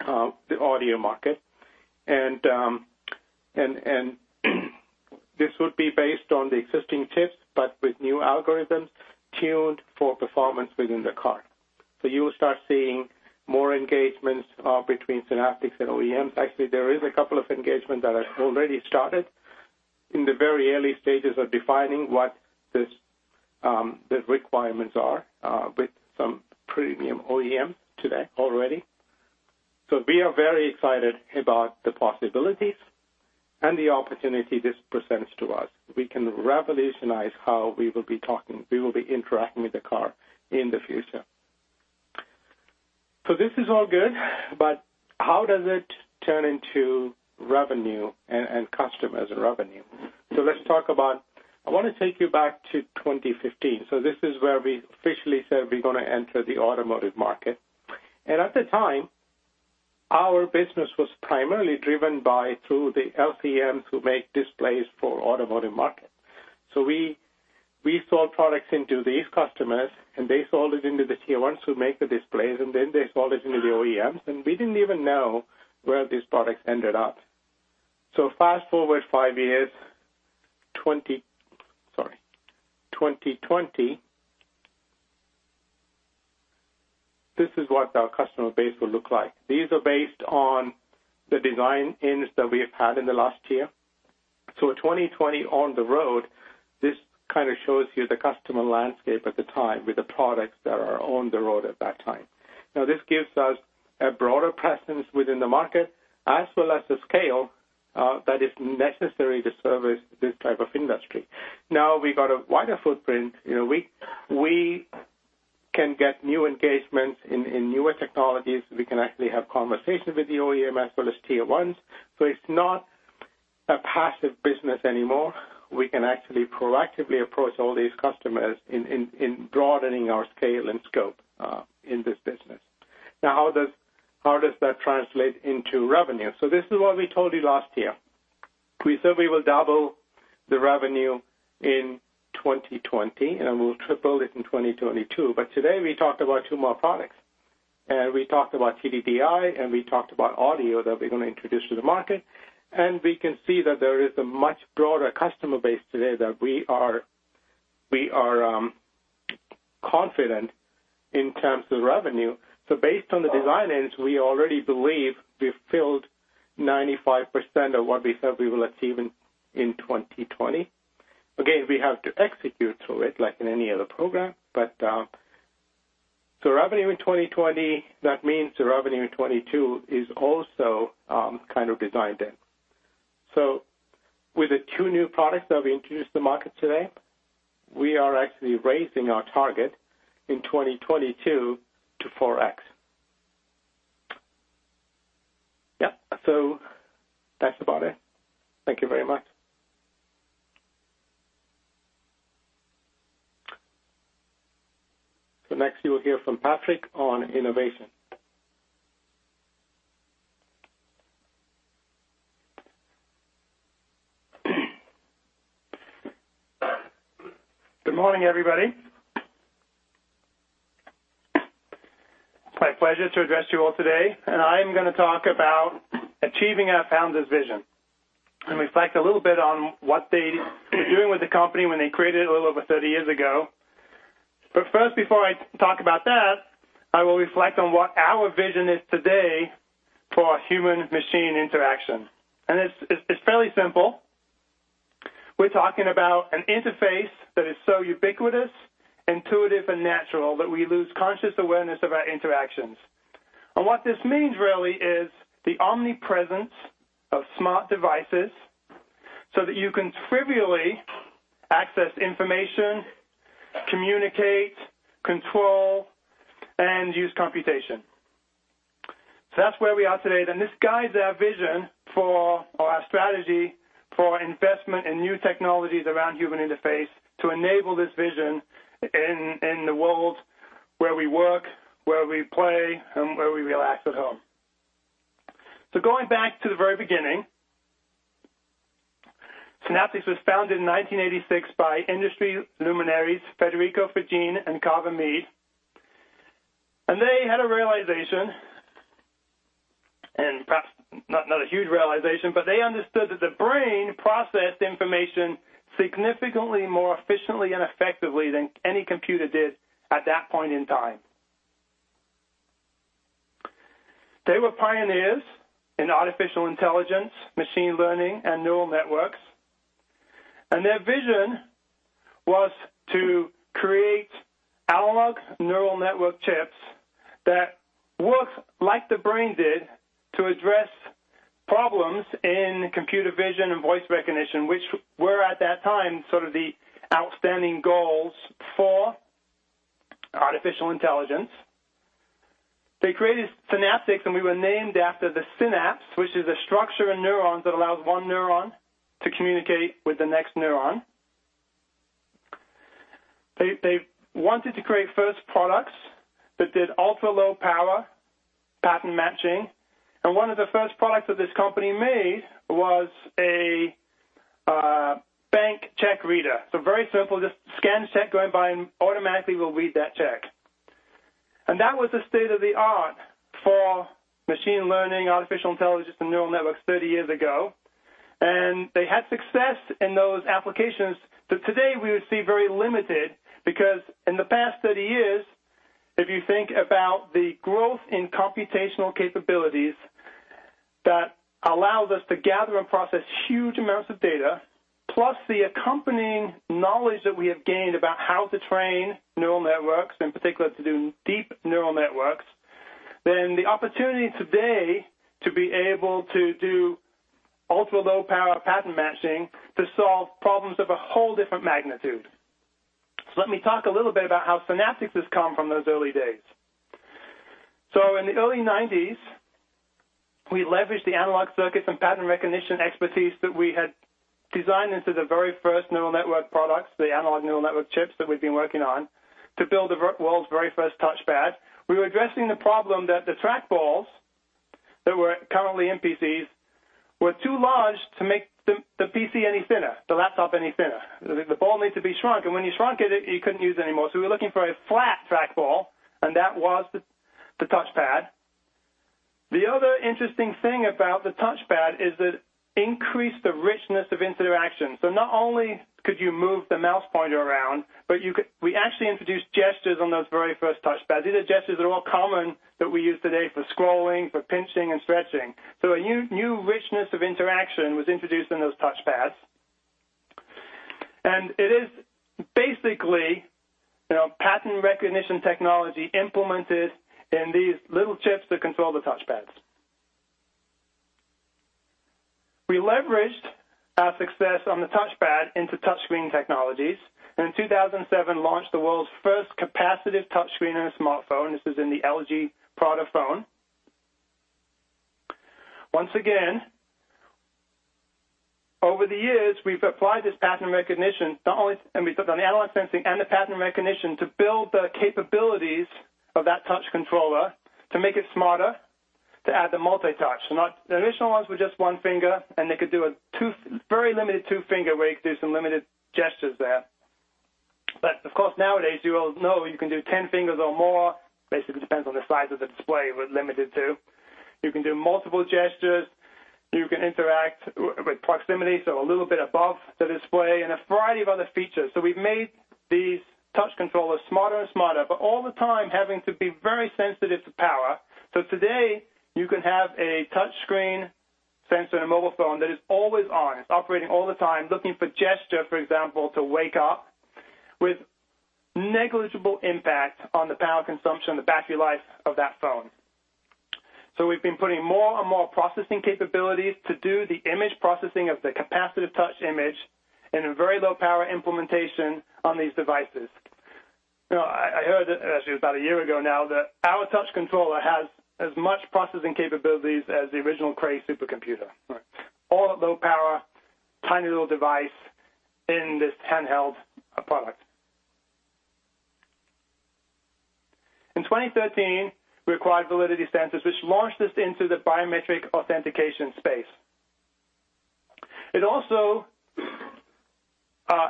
the audio market. This would be based on the existing chips, but with new algorithms tuned for performance within the car. You will start seeing more engagements between Synaptics and OEMs. Actually, there is a couple of engagements that have already started in the very early stages of defining what the requirements are with some premium OEM today already. We are very excited about the possibilities and the opportunity this presents to us. We can revolutionize how we will be talking, we will be interacting with the car in the future. This is all good, but how does it turn into revenue and customers and revenue? Let's talk about, I want to take you back to 2015. This is where we officially said we're going to enter the automotive market. At the time, our business was primarily driven by through the LCM who make displays for automotive market. We sold products into these customers, and they sold it into the tier 1s who make the displays, and then they sold it into the OEMs, and we didn't even know where these products ended up. Fast-forward 5 years, 2020, this is what our customer base will look like. These are based on the design-ins that we have had in the last year. 2020 on the road, this kind of shows you the customer landscape at the time with the products that are on the road at that time. This gives us a broader presence within the market as well as the scale that is necessary to service this type of industry. We got a wider footprint. We can get new engagements in newer technologies. We can actually have conversations with the OEM as well as tier 1s. It's not a passive business anymore. We can actually proactively approach all these customers in broadening our scale and scope in this business. How does that translate into revenue? This is what we told you last year. We said we will double the revenue in 2020, and we'll triple it in 2022. Today we talked about two more products. We talked about TDDI, and we talked about audio that we're going to introduce to the market. We can see that there is a much broader customer base today that we are confident in terms of revenue. Based on the design-ins, we already believe we filled 95% of what we said we will achieve in 2020. Again, we have to execute through it like in any other program. Revenue in 2020, that means the revenue in 2022 is also kind of designed in. With the two new products that we introduced to the market today, we are actually raising our target in 2022 to 4X. Yeah. That's about it. Thank you very much. Next you will hear from Patrick on innovation. Good morning, everybody. It's my pleasure to address you all today, I am going to talk about achieving our founders' vision and reflect a little bit on what they were doing with the company when they created it a little over 30 years ago. First, before I talk about that, I will reflect on what our vision is today for human-machine interaction. It's fairly simple. We're talking about an interface that is so ubiquitous, intuitive, and natural that we lose conscious awareness of our interactions. What this means really is the omnipresence of smart devices so that you can trivially access information, communicate, control, and use computation. That's where we are today, and this guides our vision for our strategy for investment in new technologies around human interface to enable this vision in the world where we work, where we play, and where we relax at home. Going back to the very beginning, Synaptics was founded in 1986 by industry luminaries, Federico Faggin, and Carver Mead, and they had a realization, and perhaps not a huge realization, but they understood that the brain processed information significantly more efficiently and effectively than any computer did at that point in time. They were pioneers in artificial intelligence, machine learning, and neural networks, and their vision was to create analog neural network chips that worked like the brain did to address problems in computer vision and voice recognition, which were, at that time, sort of the outstanding goals for artificial intelligence. They created Synaptics, and we were named after the synapse, which is a structure in neurons that allows one neuron to communicate with the next neuron. They wanted to create first products that did ultra-low power pattern matching, one of the first products that this company made was a bank check reader, very simple, just scan check going by, and automatically will read that check. That was the state-of-the-art for machine learning, artificial intelligence, and neural networks 30 years ago. They had success in those applications that today we would see very limited because in the past 30 years the growth in computational capabilities that allows us to gather and process huge amounts of data, plus the accompanying knowledge that we have gained about how to train neural networks, in particular to do deep neural networks. The opportunity today to be able to do ultra low power pattern matching to solve problems of a whole different magnitude. Let me talk a little bit about how Synaptics has come from those early days. In the early '90s, we leveraged the analog circuits and pattern recognition expertise that we had designed into the very first neural network products, the analog neural network chips that we've been working on, to build the world's very first touchpad. We were addressing the problem that the track balls that were currently in PCs were too large to make the PC any thinner, the laptop any thinner. The ball needs to be shrunk, and when you shrunk it, you couldn't use it anymore. We were looking for a flat track ball, and that was the touchpad. The other interesting thing about the touchpad is it increased the richness of interaction. Not only could you move the mouse pointer around, but we actually introduced gestures on those very first touchpads. These are gestures that are all common that we use today for scrolling, for pinching, and stretching. A new richness of interaction was introduced in those touchpads. It is basically pattern recognition technology implemented in these little chips that control the touchpads. We leveraged our success on the touchpad into touch screen technologies. In 2007, launched the world's first capacitive touch screen in a smartphone. This is in the LG Prada phone. Once again, over the years, we've applied this pattern recognition, we took on the analog sensing and the pattern recognition to build the capabilities of that touch controller to make it smarter, to add the multi-touch. The initial ones were just one finger, and they could do a very limited two-finger where you could do some limited gestures there. Of course, nowadays, you all know you can do 10 fingers or more. Depends on the size of the display we're limited to. You can do multiple gestures. You can interact with proximity, a little bit above the display and a variety of other features. We've made these touch controllers smarter and smarter, but all the time having to be very sensitive to power. Today, you can have a touch screen sensor in a mobile phone that is always on. It's operating all the time, looking for gesture, for example, to wake up with negligible impact on the power consumption, the battery life of that phone. We've been putting more and more processing capabilities to do the image processing of the capacitive touch image in a very low power implementation on these devices. I heard, actually about a year ago now, that our touch controller has as much processing capabilities as the original Cray supercomputer. All at low power, tiny little device in this handheld product. In 2013, we acquired Validity Sensors, which launched us into the biometric authentication space. It also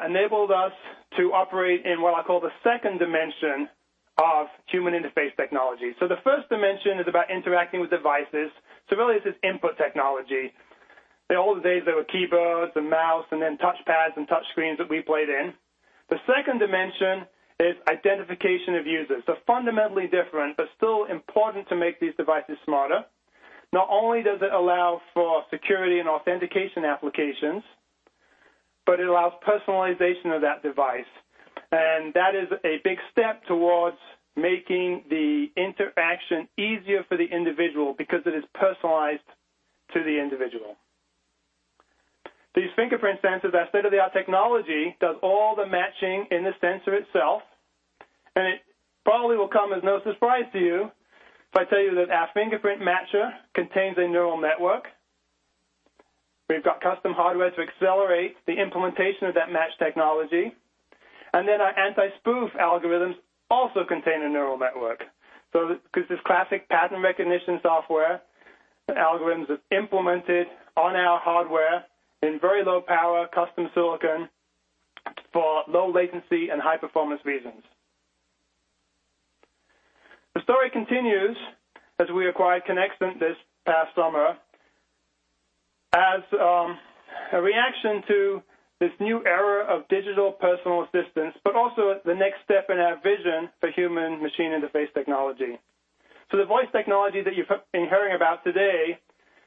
enabled us to operate in what I call the second dimension of human interface technology. The first dimension is about interacting with devices. Really, this is input technology. In the old days, there were keyboards and mouse and then touchpads and touch screens that we played in. The second dimension is identification of users. Fundamentally different, but still important to make these devices smarter. Not only does it allow for security and authentication applications, but it allows personalization of that device. That is a big step towards making the interaction easier for the individual because it is personalized to the individual. These fingerprint sensors are state-of-the-art technology, does all the matching in the sensor itself. It probably will come as no surprise to you if I tell you that our fingerprint matcher contains a neural network. We've got custom hardware to accelerate the implementation of that match technology. Then our anti-spoof algorithms also contain a neural network. This classic pattern recognition software algorithms is implemented on our hardware in very low power custom silicon for low latency and high-performance reasons. The story continues as we acquired Conexant this past summer as a reaction to this new era of digital personal assistance, but also the next step in our vision for human machine interface technology. The voice technology that you've been hearing about today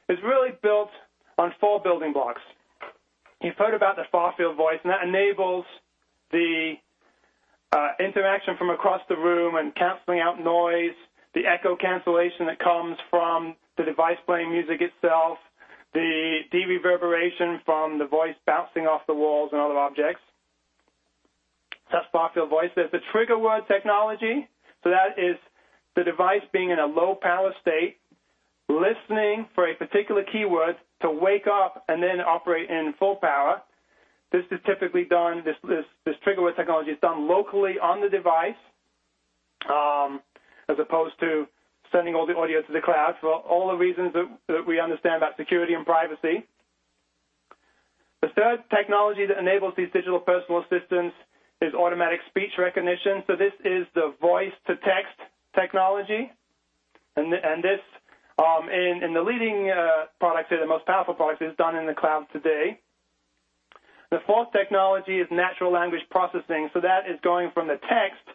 is really built on four building blocks. You've heard about the far-field voice, that enables the interaction from across the room and canceling out noise, the echo cancellation that comes from the device playing music itself, the de-reverberation from the voice bouncing off the walls and other objects. That's far-field voice. There's the trigger word technology. That is the device being in a low power state, listening for a particular keyword to wake up and then operate in full power. This trigger word technology is done locally on the device, as opposed to sending all the audio to the cloud for all the reasons that we understand about security and privacy. The third technology that enables these digital personal assistants is automatic speech recognition. This is the voice-to-text technology. This in the leading products or the most powerful products, is done in the cloud today. The fourth technology is natural language processing. That is going from the text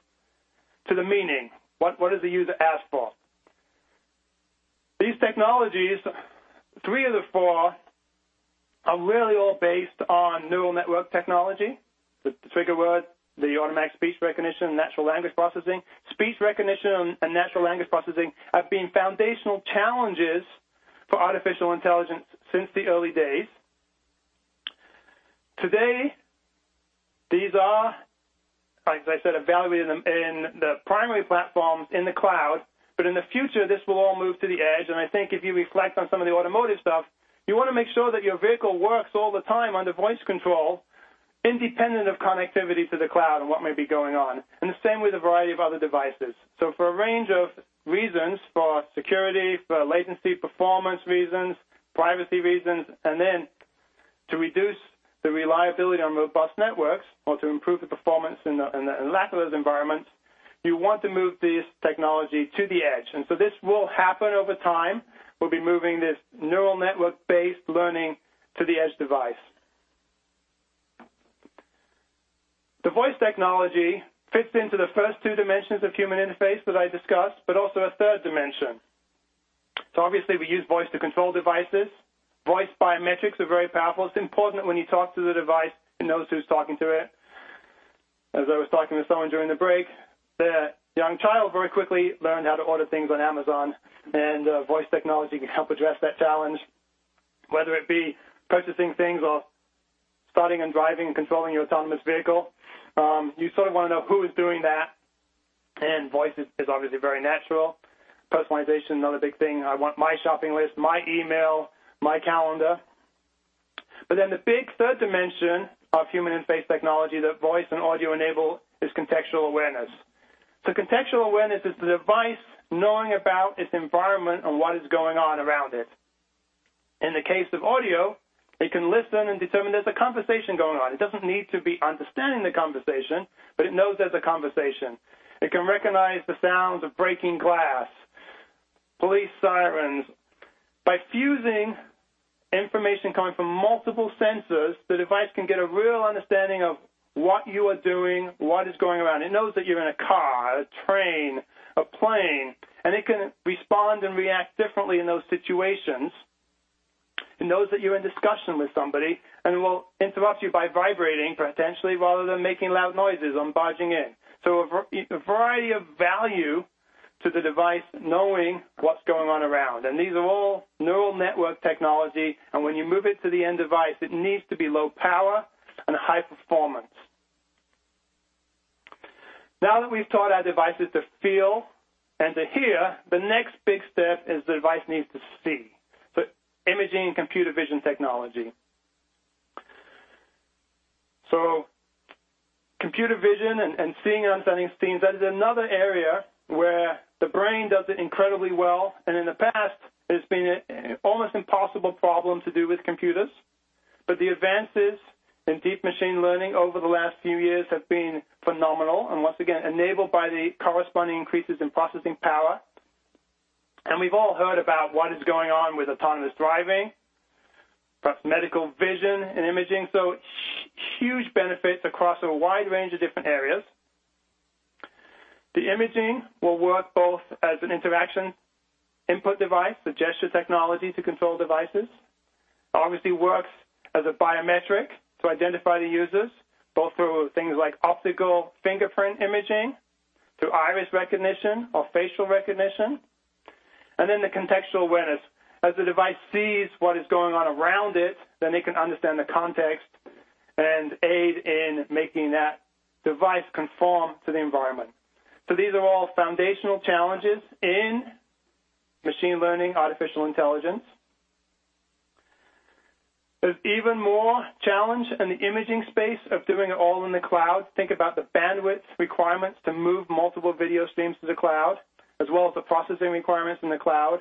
to the meaning. What does the user ask for? These technologies, three of the four, are really all based on neural network technology. The trigger word, the automatic speech recognition, natural language processing. Speech recognition and natural language processing have been foundational challenges for artificial intelligence since the early days. Today, these are, as I said, evaluated in the primary platforms in the cloud, but in the future, this will all move to the edge. I think if you reflect on some of the automotive stuff, you want to make sure that your vehicle works all the time under voice control, independent of connectivity to the cloud and what may be going on, and the same with a variety of other devices. For a range of reasons, for security, for latency, performance reasons, privacy reasons, and then to reduce the reliability on robust networks or to improve the performance in the lack of those environments, you want to move this technology to the edge. This will happen over time. We'll be moving this neural network-based learning to the edge device. The voice technology fits into the first two dimensions of human interface that I discussed, but also a third dimension. Obviously, we use voice to control devices. Voice biometrics are very powerful. It's important when you talk to the device, it knows who's talking to it. As I was talking to someone during the break, their young child very quickly learned how to order things on Amazon, and voice technology can help address that challenge. Whether it be purchasing things or starting and driving and controlling your autonomous vehicle, you sort of want to know who is doing that, and voice is obviously very natural. Personalization, another big thing. I want my shopping list, my email, my calendar. The big third dimension of human interface technology that voice and audio enable is contextual awareness. Contextual awareness is the device knowing about its environment and what is going on around it. In the case of audio, it can listen and determine there's a conversation going on. It doesn't need to be understanding the conversation, but it knows there's a conversation. It can recognize the sound of breaking glass, police sirens. By fusing information coming from multiple sensors, the device can get a real understanding of what you are doing, what is going around. It knows that you're in a car, a train, a plane, and it can respond and react differently in those situations. It knows that you're in discussion with somebody, and it will interrupt you by vibrating potentially, rather than making loud noises and barging in. A variety of value to the device, knowing what's going on around. These are all neural network technology, when you move it to the end device, it needs to be low power and high performance. Now that we've taught our devices to feel and to hear, the next big step is the device needs to see. Imaging and computer vision technology. Computer vision and seeing understanding scenes, that is another area where the brain does it incredibly well. In the past, it's been an almost impossible problem to do with computers. The advances in deep machine learning over the last few years have been phenomenal, once again, enabled by the corresponding increases in processing power. We've all heard about what is going on with autonomous driving, perhaps medical vision and imaging. Huge benefits across a wide range of different areas. The imaging will work both as an interaction input device, the gesture technology to control devices. Obviously works as a biometric to identify the users, both through things like optical fingerprint imaging to iris recognition or facial recognition, and then the contextual awareness. As the device sees what is going on around it, then it can understand the context and aid in making that device conform to the environment. These are all foundational challenges in machine learning, artificial intelligence. There's even more challenge in the imaging space of doing it all in the cloud. Think about the bandwidth requirements to move multiple video streams to the cloud, as well as the processing requirements in the cloud.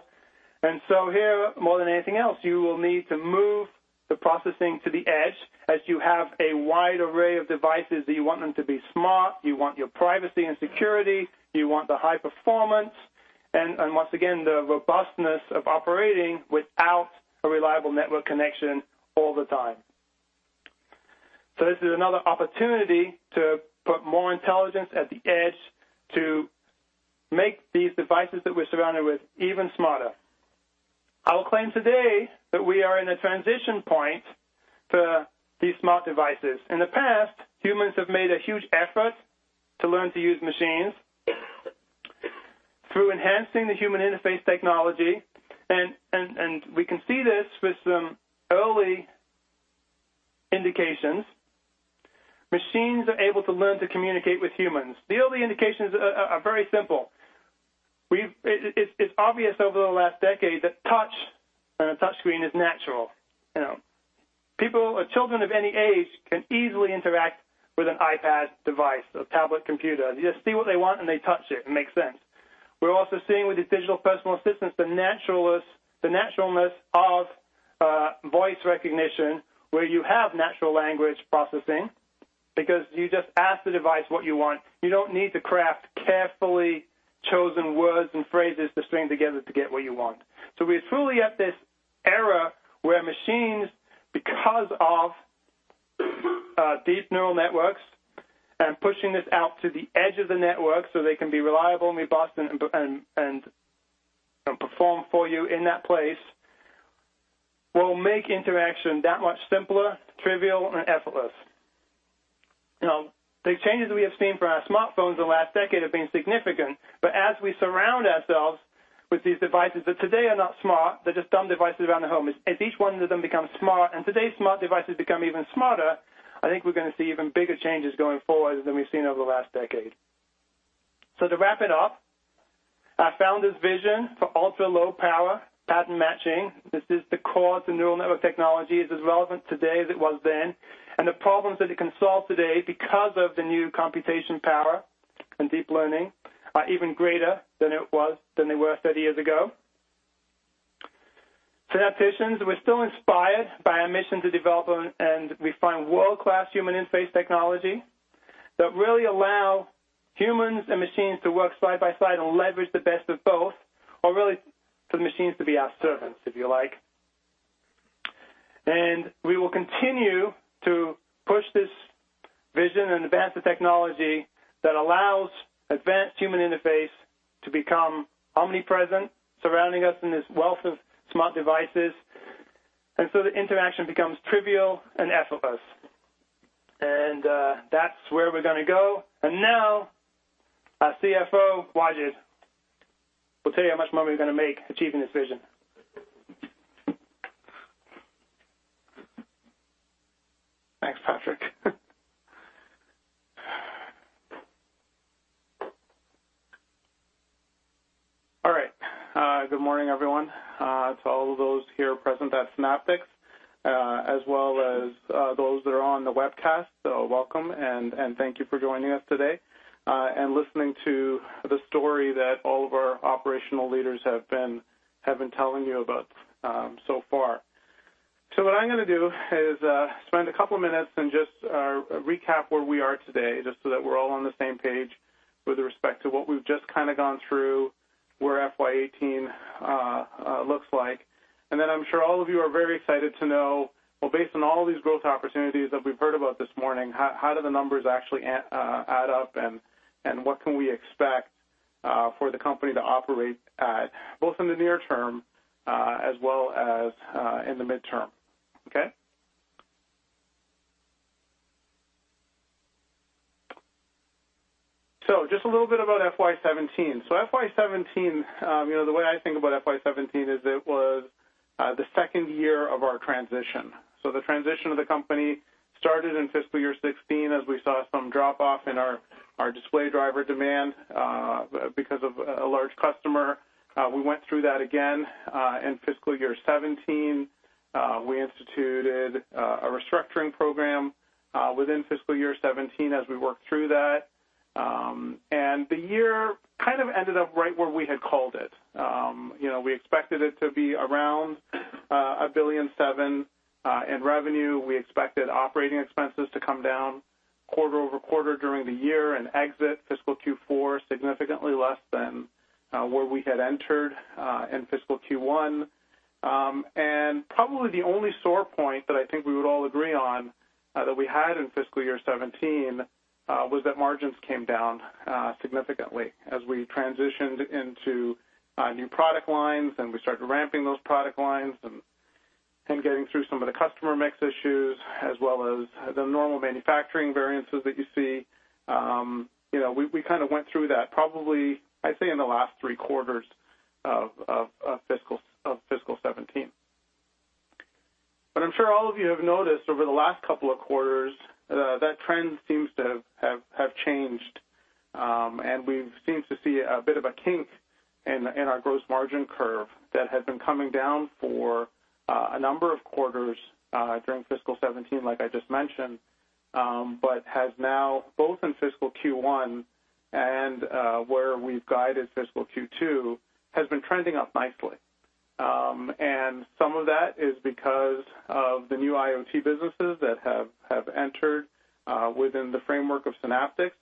Here, more than anything else, you will need to move the processing to the edge as you have a wide array of devices that you want them to be smart, you want your privacy and security, you want the high performance, and once again, the robustness of operating without a reliable network connection all the time. This is another opportunity to put more intelligence at the edge to make these devices that we're surrounded with even smarter. I will claim today that we are in a transition point for these smart devices. In the past, humans have made a huge effort to learn to use machines. Through enhancing the human interface technology, we can see this with some early indications, machines are able to learn to communicate with humans. The early indications are very simple. It's obvious over the last decade that touch on a touch screen is natural. Children of any age can easily interact with an iPad device or tablet computer. They just see what they want, they touch it. It makes sense. We're also seeing with these digital personal assistants, the naturalness of voice recognition, where you have natural language processing. You just ask the device what you want. You don't need to craft carefully chosen words and phrases to string together to get what you want. We're truly at this era where machines, because of deep neural networks and pushing this out to the edge of the network so they can be reliable, robust, and perform for you in that place, will make interaction that much simpler, trivial, and effortless. The changes we have seen for our smartphones in the last decade have been significant. As we surround ourselves with these devices that today are not smart, they're just dumb devices around the home, as each one of them becomes smart and today's smart devices become even smarter, I think we're going to see even bigger changes going forward than we've seen over the last decade. To wrap it up, our founder's vision for ultra-low power pattern matching, this is the core to neural network technology, is as relevant today as it was then. The problems that it can solve today because of the new computation power and deep learning are even greater than they were 30 years ago. Synaptics, we're still inspired by our mission to develop and refine world-class human interface technology that really allow humans and machines to work side by side and leverage the best of both, or really for the machines to be our servants, if you like. We will continue to push this vision and advance the technology that allows advanced human interface to become omnipresent, surrounding us in this wealth of smart devices. The interaction becomes trivial and effortless. That's where we're going to go. Now, our CFO, Wajid, will tell you how much money we're going to make achieving this vision. Thanks, Patrick. All right. Good morning, everyone. To all of those here present at Synaptics, as well as those that are on the webcast, welcome and thank you for joining us today, and listening to the story that all of our operational leaders have been telling you about so far. What I'm going to do is spend a couple of minutes and just recap where we are today, just so that we're all on the same page with respect to what we've just kind of gone through, where FY 2018 looks like. Then I'm sure all of you are very excited to know, well, based on all these growth opportunities that we've heard about this morning, how do the numbers actually add up and what can we expect for the company to operate at, both in the near term as well as in the midterm. Okay? Just a little bit about FY 2017. The way I think about FY 2017 is it was the second year of our transition. The transition of the company started in fiscal year 2016 as we saw some drop off in our display driver demand because of a large customer. We went through that again in fiscal year 2017. We instituted a restructuring program within fiscal year 2017 as we worked through that. The year kind of ended up right where we had called it. We expected it to be around $1.7 billion in revenue. We expected operating expenses to come down quarter-over-quarter during the year and exit fiscal Q4 significantly less than where we had entered in fiscal Q1. Probably the only sore point that I think we would all agree on that we had in fiscal year 2017 was that margins came down significantly as we transitioned into new product lines and we started ramping those product lines and getting through some of the customer mix issues as well as the normal manufacturing variances that you see. We kind of went through that probably, I'd say, in the last three quarters of fiscal 2017. I'm sure all of you have noticed over the last couple of quarters, that trend seems to have changed. We've seemed to see a bit of a kink in our gross margin curve that had been coming down for a number of quarters during fiscal 2017, like I just mentioned, but has now, both in fiscal Q1 and where we've guided fiscal Q2, has been trending up nicely. Some of that is because of the new IoT businesses that have entered within the framework of Synaptics.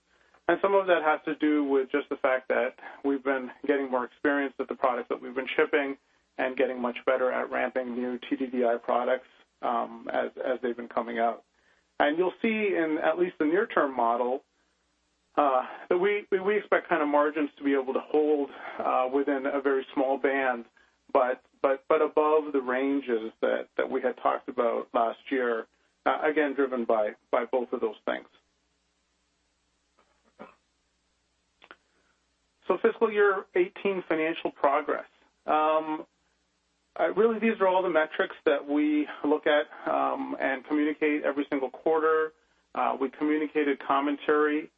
Some of that has to do with just the fact that we've been getting more experience with the products that we've been shipping and getting much better at ramping new TDDI products as they've been coming out. You'll see in at least the near-term model, that we expect kind of margins to be able to hold within a very small band, but above the ranges that we had talked about last year, again, driven by both of those things. Fiscal year 2018 financial progress. Really these are all the metrics that we look at and communicate every single quarter. We communicated commentary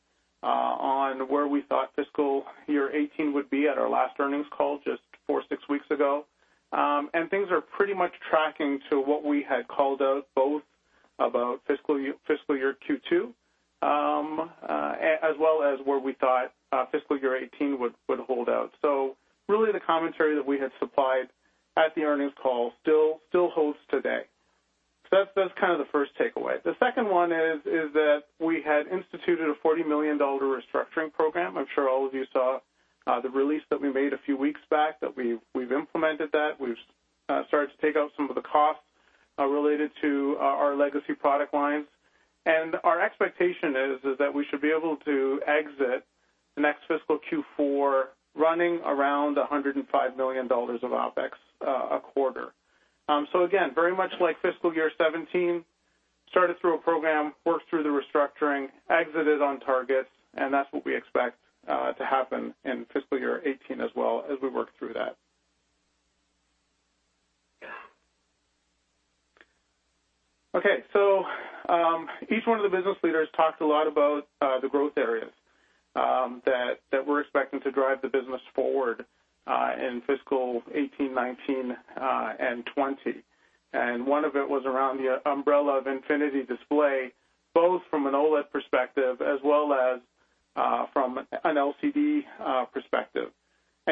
on where we thought fiscal year 2018 would be at our last earnings call just four to six weeks ago. Things are pretty much tracking to what we had called out both about fiscal year Q2 as well as where we thought fiscal year 2018 would hold out. Really the commentary that we had supplied at the earnings call still holds today. That's the first takeaway. The second one is that we had instituted a $40 million restructuring program. I'm sure all of you saw the release that we made a few weeks back, that we've implemented that. We've started to take out some of the costs related to our legacy product lines. Our expectation is that we should be able to exit the next fiscal Q4 running around $105 million of OpEx a quarter. Again, very much like fiscal year 2017, started through a program, worked through the restructuring, exited on targets. That's what we expect to happen in fiscal year 2018 as well as we work through that. Okay. Each one of the business leaders talked a lot about the growth areas that we're expecting to drive the business forward in fiscal 2018, 2019, and 2020. One of it was around the umbrella of Infinity Display, both from an OLED perspective as well as from an LCD perspective.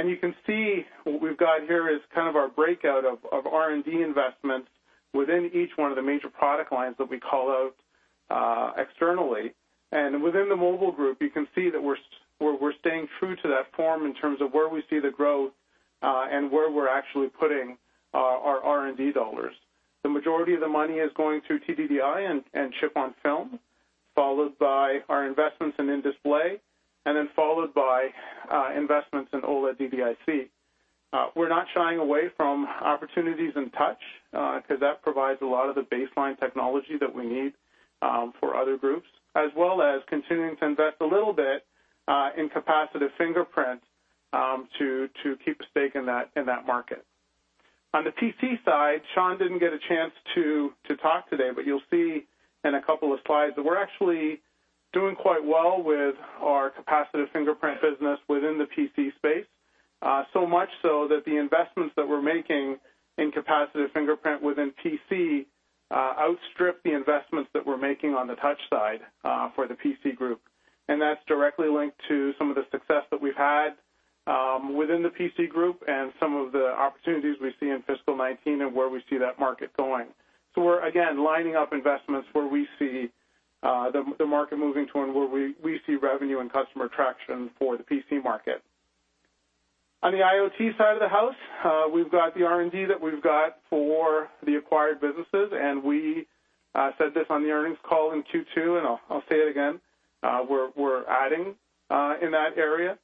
You can see what we've got here is kind of our breakout of R&D investments within each one of the major product lines that we call out externally. Within the mobile group, you can see that we're staying true to that form in terms of where we see the growth, and where we're actually putting our R&D dollars. The majority of the money is going through TDDI and chip-on-film, followed by our investments in display, then followed by investments in OLED DDIC. We're not shying away from opportunities in touch, because that provides a lot of the baseline technology that we need for other groups, as well as continuing to invest a little bit in capacitive fingerprint to keep a stake in that market. On the PC side, Shawn didn't get a chance to talk today, but you'll see in a couple of slides that we're actually doing quite well with our capacitive fingerprint business within the PC space. Much so that the investments that we're making in capacitive fingerprint within PC outstrip the investments that we're making on the touch side for the PC group. That's directly linked to some of the success that we've had within the PC group and some of the opportunities we see in fiscal 2019 and where we see that market going. We're, again, lining up investments where we see the market moving toward and where we see revenue and customer traction for the PC market. On the IoT side of the house, we've got the R&D that we've got for the acquired businesses, and we said this on the earnings call in Q2, I'll say it again, we're adding in that area.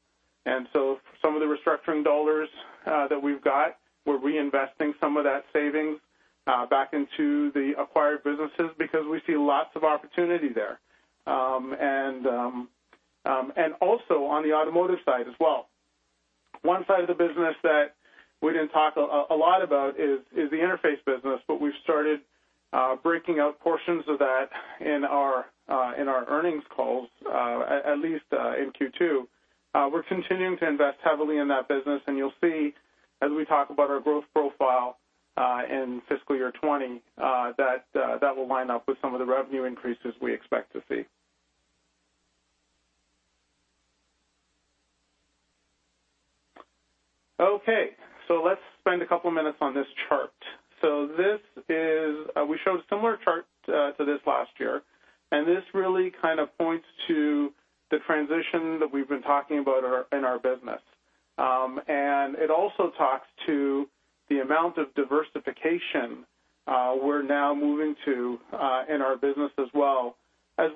Some of the restructuring dollars that we've got, we're reinvesting some of that savings back into the acquired businesses because we see lots of opportunity there. Also on the automotive side as well. One side of the business that we didn't talk a lot about is the interface business, we've started breaking out portions of that in our earnings calls, at least in Q2. We're continuing to invest heavily in that business, and you'll see as we talk about our growth profile in fiscal year 2020, that will line up with some of the revenue increases we expect to see. Okay. Let's spend a couple of minutes on this chart. We showed a similar chart to this last year, and this really kind of points to the transition that we've been talking about in our business. It also talks to the amount of diversification we're now moving to in our business as well. It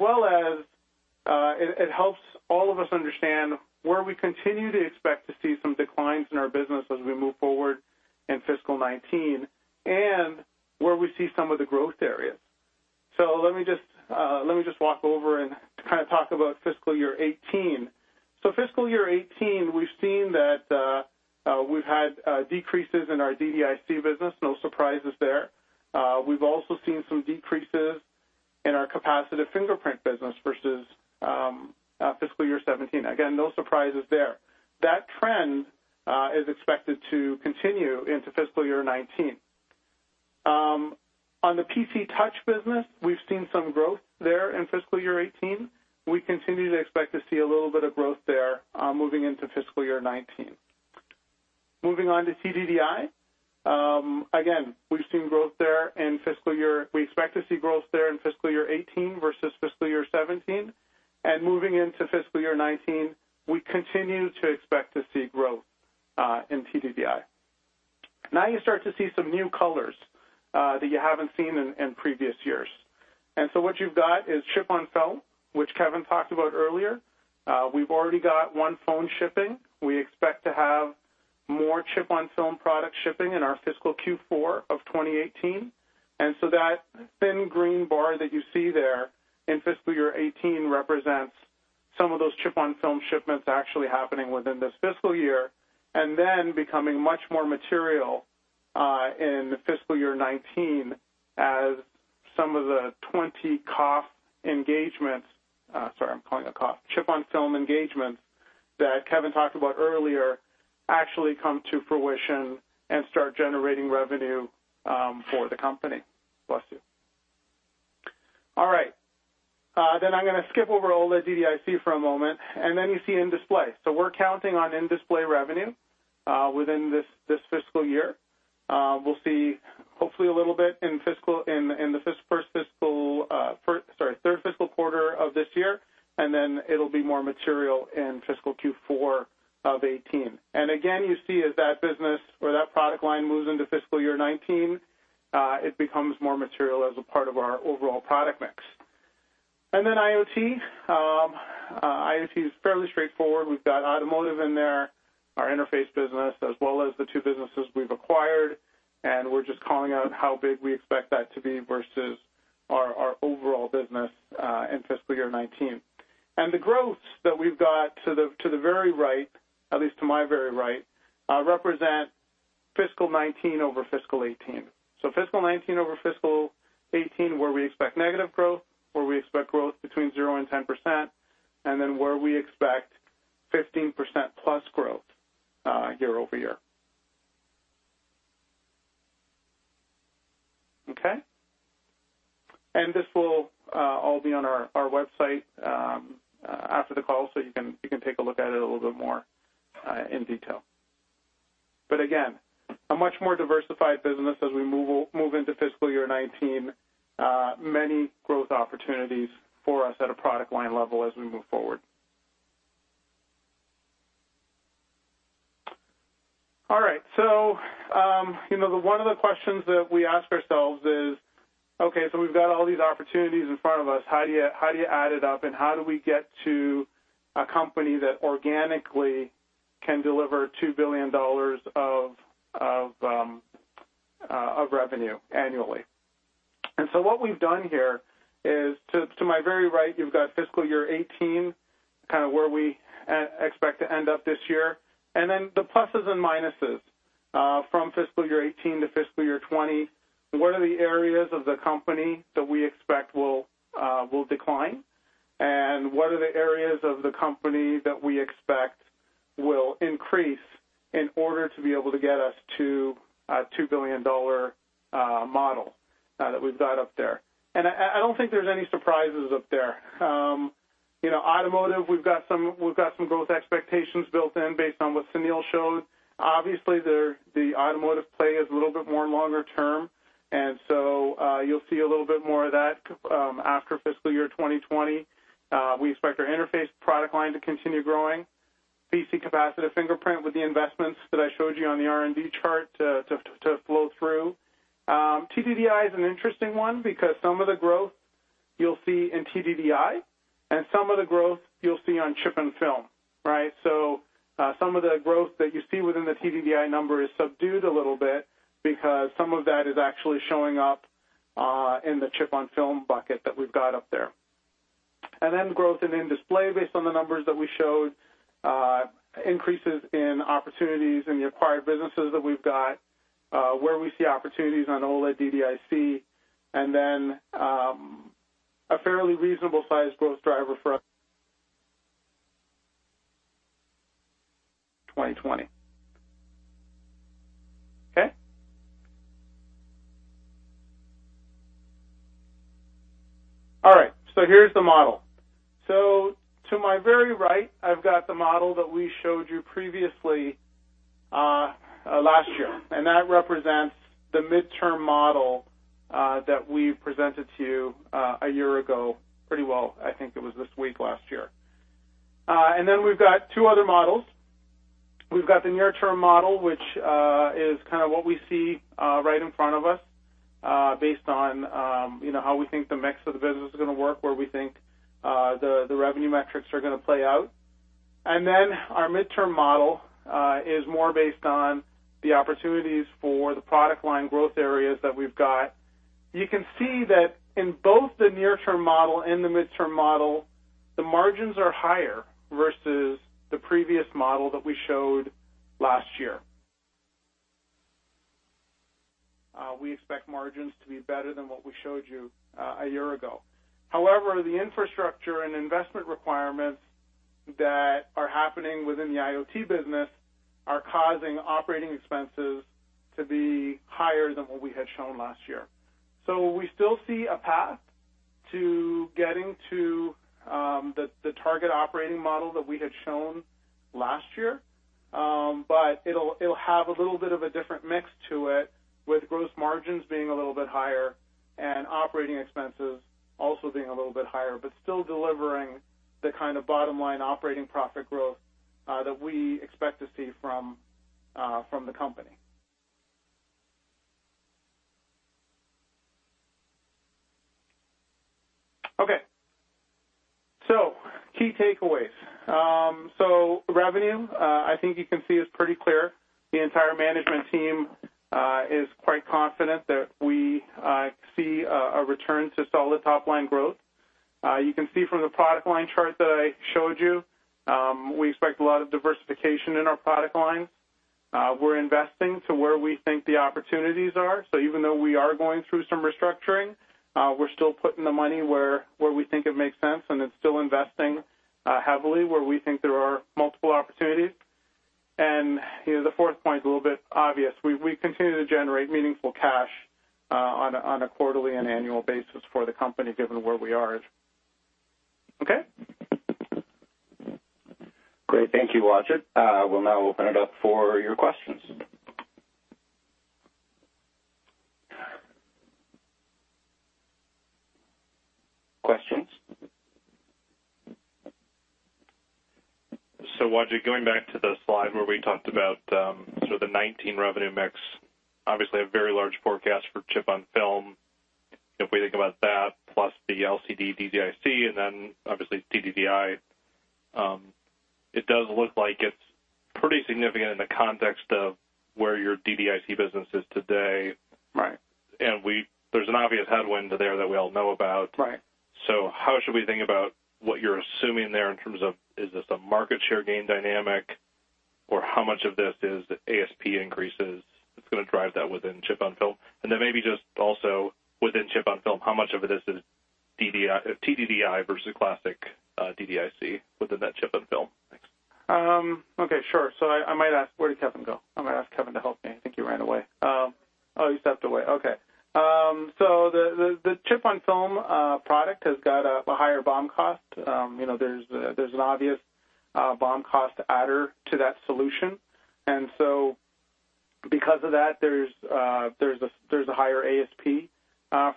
helps all of us understand where we continue to expect to see some declines in our business as we move forward in fiscal 2019, and where we see some of the growth areas. Let me just walk over and kind of talk about fiscal year 2018. Fiscal year 2018, we've seen that we've had decreases in our DDIC business. No surprises there. We've also seen some decreases in our capacitive fingerprint business versus fiscal year 2017. Again, no surprises there. That trend is expected to continue into fiscal year 2019. On the PC touch business, we've seen some growth there in fiscal year 2018. We continue to expect to see a little bit of growth there moving into fiscal year 2019. Moving on to TDDI. We expect to see growth there in fiscal year 2018 versus fiscal year 2017. Moving into fiscal year 2019, we continue to expect to see growth in TDDI. Now you start to see some new colors that you haven't seen in previous years. What you've got is chip-on-film, which Kevin talked about earlier. We've already got one phone shipping. We expect to have more chip-on-film product shipping in our fiscal Q4 of 2018. That thin green bar that you see there in fiscal year 2018 represents some of those chip-on-film shipments actually happening within this fiscal year, then becoming much more material in fiscal year 2019 as some of the 20 COF engagements, sorry, I'm calling it COF, chip-on-film engagements that Kevin talked about earlier actually come to fruition and start generating revenue for the company. Bless you. All right. I'm going to skip over OLED DDIC for a moment, you see in-display. We're counting on in-display revenue within this fiscal year. We'll see hopefully a little bit in the third fiscal quarter of this year, it'll be more material in fiscal Q4 of 2018. Again, you see as that business or that product line moves into fiscal year 2019, it becomes more material as a part of our overall product mix. IoT. IoT is fairly straightforward. We've got automotive in there, our interface business, as well as the two businesses we've acquired, we're just calling out how big we expect that to be versus our overall business in fiscal year 2019. The growths that we've got to the very right, at least to my very right, represent fiscal 2019 over fiscal 2018. Fiscal 2019 over fiscal 2018, where we expect negative growth, where we expect growth between zero and 10%, where we expect 15%+ growth year-over-year. Okay. This will all be on our website after the call, you can take a look at it a little bit more in detail. Again, a much more diversified business as we move into fiscal year 2019. Many growth opportunities for us at a product line level as we move forward. All right. One of the questions that we ask ourselves is, okay, we've got all these opportunities in front of us. How do you add it up and how do we get to a company that organically can deliver $2 billion of revenue annually? What we've done here is to my very right, you've got fiscal year 2018, kind of where we expect to end up this year, the pluses and minuses from fiscal year 2018 to fiscal year 2020. What are the areas of the company that we expect will decline? What are the areas of the company that we expect will increase in order to be able to get us to a $2 billion model that we've got up there? I don't think there's any surprises up there. Automotive, we've got some growth expectations built in based on what Sunil showed. Obviously, the automotive play is a little bit more longer term, you'll see a little bit more of that after fiscal year 2020. We expect our interface product line to continue growing. PC capacitive fingerprint with the investments that I showed you on the R&D chart to flow through. TDDI is an interesting one because some of the growth you'll see in TDDI and some of the growth you'll see on chip-on-film. Some of the growth that you see within the TDDI number is subdued a little bit because some of that is actually showing up in the chip-on-film bucket that we've got up there. And then growth in in-display based on the numbers that we showed, increases in opportunities in the acquired businesses that we've got, where we see opportunities on OLED DDIC, and then a fairly reasonable size growth driver for us 2020. Okay? All right. Here's the model. To my very right, I've got the model that we showed you previously last year, that represents the midterm model that we presented to you a year ago, pretty well, I think it was this week last year. Then we've got two other models. We've got the near-term model, which is kind of what we see right in front of us based on how we think the mix of the business is going to work, where we think the revenue metrics are going to play out. Then our midterm model is more based on the opportunities for the product line growth areas that we've got. You can see that in both the near-term model and the midterm model, the margins are higher versus the previous model that we showed last year. We expect margins to be better than what we showed you a year ago. However, the infrastructure and investment requirements that are happening within the IoT business are causing operating expenses to be higher than what we had shown last year. We still see a path to getting to the target operating model that we had shown last year, but it'll have a little bit of a different mix to it with gross margins being a little bit higher and operating expenses also being a little bit higher, but still delivering the kind of bottom-line operating profit growth that we expect to see from the company. Okay. Key takeaways. Revenue, I think you can see is pretty clear. The entire management team is quite confident that we see a return to solid top-line growth. You can see from the product line chart that I showed you, we expect a lot of diversification in our product line. We're investing to where we think the opportunities are. Even though we are going through some restructuring, we're still putting the money where we think it makes sense, and it's still investing heavily where we think there are multiple opportunities. The fourth point is a little bit obvious. We continue to generate meaningful cash on a quarterly and annual basis for the company, given where we are. Okay? Great. Thank you, Wajid. We'll now open it up for your questions. Questions? Wajid, going back to the slide where we talked about sort of the 2019 revenue mix, obviously a very large forecast for chip-on-film. If we think about that plus the LCD DDIC and then obviously TDDI, it does look like it's pretty significant in the context of where your DDIC business is today. Right. There's an obvious headwind there that we all know about. Right. How should we think about what you're assuming there in terms of, is this a market share gain dynamic, or how much of this is ASP increases that's going to drive that within chip-on-film? Maybe just also within chip-on-film, how much of it is TDDI versus classic DDIC within that chip-on-film? Thanks. Okay, sure. I might ask, where did Kevin go? I'm going to ask Kevin to help me. I think he ran away. Oh, he stepped away. Okay. The chip-on-film product has got a higher BOM cost. There's an obvious BOM cost adder to that solution. Because of that, there's a higher ASP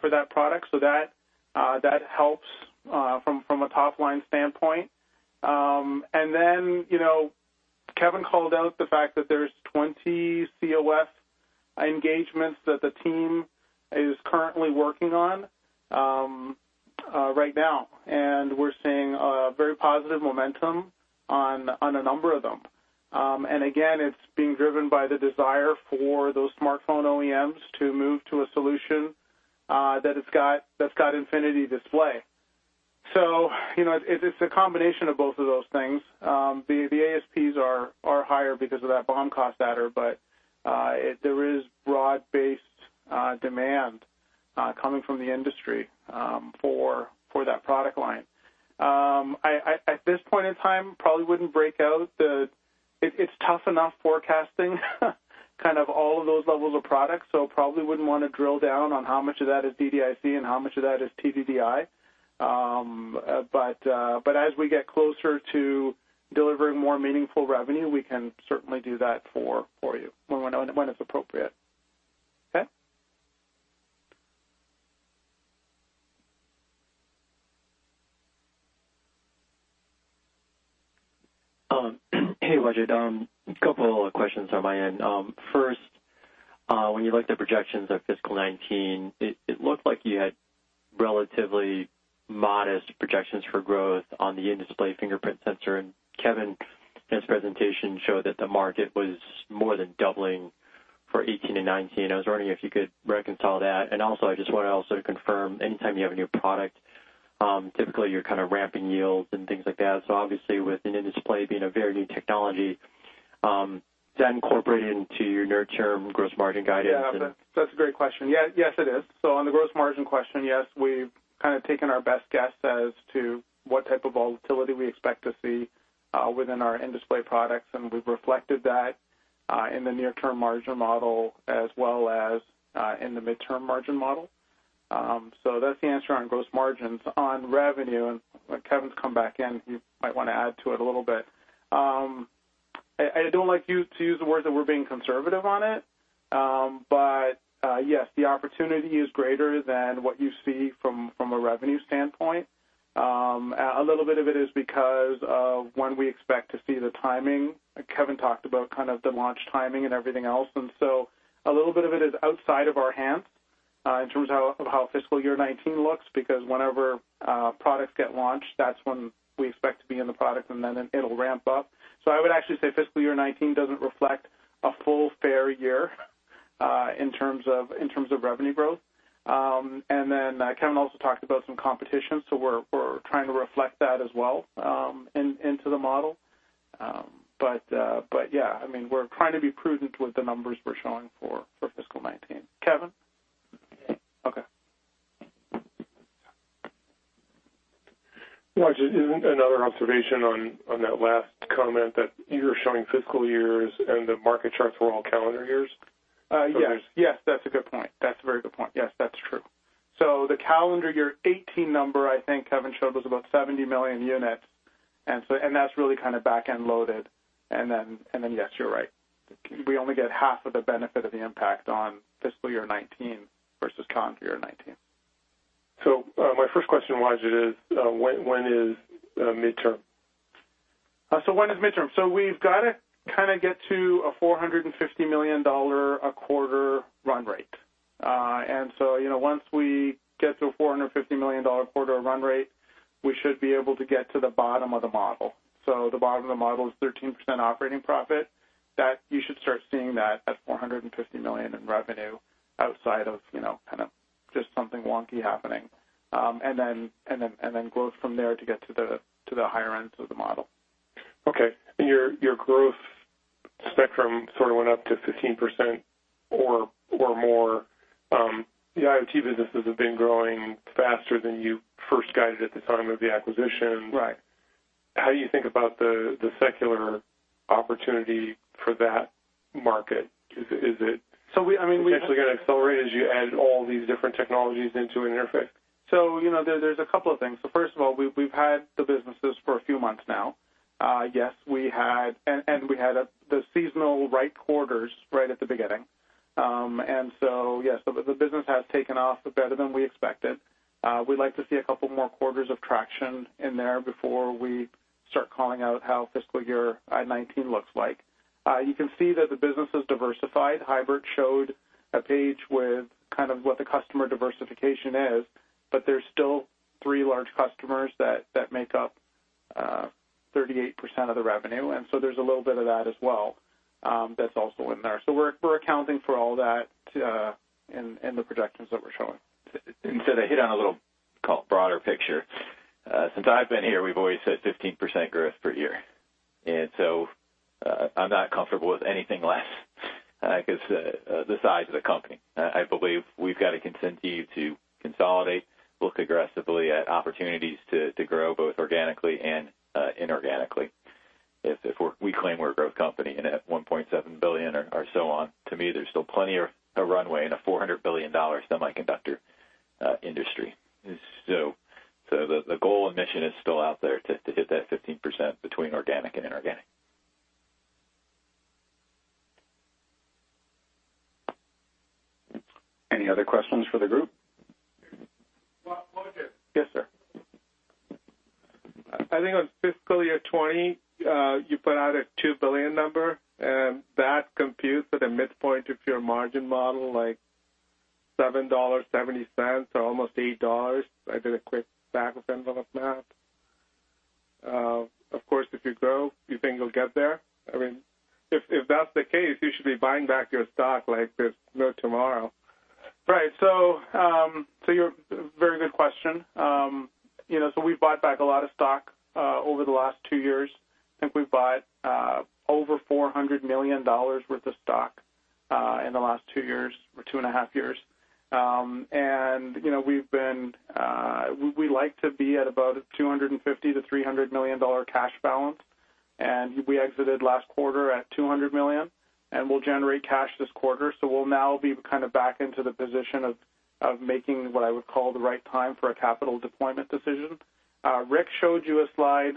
for that product. That helps from a top-line standpoint. Kevin called out the fact that there's 20 COF engagements that the team is currently working on right now, we're seeing very positive momentum on a number of them. Again, it's being driven by the desire for those smartphone OEMs to move to a solution that's got infinity display. It's a combination of both of those things. The ASPs are higher because of that BOM cost adder, there is broad-based demand coming from the industry for that product line. At this point in time, probably wouldn't break out. It's tough enough forecasting kind of all of those levels of products, probably wouldn't want to drill down on how much of that is DDIC and how much of that is TDDI. As we get closer to delivering more meaningful revenue, we can certainly do that for you when it's appropriate. Okay? Hey, Wajid. A couple of questions on my end. First, when you look at the projections of fiscal 2019, it looked like you had relatively modest projections for growth on the in-display fingerprint sensor, Kevin, in his presentation, showed that the market was more than doubling for 2018 and 2019. I was wondering if you could reconcile that. Also, I just want to also confirm, anytime you have a new product, typically you're kind of ramping yields and things like that. Obviously with an in-display being a very new technology, does that incorporate into your near-term gross margin guidance and- Yeah, that's a great question. Yes, it is. On the gross margin question, yes, we've kind of taken our best guess as to what type of volatility we expect to see within our in-display products, we've reflected that in the near-term margin model as well as in the midterm margin model. That's the answer on gross margins. On revenue, Kevin's come back in, he might want to add to it a little bit. I don't like you to use the words that we're being conservative on it, yes, the opportunity is greater than what you see from a revenue standpoint. A little bit of it is because of when we expect to see the timing. Kevin talked about kind of the launch timing and everything else. A little bit of it is outside of our hands in terms of how fiscal year 2019 looks, because whenever products get launched, that's when we expect to be in the product, and then it'll ramp up. I would actually say fiscal year 2019 doesn't reflect a full fair year in terms of revenue growth. Kevin also talked about some competition, we're trying to reflect that as well into the model. Yeah, I mean, we're trying to be prudent with the numbers we're showing for fiscal 2019. Kevin? Okay. Wajid, isn't another observation on that last comment that you're showing fiscal years and the market charts were all calendar years? There's Yes. That's a good point. That's a very good point. Yes, that's true. The calendar year 2018 number, I think Kevin showed, was about 70 million units, and that's really kind of back-end loaded. Yes, you're right. We only get half of the benefit of the impact on fiscal year 2019 versus calendar year 2019. My first question, Wajid, is when is midterm? When is midterm? We've got to kind of get to a $450 million a quarter run rate. Once we get to a $450 million quarter run rate, we should be able to get to the bottom of the model. The bottom of the model is 13% operating profit, that you should start seeing that at $450 million in revenue outside of Just something wonky happening. Growth from there to get to the higher ends of the model. Okay. Your growth spectrum sort of went up to 15% or more. The IoT businesses have been growing faster than you first guided at the time of the acquisition. Right. How do you think about the secular opportunity for that market? I mean. potentially going to accelerate as you add all these different technologies into an interface? There's a couple of things. First of all, we've had the businesses for a few months now. We had the seasonal right quarters right at the beginning. Yes, the business has taken off better than we expected. We'd like to see a couple more quarters of traction in there before we start calling out how FY 2019 looks like. You can see that the business is diversified. Huibert showed a page with kind of what the customer diversification is, but there's still three large customers that make up 38% of the revenue, there's a little bit of that as well that's also in there. We're accounting for all that in the projections that we're showing. To hit on a little broader picture. Since I've been here, we've always said 15% growth per year. I'm not comfortable with anything less, because the size of the company. I believe we've got a contingency to consolidate, look aggressively at opportunities to grow both organically and inorganically. If we claim we're a growth company and at $1.7 billion or so on, to me, there's still plenty of a runway in a $400 billion semiconductor industry. The goal and mission is still out there to hit that 15% between organic and inorganic. Any other questions for the group? Rajit? Yes, sir. I think on FY 2020, you put out a $2 billion number. That computes with a midpoint of your margin model, like $7.70 to almost $8. I did a quick back of envelope math. Of course, if you grow, you think you'll get there? I mean, if that's the case, you should be buying back your stock like there's no tomorrow. Right. Very good question. We've bought back a lot of stock over the last two years. I think we've bought over $400 million worth of stock in the last two years or two and a half years. We like to be at about $250 million-$300 million cash balance. We exited last quarter at $200 million. We'll generate cash this quarter. We'll now be kind of back into the position of making what I would call the right time for a capital deployment decision. Rick showed you a slide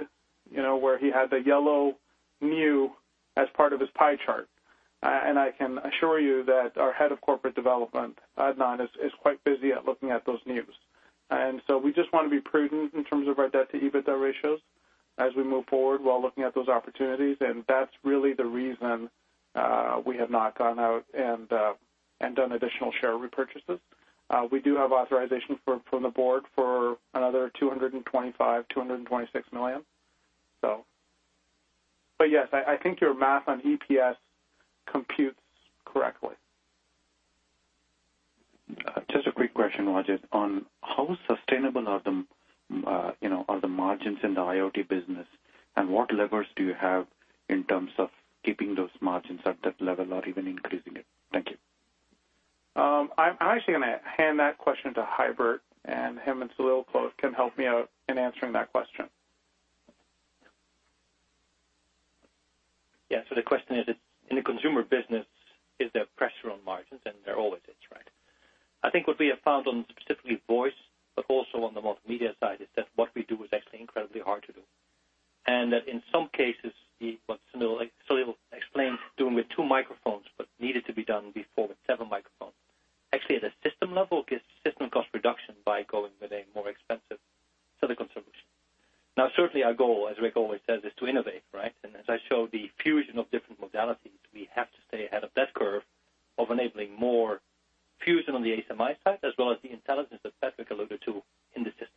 where he had the yellow new as part of his pie chart. I can assure you that our head of corporate development, Adnan, is quite busy at looking at those news. We just want to be prudent in terms of our debt to EBITDA ratios as we move forward while looking at those opportunities. That's really the reason we have not gone out and done additional share repurchases. We do have authorization from the board for another $225 million, $226 million. Yes, I think your math on EPS computes correctly. Just a quick question, Rajit. On how sustainable are the margins in the IoT business, what levers do you have in terms of keeping those margins at that level or even increasing it? Thank you. I'm actually going to hand that question to Huibert, him and Sunil can help me out in answering that question. The question is, in the consumer business, is there pressure on margins? There always is, right? I think what we have found on specifically voice, but also on the multimedia side, is that what we do is actually incredibly hard to do. That in some cases, what Sunil explained doing with two microphones but needed to be done before with seven microphones. Actually at a system level, gets system cost reduction by going with a more expensive silicon solution. Certainly our goal, as Rick always says, is to innovate, right? As I show the fusion of different modalities, we have to stay ahead of that curve of enabling more fusion on the AI side as well as the intelligence that Patrick alluded to in the systems.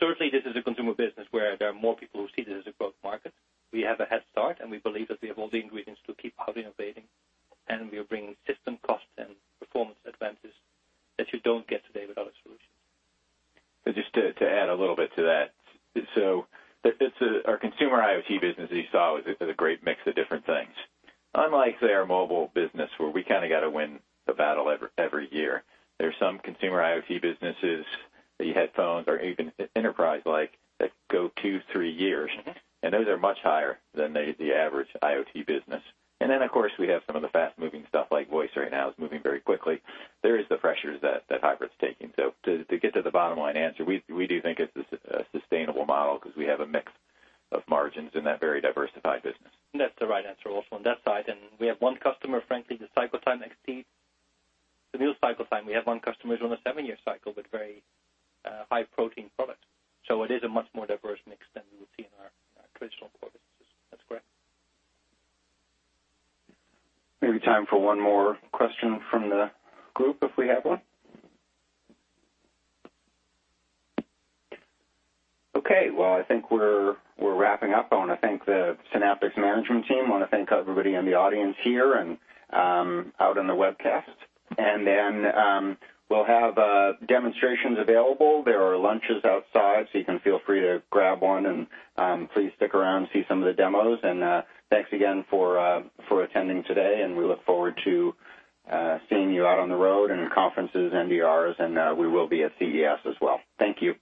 Certainly this is a consumer business where there are more people who see this as a growth market. We have a head start, we believe that we have all the ingredients to keep innovating, we are bringing system costs and performance advances that you don't get today with other solutions. Just to add a little bit to that. Our consumer IoT business, as you saw, is a great mix of different things. Unlike, say, our mobile business, where we kind of got to win the battle every year. There's some consumer IoT businesses, the headphones or even enterprise-like that go two, three years. Those are much higher than the average IoT business. Of course, we have some of the fast-moving stuff like voice right now is moving very quickly. There is the pressures that Huibert's taking. To get to the bottom line answer, we do think it's a sustainable model because we have a mix of margins in that very diversified business. That's the right answer also on that side. We have one customer, frankly, the cycle time exceeds the new cycle time. We have one customer who's on a seven-year cycle with very high margin product. It is a much more diverse mix than we would see in our traditional core businesses. That's correct. Maybe time for one more question from the group, if we have one. Okay. I think we're wrapping up. I want to thank the Synaptics management team. I want to thank everybody in the audience here and out on the webcast. We'll have demonstrations available. There are lunches outside, so you can feel free to grab one and please stick around, see some of the demos. Thanks again for attending today, and we look forward to seeing you out on the road and at conferences and DRs, and we will be at CES as well. Thank you.